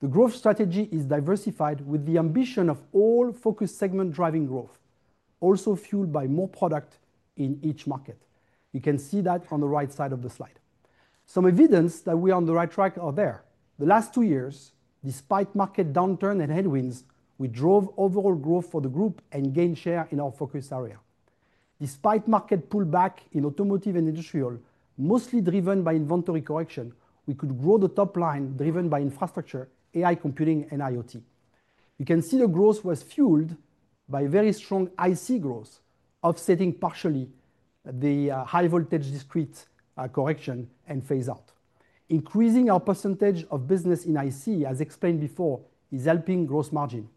The growth strategy is diversified with the ambition of all-focused segment driving growth, also fueled by more product in each market. You can see that on the right side of the slide. Some evidence that we are on the right track are there. The last two years, despite market downturns and headwinds, we drove overall growth for the group and gained share in our focus area. Despite market pullback in automotive and industrial, mostly driven by inventory correction, we could grow the top line driven by infrastructure, AI computing, and IoT. You can see the growth was fueled by very strong IC growth, offsetting partially the high-voltage discrete correction and phase-out. Increasing our percentage of business in IC, as explained before, is helping gross margin.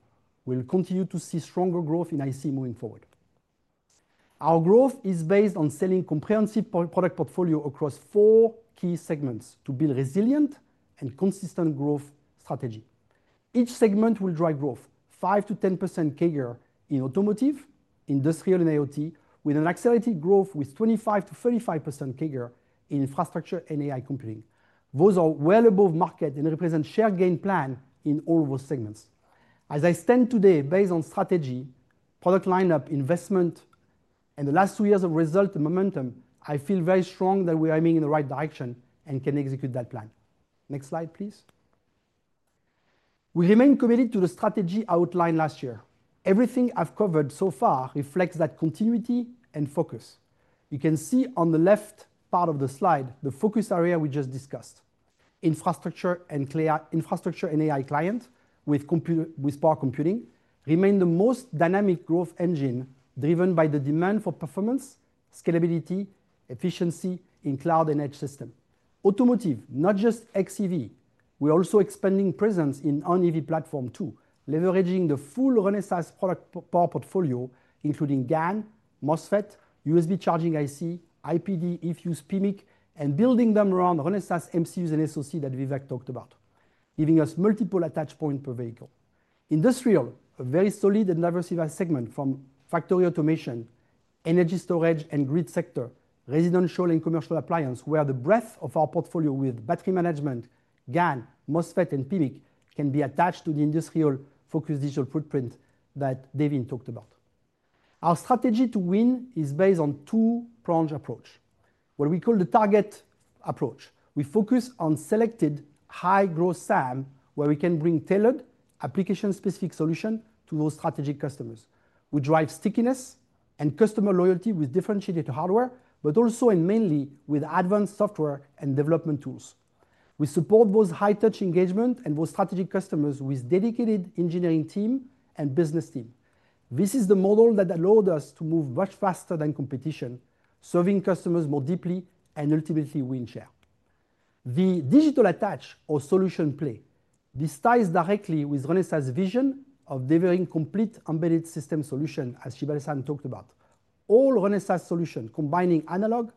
We'll continue to see stronger growth in IC moving forward. Our growth is based on selling a comprehensive product portfolio across four key segments to build a resilient and consistent growth strategy. Each segment will drive growth: 5%-10% CAGR in automotive, industrial, and IoT, with an accelerated growth of 25%-35% CAGR in infrastructure and AI computing. Those are well above market and represent share gain plans in all those segments. As I stand today, based on strategy, product lineup, investment, and the last two years' result and momentum, I feel very strong that we are aiming in the right direction and can execute that plan. Next slide, please. We remain committed to the strategy outlined last year. Everything I've covered so far reflects that continuity and focus. You can see on the left part of the slide the focus area we just discussed. Infrastructure and AI clients with Power Computing remain the most dynamic growth engine driven by the demand for performance, scalability, and efficiency in cloud and edge systems. Automotive, not just EV, we're also expanding presence in non-EV platforms too, leveraging the full Renesas product power portfolio, including GaN, MOSFET, USB charging IC, IPD, if used PMIC, and building them around Renesas MCUs and SoC that Vivek talked about, giving us multiple attach points per vehicle. Industrial, a very solid and diversified segment from factory automation, energy storage, and grid sector, residential and commercial appliances, where the breadth of our portfolio with battery management, GaN, MOSFET, and PMIC can be attached to the industrial-focused digital footprint that Devin talked about. Our strategy to win is based on a two-pronged approach, what we call the target approach. We focus on selected high-growth SAMs where we can bring tailored, application-specific solutions to those strategic customers. We drive stickiness and customer loyalty with differentiated hardware, but also and mainly with advanced software and development tools. We support those high-touch engagements and those strategic customers with dedicated engineering teams and business teams. This is the model that allowed us to move much faster than competition, serving customers more deeply and ultimately winning share. The digital attach or solution play ties directly with Renesas's vision of delivering complete embedded system solutions, as Shibata-san talked about. All Renesas solutions combining analog,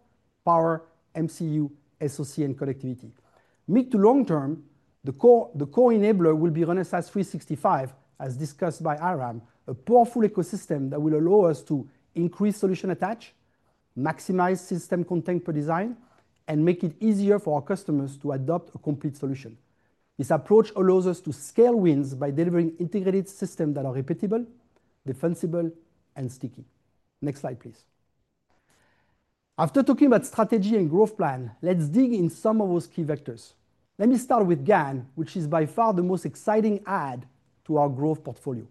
power, MCU, SoC, and connectivity. Mid to long term, the core enabler will be Renesas 365, as discussed by Aram, a powerful ecosystem that will allow us to increase solution attach, maximize system content per design, and make it easier for our customers to adopt a complete solution. This approach allows us to scale wins by delivering integrated systems that are reputable, defensible, and sticky. Next slide, please. After talking about strategy and growth plan, let's dig in some of those key vectors. Let me start with GaN, which is by far the most exciting add to our growth portfolio.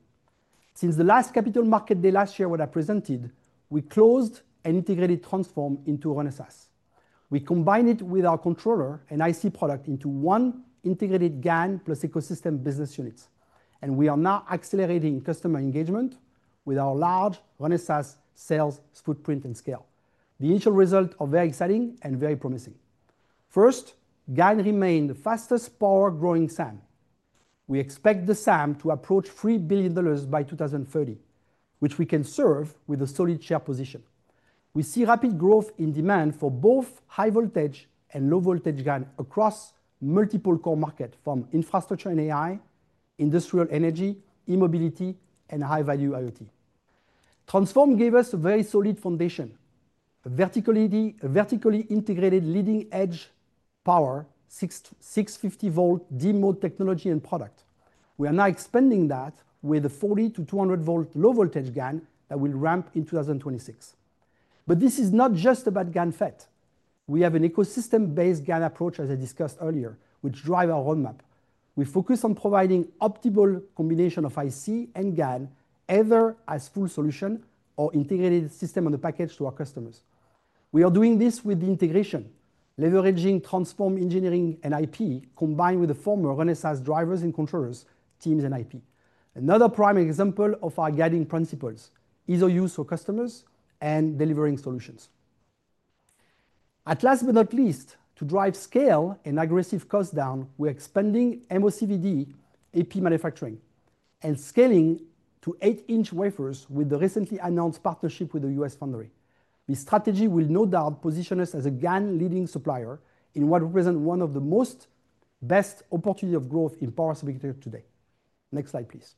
Since the last capital market day last year, when I presented, we closed and integrated Transform into Renesas. We combined it with our controller and IC product into one integrated GaN plus ecosystem business units. We are now accelerating customer engagement with our large Renesas sales footprint and scale. The initial results are very exciting and very promising. First, GaN remains the fastest power-growing SAM. We expect the SAM to approach $3 billion by 2030, which we can serve with a solid share position. We see rapid growth in demand for both high-voltage and low-voltage GaN across multiple core markets from infrastructure and AI, industrial energy, e-mobility, and high-value IoT. Transform gave us a very solid foundation, a vertically integrated leading-edge power, 650-volt deep-mode technology and product. We are now expanding that with a 40-200 volt low-voltage GaN that will ramp in 2026. This is not just about GaN FET. We have an ecosystem-based GaN approach, as I discussed earlier, which drives our roadmap. We focus on providing an optimal combination of IC and GaN, either as a full solution or an integrated system on the package to our customers. We are doing this with the integration, leveraging Transform engineering and IP combined with the former Renesas drivers and controllers, teams, and IP. Another prime example of our guiding principles is ease of use for customers and delivering solutions. At last, but not least, to drive scale and aggressive cost down, we're expanding MOCVD AP manufacturing and scaling to 8-inch wafers with the recently announced partnership with the US foundry. This strategy will no doubt position us as a GaN leading supplier in what represents one of the best opportunities of growth in power segment today. Next slide, please.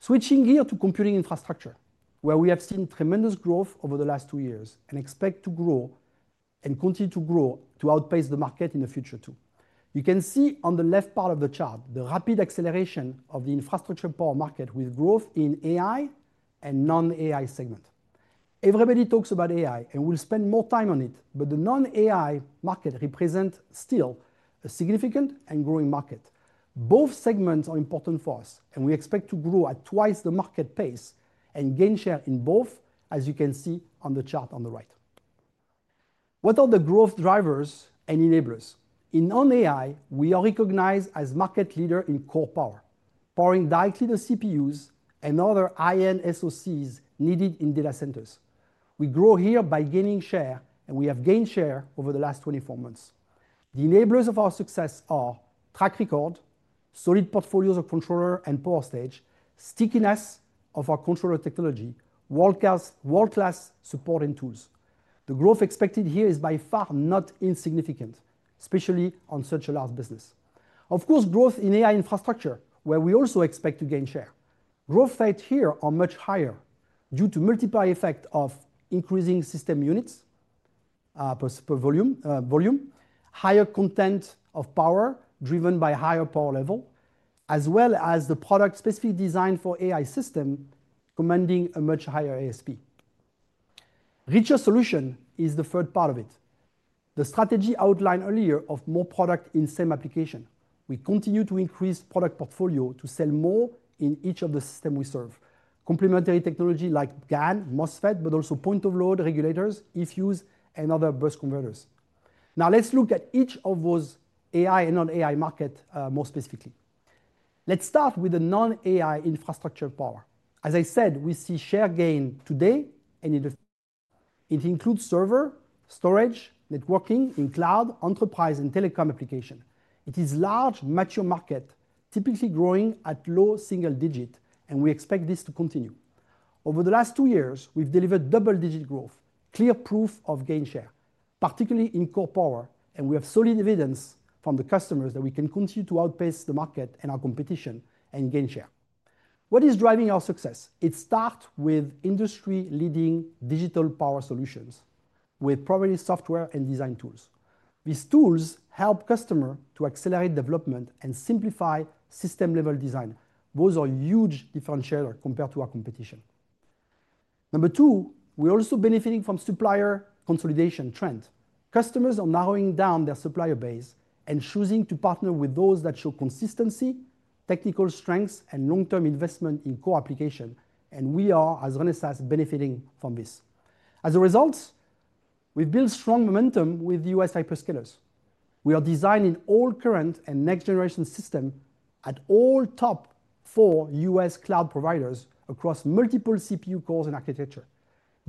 Switching gears to computing infrastructure, where we have seen tremendous growth over the last two years and expect to grow and continue to grow to outpace the market in the future too. You can see on the left part of the chart the rapid acceleration of the infrastructure power market with growth in AI and non-AI segments. Everybody talks about AI, and we'll spend more time on it, but the non-AI market represents still a significant and growing market. Both segments are important for us, and we expect to grow at twice the market pace and gain share in both, as you can see on the chart on the right. What are the growth drivers and enablers? In non-AI, we are recognized as a market leader in core power, powering directly the CPUs and other high-end SoCs needed in data centers. We grow here by gaining share, and we have gained share over the last 24 months. The enablers of our success are track record, solid portfolios of controllers and power stage, stickiness of our controller technology, and world-class support and tools. The growth expected here is by far not insignificant, especially on such a large business. Of course, growth in AI infrastructure, where we also expect to gain share. Growth rates here are much higher due to the multiplier effect of increasing system units per volume, higher content of power driven by a higher power level, as well as the product-specific design for AI systems commanding a much higher ASP. Richer solutions is the third part of it, the strategy outlined earlier of more product in the same application. We continue to increase the product portfolio to sell more in each of the systems we serve, complementary technologies like GaN, MOSFET, but also point-of-load regulators, IFUs, and other bus converters. Now, let's look at each of those AI and non-AI markets more specifically. Let's start with the non-AI infrastructure power. As I said, we see share gain today and in the future. It includes server, storage, networking in cloud, enterprise, and telecom applications. It is a large, mature market, typically growing at low single digits, and we expect this to continue. Over the last two years, we've delivered double-digit growth, clear proof of gain share, particularly in core power. We have solid evidence from the customers that we can continue to outpace the market and our competition and gain share. What is driving our success? It starts with industry-leading digital power solutions, with primarily software and design tools. These tools help customers to accelerate development and simplify system-level design. Those are huge differentiators compared to our competition. Number two, we're also benefiting from the supplier consolidation trend. Customers are narrowing down their supplier base and choosing to partner with those that show consistency, technical strengths, and long-term investment in core applications. We are, as Renesas, benefiting from this. As a result, we've built strong momentum with the US hyperscalers. We are designing all current and next-generation systems at all top four US cloud providers across multiple CPU cores and architectures.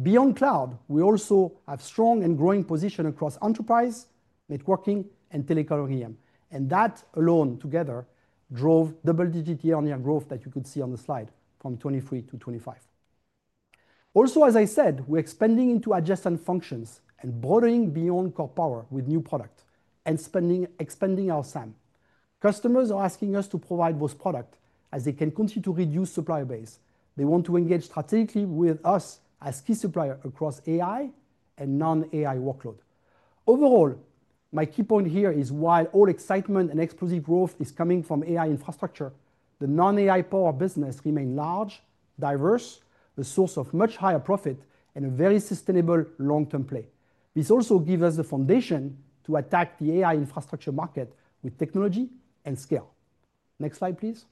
Beyond cloud, we also have a strong and growing position across enterprise, networking, and telecom EM, and that alone together drove double-digit year-on-year growth that you could see on the slide from 2023 to 2025. Also, as I said, we're expanding into adjacent functions and broadening beyond core power with new products and expanding our SAM. Customers are asking us to provide those products as they can continue to reduce the supplier base. They want to engage strategically with us as a key supplier across AI and non-AI workloads. Overall, my key point here is, while all excitement and explosive growth is coming from AI infrastructure, the non-AI power business remains large, diverse, a source of much higher profit, and a very sustainable long-term play. This also gives us the foundation to attack the AI infrastructure market with technology and scale. Next slide, please.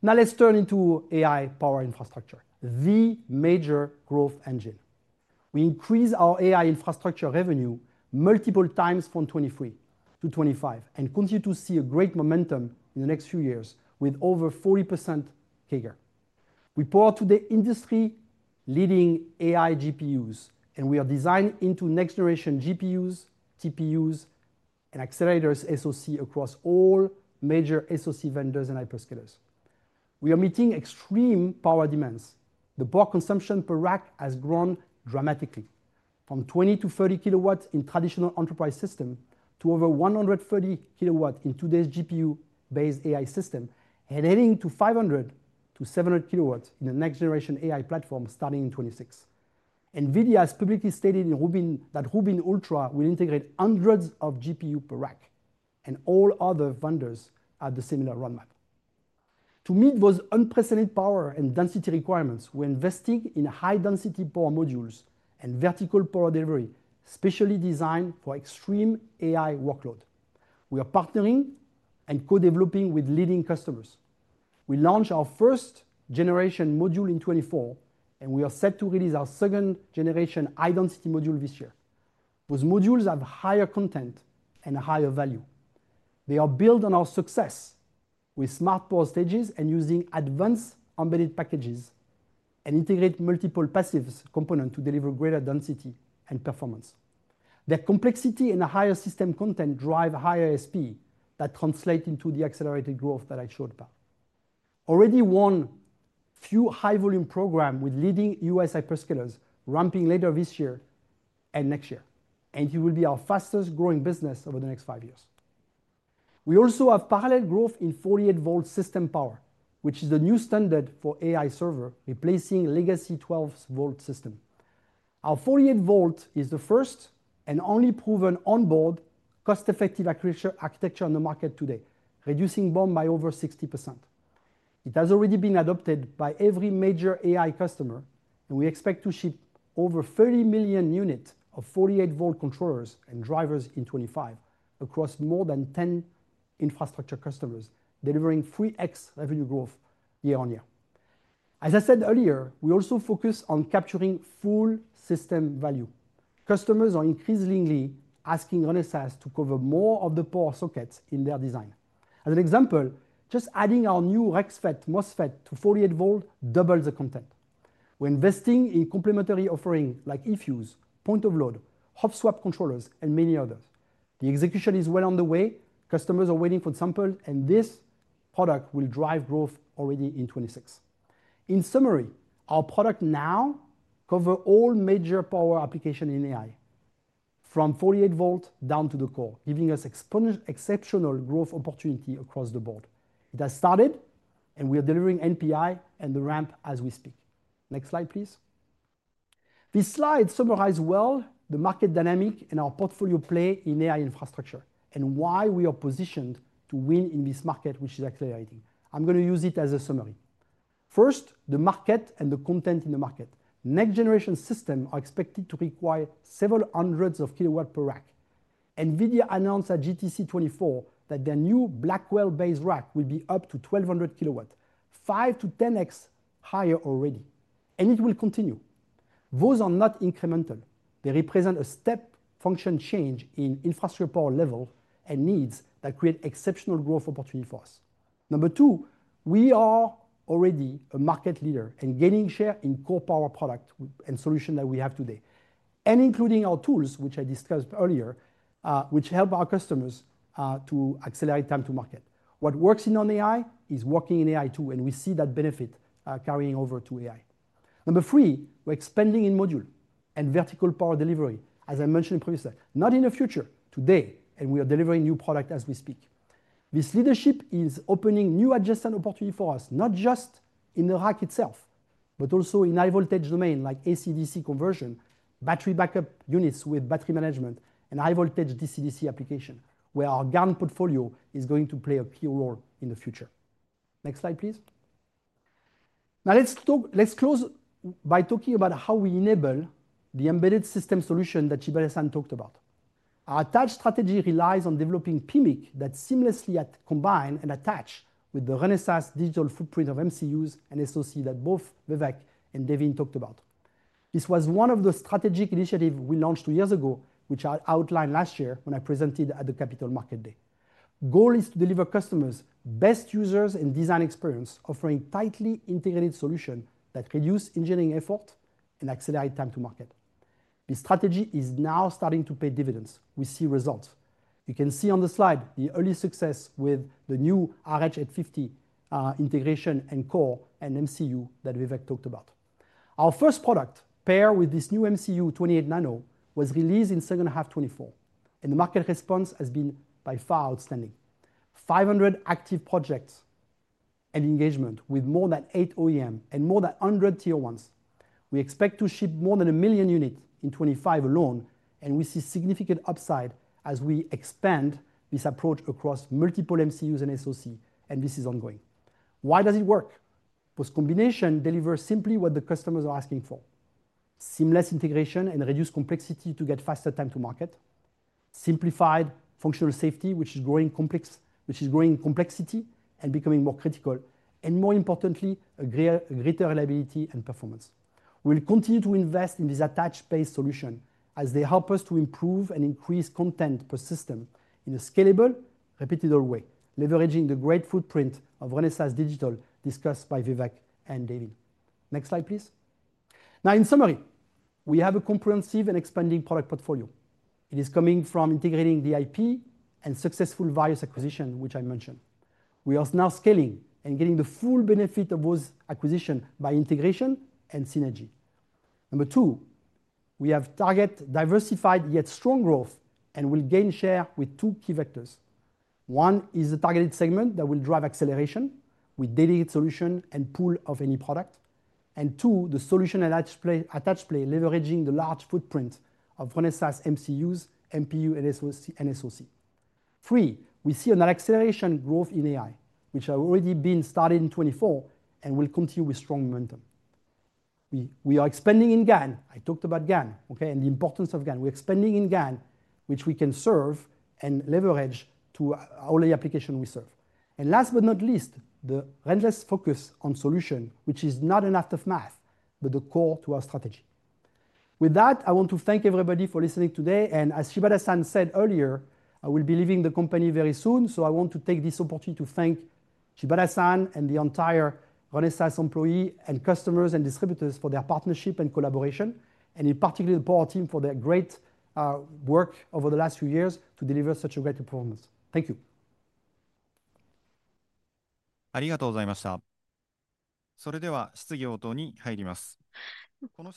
Now, let's turn into AI power infrastructure, the major growth engine. We increase our AI infrastructure revenue multiple times from 2023 to 2025 and continue to see great momentum in the next few years with over 40% CAGR. We power today industry-leading AI GPUs, and we are designed into next-generation GPUs, TPUs, and accelerators SoC across all major SoC vendors and hyperscalers. We are meeting extreme power demands. The power consumption per rack has grown dramatically, from 20-30 kilowatts in traditional enterprise systems to over 130 kilowatts in today's GPU-based AI systems, and heading to 500-700 kilowatts in the next-generation AI platforms starting in 2026. NVIDIA has publicly stated that Rubin Ultra will integrate hundreds of GPUs per rack, and all other vendors have a similar roadmap. To meet those unprecedented power and density requirements, we're investing in high-density power modules and vertical power delivery specially designed for extreme AI workloads. We are partnering and co-developing with leading customers. We launched our first-generation module in 2024, and we are set to release our second-generation high-density module this year. Those modules have higher content and higher value. They are built on our success with smart power stages and using advanced embedded packages and integrate multiple passive components to deliver greater density and performance. Their complexity and higher system content drive higher ASP that translates into the accelerated growth that I showed about. Already won a few high-volume programs with leading US hyperscalers ramping later this year and next year, and it will be our fastest-growing business over the next five years. We also have parallel growth in 48-volt system power, which is the new standard for AI servers, replacing legacy 12-volt systems. Our 48-volt is the first and only proven onboard cost-effective architecture on the market today, reducing BOM by over 60%. It has already been adopted by every major AI customer, and we expect to ship over 30 million units of 48-volt controllers and drivers in 2025 across more than 10 infrastructure customers, delivering 3x revenue growth year on year. As I said earlier, we also focus on capturing full system value. Customers are increasingly asking Renesas to cover more of the power sockets in their design. As an example, just adding our new REXFET MOSFET to 48-volt doubles the content. We're investing in complementary offerings like IFUs, point-of-load, hot-swap controllers, and many others. The execution is well on the way. Customers are waiting for samples, and this product will drive growth already in 2026. In summary, our product now covers all major power applications in AI, from 48-volt down to the core, giving us exceptional growth opportunities across the board. It has started, and we are delivering NPI and the ramp as we speak. Next slide, please. This slide summarizes well the market dynamic and our portfolio play in AI infrastructure and why we are positioned to win in this market, which is accelerating. I'm going to use it as a summary. First, the market and the content in the market. Next-generation systems are expected to require several hundreds of kilowatts per rack. NVIDIA announced at GTC 2024 that their new Blackwell-based rack will be up to 1,200 kilowatts, 5x-10x higher already, and it will continue. Those are not incremental. They represent a step function change in infrastructure power levels and needs that create exceptional growth opportunities for us. Number two, we are already a market leader and gaining share in core power products and solutions that we have today, including our tools, which I discussed earlier, which help our customers to accelerate time to market. What works in non-AI is working in AI too, and we see that benefit carrying over to AI. Number three, we're expanding in module and vertical power delivery, as I mentioned previously, not in the future, today, and we are delivering new products as we speak. This leadership is opening new adjacent opportunities for us, not just in the rack itself, but also in high-voltage domains like AC/DC conversion, battery backup units with battery management, and high-voltage DC/DC applications, where our GaN portfolio is going to play a key role in the future. Next slide, please. Now, let's close by talking about how we enable the embedded system solutions that Ibarra-san talked about. Our attached strategy relies on developing PMIC that seamlessly combine and attach with the Renesas digital footprint of MCUs and SoCs that both Vivek and Devin talked about. This was one of the strategic initiatives we launched two years ago, which I outlined last year when I presented at the Capital Market Day. The goal is to deliver customers' best user and design experience, offering tightly integrated solutions that reduce engineering effort and accelerate time to market. This strategy is now starting to pay dividends. We see results. You can see on the slide the early success with the new RH850 integration and core and MCU that Vivek talked about. Our first product, paired with this new 28-nano MCU, was released in the second half of 2024, and the market response has been by far outstanding. 500 active projects and engagements with more than eight OEMs and more than 100 tier ones. We expect to ship more than 1 million units in 2025 alone, and we see significant upside as we expand this approach across multiple MCUs and SoCs, and this is ongoing. Why does it work? Because the combination delivers simply what the customers are asking for: seamless integration and reduced complexity to get faster time to market, simplified functional safety, which is growing in complexity and becoming more critical, and more importantly, greater reliability and performance. We will continue to invest in these attach-based solutions as they help us to improve and increase content per system in a scalable, repetitive way, leveraging the great footprint of Renesas digital discussed by Vivek and Devin. Next slide, please. Now, in summary, we have a comprehensive and expanding product portfolio. It is coming from integrating the IP and successful various acquisitions, which I mentioned. We are now scaling and getting the full benefit of those acquisitions by integration and synergy. Number two, we have targeted diversified yet strong growth and will gain share with two key vectors. One is the targeted segment that will drive acceleration with daily solutions and pull of any product, and two, the solution attach play, leveraging the large footprint of Renesas MCUs, MPU, and SoC. Three, we see an acceleration growth in AI, which has already been started in 2024 and will continue with strong momentum. We are expanding in GaN. I talked about GaN, okay, and the importance of GaN. We are expanding in GaN, which we can serve and leverage to all the applications we serve. Last but not least, the relentless focus on solutions, which is not an act of math, but the core to our strategy. With that, I want to thank everybody for listening today. As Shibata San said earlier, I will be leaving the company very soon, so I want to take this opportunity to thank Shibata San and the entire Renesas employees and customers and distributors for their partnership and collaboration, and in particular, the power team for their great work over the last few years to deliver such a great performance. Thank you. ありがとうございました。それでは、質疑応答に入ります。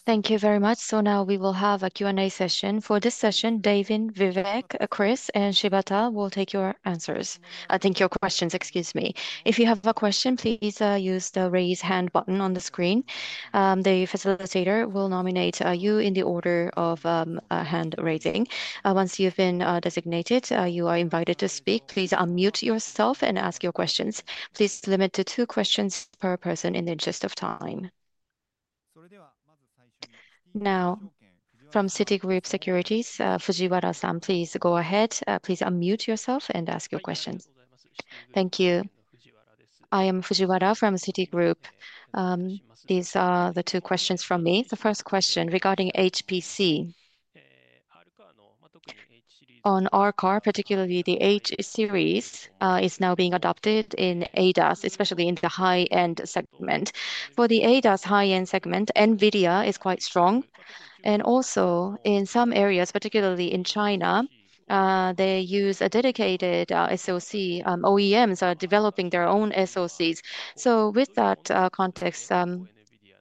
Thank you very much. So now we will have a Q&A session. For this session, Devin, Vivek, Chris, and Shibata will take your questions. If you have a question, please use the raise hand button on the screen. The facilitator will nominate you in the order of hand raising. Once you've been designated, you are invited to speak. Please unmute yourself and ask your questions. Please limit to two questions per person in the interest of time. それでは、まず最初に。Now, from Citigroup Securities, Fujiwara-san, please go ahead. Please unmute yourself and ask your question. Thank you. I am Fujiwara from Citigroup. These are the two questions from me. The first question regarding HPC. On our car, particularly the H series, is now being adopted in ADAS, especially in the high-end segment. For the ADAS high-end segment, NVIDIA is quite strong. Also, in some areas, particularly in China, they use a dedicated SoC. OEMs are developing their own SoCs. With that context,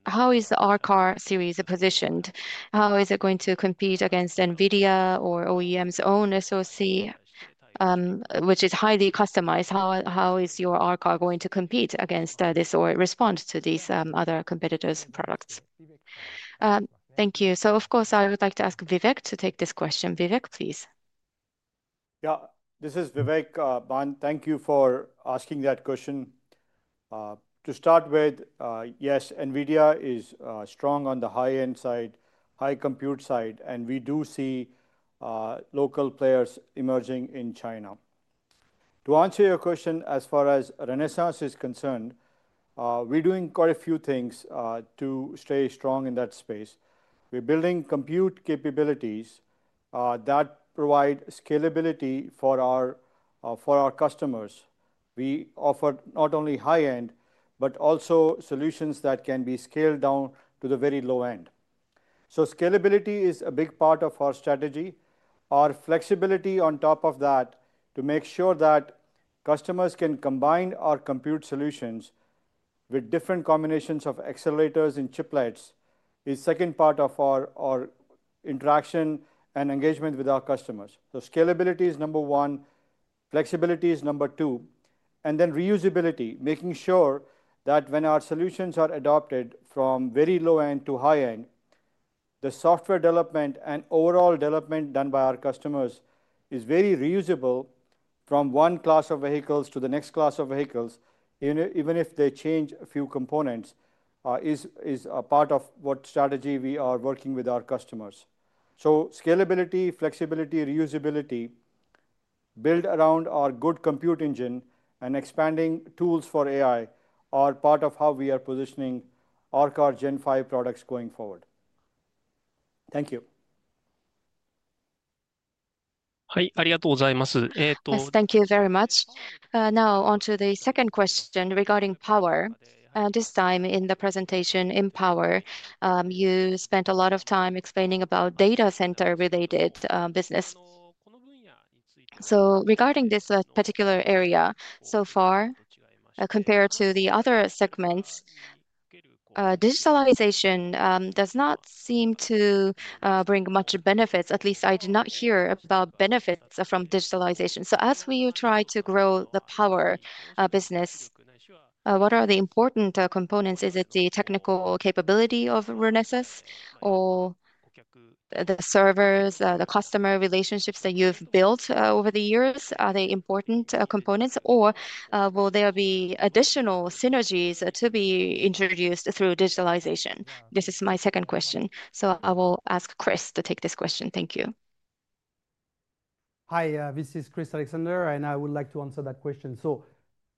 how is the RCAR series positioned? How is it going to compete against NVIDIA or OEM's own SoC, which is highly customized? How is your RCAR going to compete against this or respond to these other competitors' products? Thank you. Of course, I would like to ask Vivek to take this question. Vivek, please. Yeah, this is Vivek. Thank you for asking that question. To start with, yes, NVIDIA is strong on the high-end side, high-compute side, and we do see local players emerging in China. To answer your question, as far as Renesas is concerned, we're doing quite a few things to stay strong in that space. We're building compute capabilities that provide scalability for our customers. We offer not only high-end, but also solutions that can be scaled down to the very low end. Scalability is a big part of our strategy. Our flexibility on top of that to make sure that customers can combine our compute solutions with different combinations of accelerators and chiplets is the second part of our interaction and engagement with our customers. Scalability is number one, flexibility is number two, and then reusability, making sure that when our solutions are adopted from very low end to high end, the software development and overall development done by our customers is very reusable from one class of vehicles to the next class of vehicles, even if they change a few components, is a part of what strategy we are working with our customers. Scalability, flexibility, reusability, built around our good compute engine and expanding tools for AI are part of how we are positioning RCAR Gen5 products going forward. Thank you. はい、ありがとうございます。Thank you very much. Now, on to the second question regarding power. This time in the presentation in power, you spent a lot of time explaining about data center-related business. Regarding this particular area so far, compared to the other segments, digitalization does not seem to bring much benefits. At least I did not hear about benefits from digitalization. As we try to grow the power business, what are the important components? Is it the technical capability of Renesas or the servers, the customer relationships that you have built over the years? Are they important components, or will there be additional synergies to be introduced through digitalization? This is my second question. I will ask Chris to take this question. Thank you. Hi, this is Chris Alexander, and I would like to answer that question.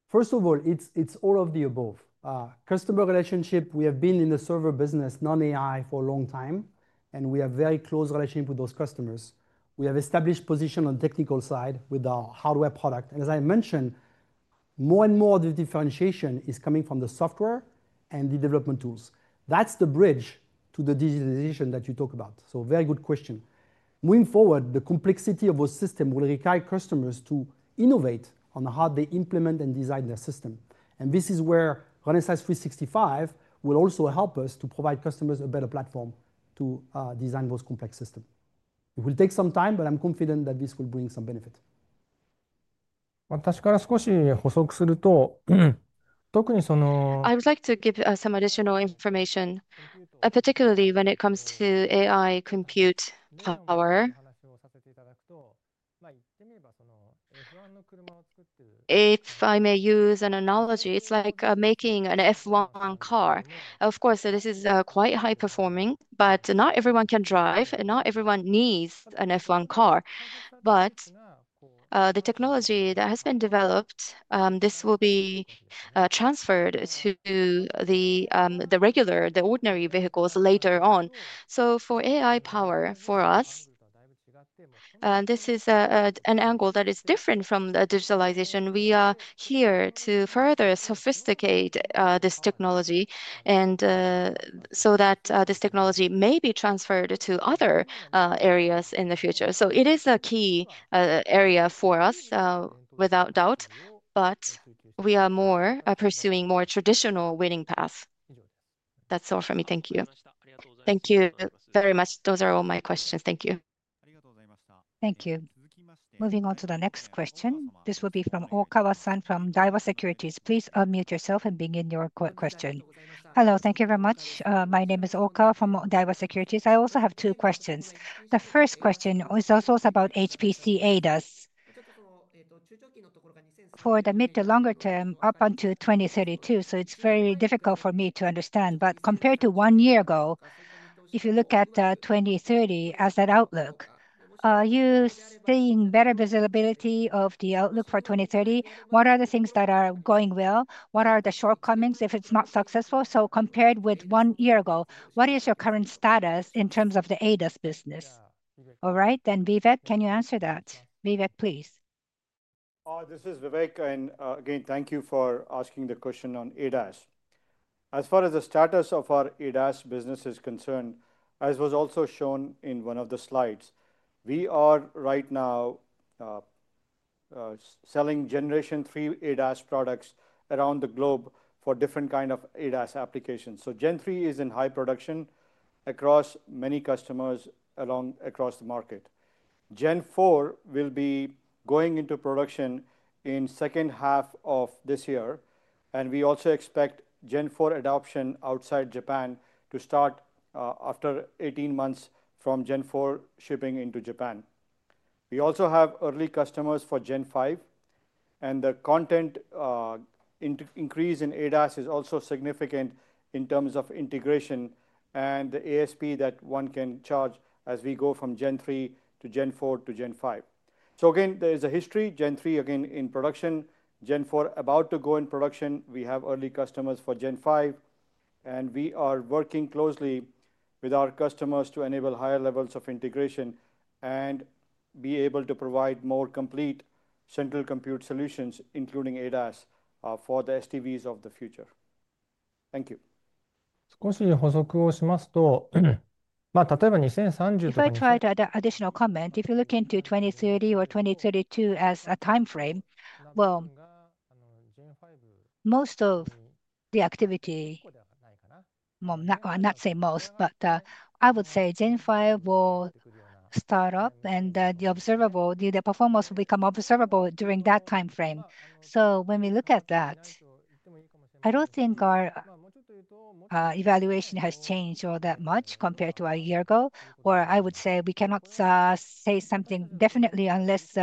First of all, it's all of the above. Customer relationship, we have been in the server business, non-AI for a long time, and we have a very close relationship with those customers. We have established a position on the technical side with our hardware product. As I mentioned, more and more of the differentiation is coming from the software and the development tools. That's the bridge to the digitalization that you talk about. Very good question. Moving forward, the complexity of those systems will require customers to innovate on how they implement and design their system. This is where Renesas 365 will also help us to provide customers a better platform to design those complex systems. It will take some time, but I'm confident that this will bring some benefit. 私から少し補足すると、特にその。I would like to give some additional information, particularly when it comes to AI compute power. 言ってみれば、そのF1の車を作ってる。If I may use an analogy, it's like making an F1 car. Of course, this is quite high performing, but not everyone can drive, and not everyone needs an F1 car. The technology that has been developed, this will be transferred to the regular, the ordinary vehicles later on. For AI power, for us, this is an angle that is different from the digitalization. We are here to further sophisticate this technology so that this technology may be transferred to other areas in the future. It is a key area for us, without doubt, but we are more pursuing a more traditional winning path. That's all from me. Thank you. Thank you very much. Those are all my questions. Thank you. Thank you. Moving on to the next question. This will be from Okawa San from Daiwa Securities. Please unmute yourself and begin your question. Hello, thank you very much. My name is Okawa from Daiwa Securities. I also have two questions. The first question is also about HPC ADAS. For the mid to longer term, up until 2032, so it's very difficult for me to understand, but compared to one year ago, if you look at 2030 as that outlook, are you seeing better visibility of the outlook for 2030? What are the things that are going well? What are the shortcomings if it's not successful? So compared with one year ago, what is your current status in terms of the ADAS business? All right, then Vivek, can you answer that? Vivek, please. This is Vivek, and again, thank you for asking the question on ADAS. As far as the status of our ADAS business is concerned, as was also shown in one of the slides, we are right now selling Generation 3 ADAS products around the globe for different kinds of ADAS applications. Gen 3 is in high production across many customers across the market. Gen 4 will be going into production in the second half of this year, and we also expect Gen 4 adoption outside Japan to start after 18 months from Gen 4 shipping into Japan. We also have early customers for Gen 5, and the content increase in ADAS is also significant in terms of integration and the ASP that one can charge as we go from Gen 3 to Gen 4 to Gen 5. There is a history. Gen 3, again, in production. Gen 4, about to go in production. We have early customers for Gen 5, and we are working closely with our customers to enable higher levels of integration and be able to provide more complete central compute solutions, including ADAS, for the STVs of the future. Thank you. 少し補足をしますと、例えば2030。If I try to add an additional comment, if you look into 2030 or 2032 as a timeframe, most of the activity—not say most, but I would say Gen 5 will start up, and the observable, the performance will become observable during that timeframe. When we look at that, I do not think our evaluation has changed all that much compared to a year ago, or I would say we cannot say something definitely unless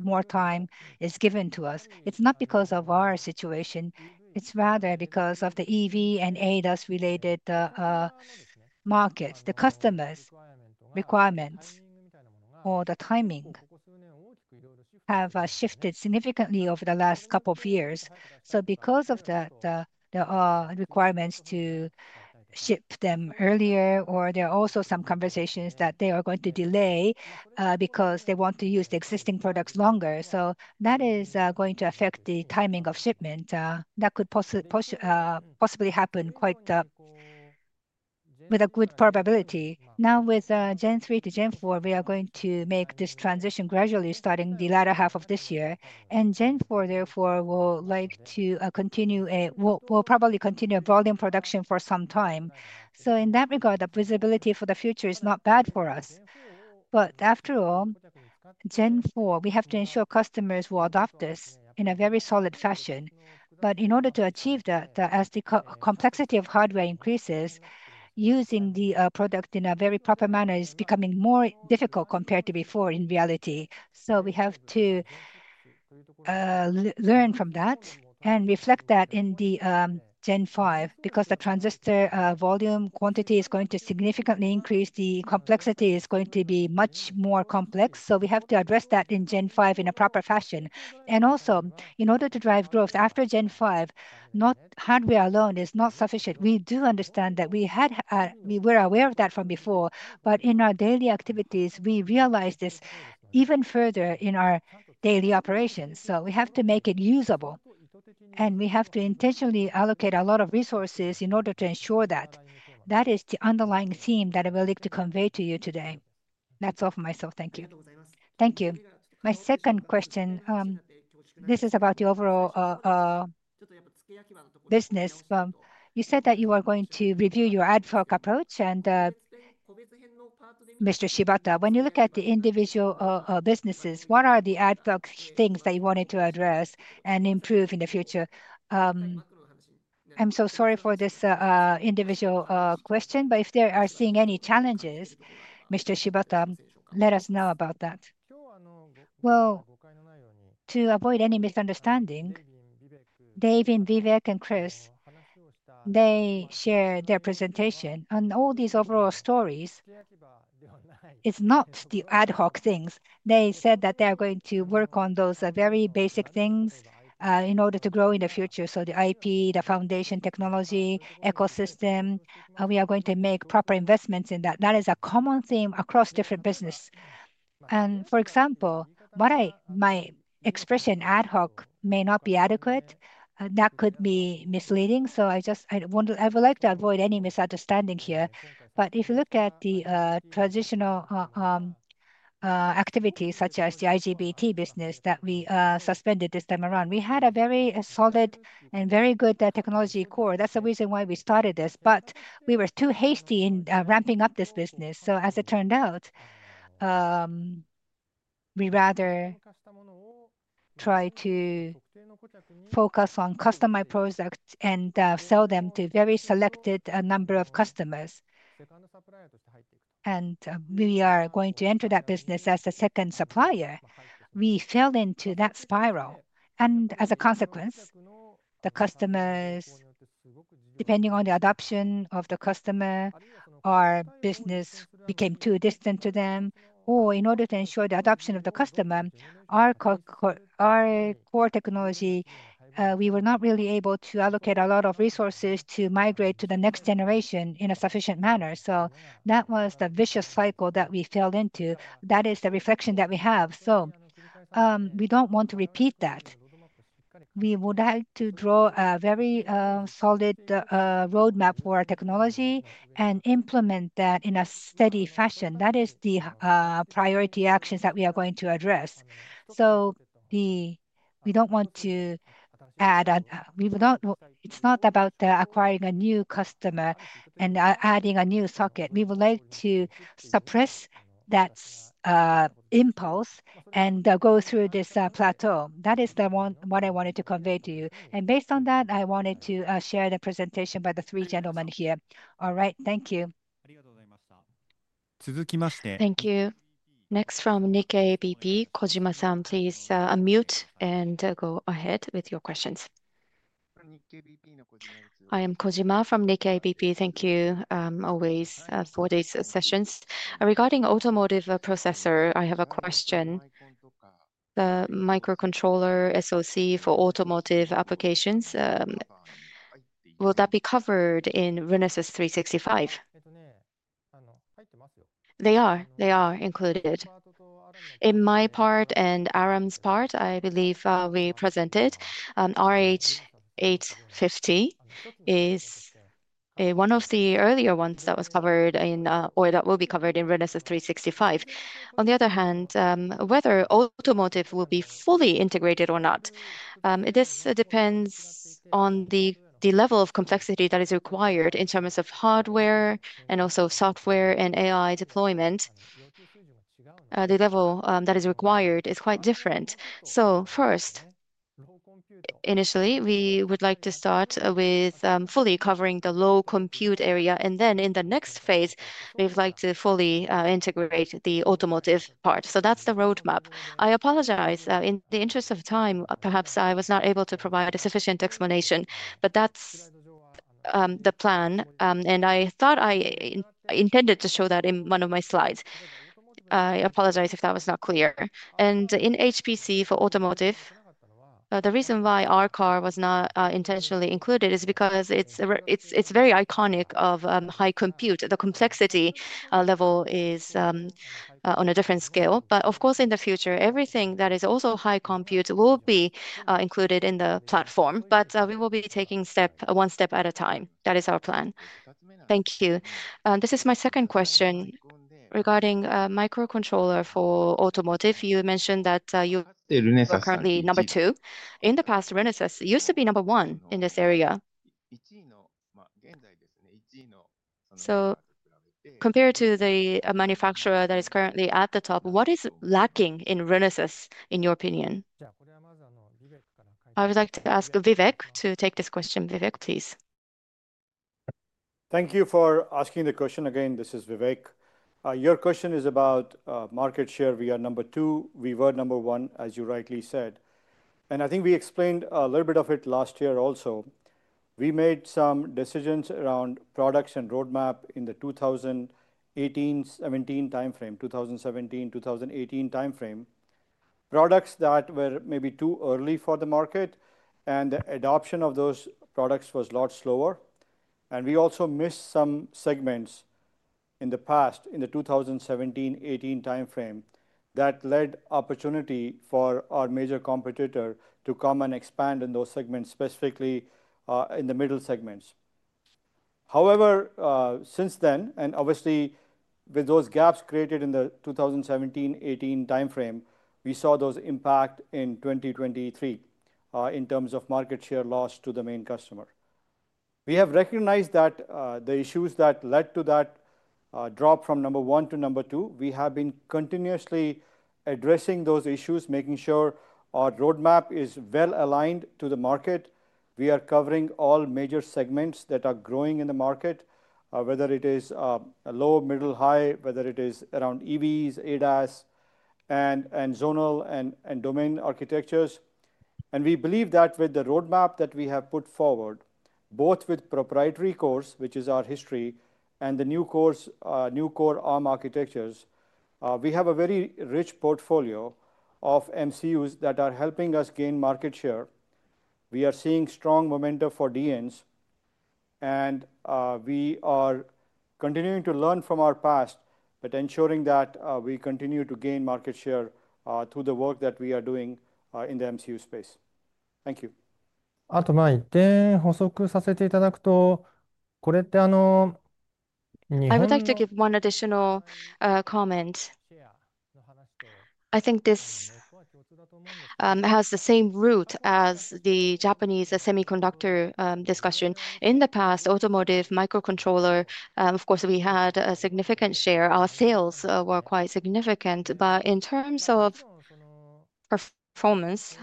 more time is given to us. It is not because of our situation. It's rather because of the EV and ADAS-related markets, the customers' requirements, or the timing have shifted significantly over the last couple of years. Because of that, there are requirements to ship them earlier, or there are also some conversations that they are going to delay because they want to use the existing products longer. That is going to affect the timing of shipment. That could possibly happen quite with a good probability. Now, with Gen 3 to Gen 4, we are going to make this transition gradually starting the latter half of this year. Gen 4, therefore, will probably continue volume production for some time. In that regard, the visibility for the future is not bad for us. After all, Gen 4, we have to ensure customers will adopt this in a very solid fashion. In order to achieve that, as the complexity of hardware increases, using the product in a very proper manner is becoming more difficult compared to before in reality. We have to learn from that and reflect that in Gen 5 because the transistor volume quantity is going to significantly increase. The complexity is going to be much more complex. We have to address that in Gen 5 in a proper fashion. Also, in order to drive growth after Gen 5, hardware alone is not sufficient. We do understand that we were aware of that from before, but in our daily activities, we realize this even further in our daily operations. We have to make it usable, and we have to intentionally allocate a lot of resources in order to ensure that. That is the underlying theme that I would like to convey to you today. That's all for myself. Thank you. Thank you. My second question, this is about the overall business. You said that you are going to review your ad hoc approach, and Mr. Shibata, when you look at the individual businesses, what are the ad hoc things that you wanted to address and improve in the future? I'm so sorry for this individual question, but if they are seeing any challenges, Mr. Shibata, let us know about that. To avoid any misunderstanding, Dave and Vivek and Chris, they shared their presentation. On all these overall stories, it's not the ad hoc things. They said that they are going to work on those very basic things in order to grow in the future. So the IP, the foundation, technology, ecosystem, we are going to make proper investments in that. That is a common theme across different businesses. For example, my expression ad hoc may not be adequate. That could be misleading. I just—I would like to avoid any misunderstanding here. If you look at the traditional activities, such as the IGBT business that we suspended this time around, we had a very solid and very good technology core. That is the reason why we started this. We were too hasty in ramping up this business. As it turned out, we rather tried to focus on customized products and sell them to a very selected number of customers. We are going to enter that business as a second supplier. We fell into that spiral. As a consequence, the customers, depending on the adoption of the customer, our business became too distant to them. In order to ensure the adoption of the customer, our core technology, we were not really able to allocate a lot of resources to migrate to the next generation in a sufficient manner. That was the vicious cycle that we fell into. That is the reflection that we have. We do not want to repeat that. We would like to draw a very solid roadmap for our technology and implement that in a steady fashion. That is the priority actions that we are going to address. We do not want to add—it is not about acquiring a new customer and adding a new socket. We would like to suppress that impulse and go through this plateau. That is what I wanted to convey to you. Based on that, I wanted to share the presentation by the three gentlemen here. All right, thank you. 続きまして。Thank you. Next from Nikkei BP, Kojima-san, please unmute and go ahead with your questions. I am Kojima from Nikkei BP. Thank you always for these sessions. Regarding automotive processor, I have a question. The microcontroller SoC for automotive applications, will that be covered in Renesas 365? They are. They are included. In my part and Aram's part, I believe we presented RH850 as one of the earlier ones that was covered in, or that will be covered in Renesas 365. On the other hand, whether automotive will be fully integrated or not, this depends on the level of complexity that is required in terms of hardware and also software and AI deployment. The level that is required is quite different. First, initially, we would like to start with fully covering the low compute area, and then in the next phase, we would like to fully integrate the automotive part. That is the roadmap. I apologize, in the interest of time, perhaps I was not able to provide a sufficient explanation, but that is the plan. I thought I intended to show that in one of my slides. I apologize if that was not clear. In HPC for automotive, the reason why our car was not intentionally included is because it is very iconic of high compute. The complexity level is on a different scale. Of course, in the future, everything that is also high compute will be included in the platform. We will be taking step, one step at a time. That is our plan. Thank you. This is my second question regarding microcontroller for automotive. You mentioned that you are currently number two. In the past, Renesas used to be number one in this area. Compared to the manufacturer that is currently at the top, what is lacking in Renesas, in your opinion? I would like to ask Vivek to take this question. Vivek, please. Thank you for asking the question. Again, this is Vivek. Your question is about market share. We are number two. We were number one, as you rightly said. I think we explained a little bit of it last year also. We made some decisions around products and roadmap in the 2017-2018 timeframe. Products that were maybe too early for the market, and the adoption of those products was a lot slower. We also missed some segments in the past, in the 2017-2018 timeframe, that led opportunity for our major competitor to come and expand in those segments, specifically in the middle segments. However, since then, and obviously with those gaps created in the 2017-2018 timeframe, we saw those impact in 2023 in terms of market share loss to the main customer. We have recognized that the issues that led to that drop from number one to number two, we have been continuously addressing those issues, making sure our roadmap is well aligned to the market. We are covering all major segments that are growing in the market, whether it is low, middle, high, whether it is around EVs, ADAS, and zonal and domain architectures. We believe that with the roadmap that we have put forward, both with proprietary cores, which is our history, and the new core, new core ARM architectures, we have a very rich portfolio of MCUs that are helping us gain market share. We are seeing strong momentum for DNs, and we are continuing to learn from our past, but ensuring that we continue to gain market share through the work that we are doing in the MCU space. Thank you. あと一点補足させていただくと、これって。I would like to give one additional comment. I think this has the same root as the Japanese semiconductor discussion. In the past, automotive microcontroller, of course, we had a significant share. Our sales were quite significant, but in terms of performance,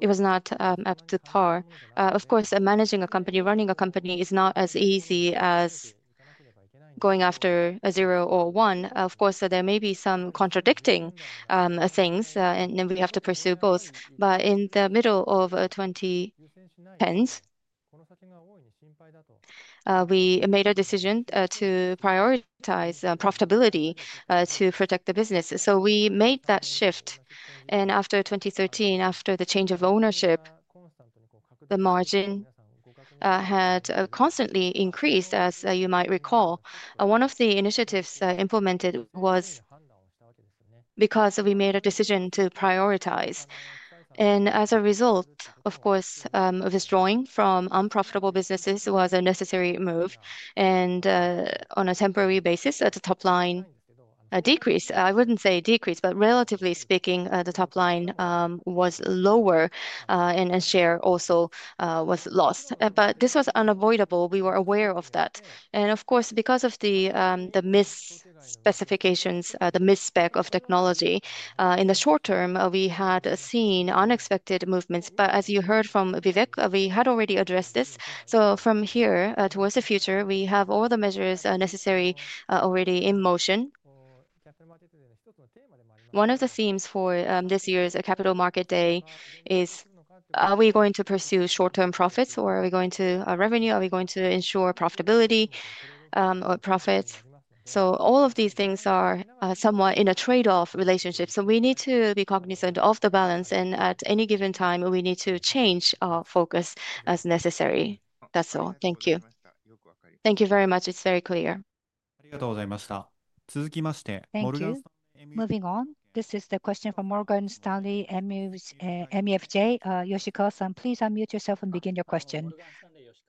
it was not up to par. Of course, managing a company, running a company is not as easy as going after a zero or one. Of course, there may be some contradicting things, and we have to pursue both. In the middle of the 2010s, we made a decision to prioritize profitability to protect the business. We made that shift. After 2013, after the change of ownership, the margin had constantly increased, as you might recall. One of the initiatives implemented was because we made a decision to prioritize. As a result, of course, withdrawing from unprofitable businesses was a necessary move. On a temporary basis, the top line decreased—I would not say decreased, but relatively speaking, the top line was lower, and share also was lost. This was unavoidable. We were aware of that. Of course, because of the misspecifications, the misspec of technology, in the short term, we had seen unexpected movements. As you heard from Vivek, we had already addressed this. From here towards the future, we have all the measures necessary already in motion. One of the themes for this year's Capital Market Day is, are we going to pursue short-term profits, or are we going to revenue? Are we going to ensure profitability or profits? All of these things are somewhat in a trade-off relationship. We need to be cognizant of the balance. At any given time, we need to change our focus as necessary. That's all. Thank you. Thank you very much. It's very clear. 続きまして、Moving on, question from Morgan Stanley MUFJ, Yoshiko. Please unmute yourself and begin your question.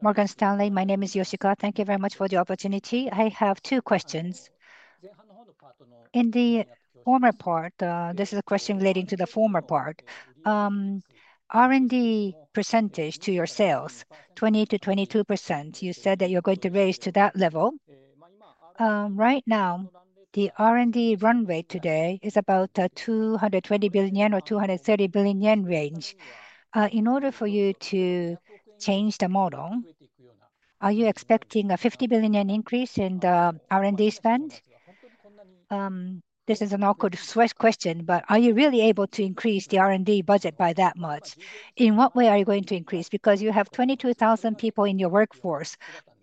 Morgan Stanley, my name is Yoshiko. Thank you very much for the opportunity. I have two questions. In the former part, this is a question relating to the former part. R&D percentage to your sales, 20%-22%. You said that you're going to raise to that level. Right now, the R&D run rate today is about 220 billion-230 billion yen range. In order for you to change the model, are you expecting a 50 billion increase in the R&D spend? This is an awkward question, but are you really able to increase the R&D budget by that much? In what way are you going to increase? You have 22,000 people in your workforce.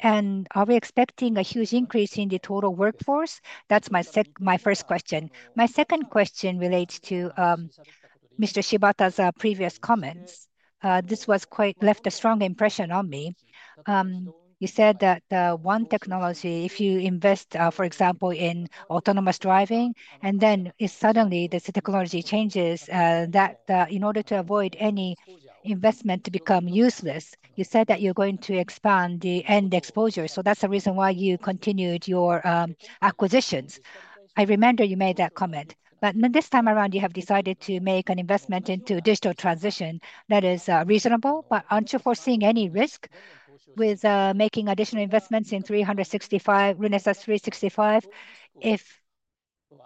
Are we expecting a huge increase in the total workforce? That is my first question. My second question relates to Mr. Shibata's previous comments. This quite left a strong impression on me. You said that one technology, if you invest, for example, in autonomous driving, and then suddenly the technology changes, that in order to avoid any investment to become useless, you said that you are going to expand the end exposure. That is the reason why you continued your acquisitions. I remember you made that comment. This time around, you have decided to make an investment into digital transition. That is reasonable, but are you not foreseeing any risk with making additional investments in 365, Renesas 365?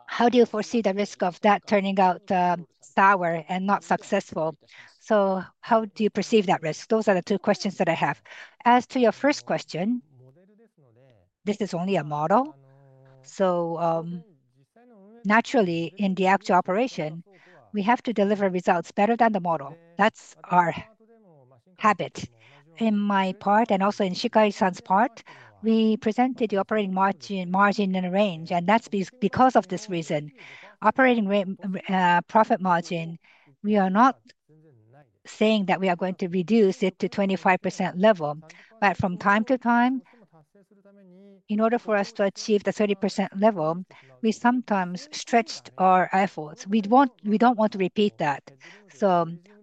How do you foresee the risk of that turning out sour and not successful? How do you perceive that risk? Those are the two questions that I have. As to your first question, this is only a model. Naturally, in the actual operation, we have to deliver results better than the model. That is our habit. In my part, and also in Shinkai-san's part, we presented the operating margin in a range. That is because of this reason. Operating profit margin, we are not saying that we are going to reduce it to the 25% level. From time to time, in order for us to achieve the 30% level, we sometimes stretch our efforts. We do not want to repeat that.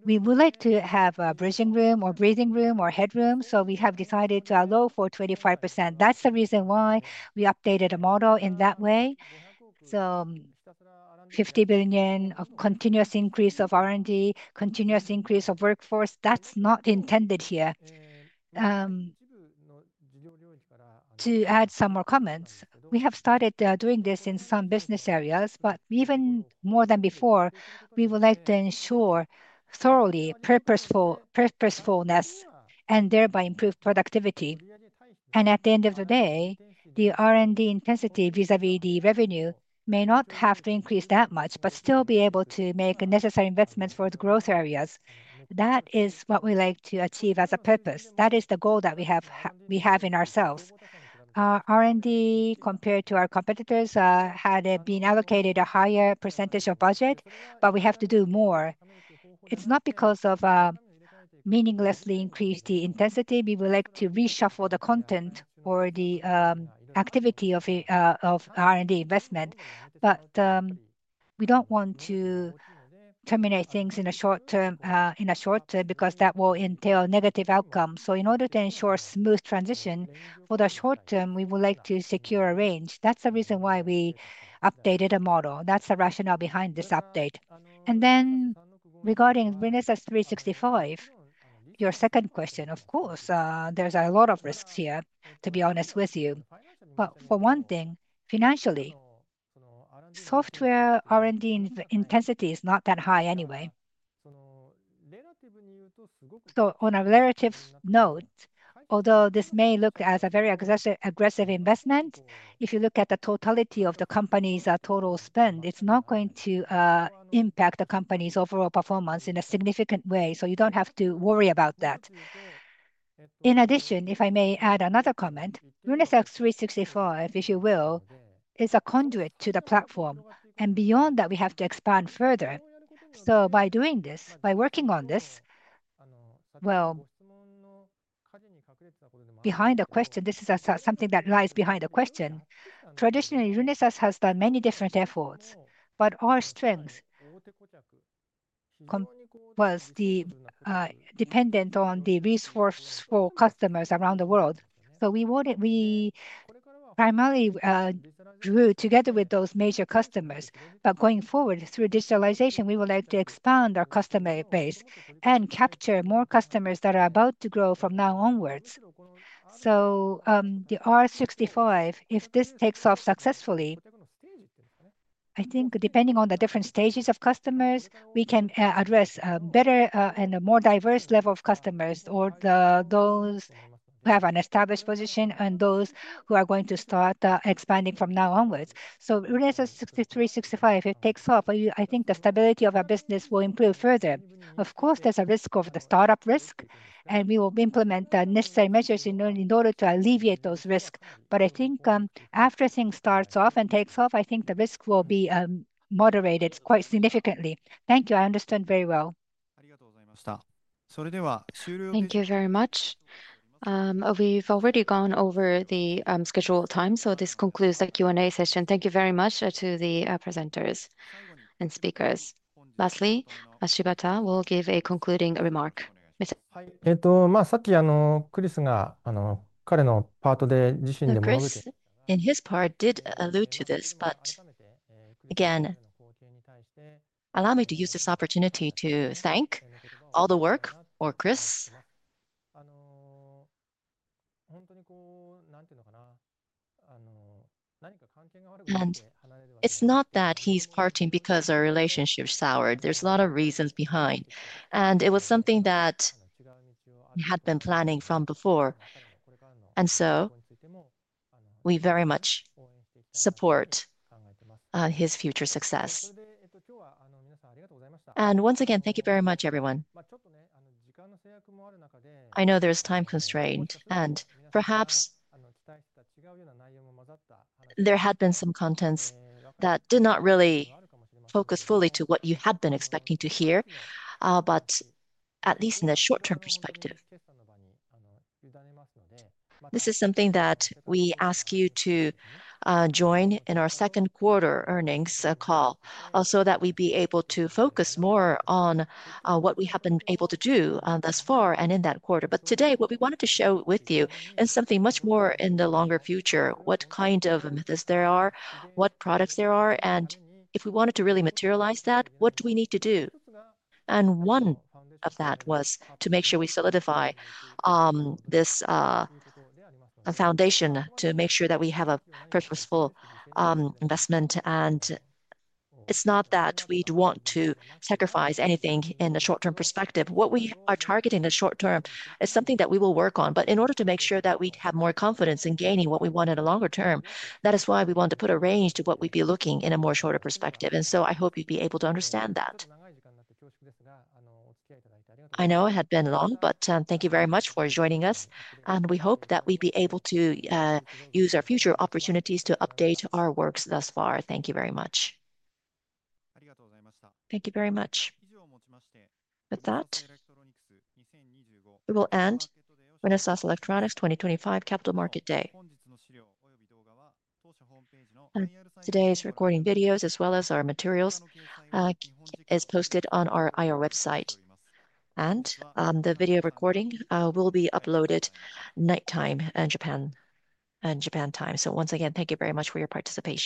We would like to have a bridging room or breathing room or headroom. We have decided to allow for 25%. That is the reason why we updated the model in that way. 50 billion yen of continuous increase of R&D, continuous increase of workforce, that is not intended here. To add some more comments, we have started doing this in some business areas, but even more than before, we would like to ensure thoroughly purposefulness and thereby improve productivity. At the end of the day, the R&D intensity vis-à-vis the revenue may not have to increase that much, but still be able to make necessary investments for the growth areas. That is what we like to achieve as a purpose. That is the goal that we have in ourselves. R&D, compared to our competitors, had been allocated a higher percentage of budget, but we have to do more. It's not because of meaninglessly increased intensity. We would like to reshuffle the content or the activity of R&D investment. We don't want to terminate things in the short term because that will entail negative outcomes. In order to ensure smooth transition for the short term, we would like to secure a range. That's the reason why we updated the model. That's the rationale behind this update. Regarding Renesas 365, your second question, of course, there's a lot of risks here, to be honest with you. For one thing, financially, software R&D intensity is not that high anyway. On a relative note, although this may look as a very aggressive investment, if you look at the totality of the company's total spend, it's not going to impact the company's overall performance in a significant way. You don't have to worry about that. In addition, if I may add another comment, Renesas 365, if you will, is a conduit to the platform. Beyond that, we have to expand further. By doing this, by working on this, well, behind the question, this is something that lies behind the question. Traditionally, Renesas has done many different efforts, but our strength was dependent on the resourceful customers around the world. We primarily grew together with those major customers. Going forward, through digitalization, we would like to expand our customer base and capture more customers that are about to grow from now onwards. The R65, if this takes off successfully, I think depending on the different stages of customers, we can address a better and a more diverse level of customers, or those who have an established position and those who are going to start expanding from now onwards. Renesas 365, if it takes off, I think the stability of our business will improve further. Of course, there is a risk of the startup risk, and we will implement the necessary measures in order to alleviate those risks. I think after things start off and take off, the riskwill be moderated quite significantly. Thank you. I understand very well. Thank you very much. We have already gone over the scheduled time, so this concludes the Q&A session. Thank you very much to the presenters and speakers. Lastly, Shibata will give a concluding remark. Chris, in his part, did allude to this, but again, allow me to use this opportunity to thank all the work for Chris. It's not that he's parting because our relationship soured. There's a lot of reasons behind. It was something that he had been planning from before. We very much support his future success. Once again, thank you very much, everyone. I know there's time constraint, and perhaps there had been some contents that did not really focus fully to what you had been expecting to hear, but at least in the short-term perspective. This is something that we ask you to join in our second quarter earnings call so that we be able to focus more on what we have been able to do thus far and in that quarter. Today, what we wanted to show with you is something much more in the longer future, what kind of methods there are, what products there are, and if we wanted to really materialize that, what do we need to do. One of that was to make sure we solidify this foundation to make sure that we have a purposeful investment. It is not that we would want to sacrifice anything in the short-term perspective. What we are targeting in the short-term is something that we will work on. In order to make sure that we have more confidence in gaining what we want in the longer term, that is why we want to put a range to what we would be looking in a more shorter perspective. I hope you would be able to understand that. I know it had been long, but thank you very much for joining us. We hope that we would be able to use our future opportunities to update our works thus far. Thank you very much. Thank you very much. With that, we will end Renesas Electronics 2025 Capital Market Day. Today's recording videos, as well as our materials, are posted on our IR website. The video recording will be uploaded nighttime Japan time. Once again, thank you very much for your participation.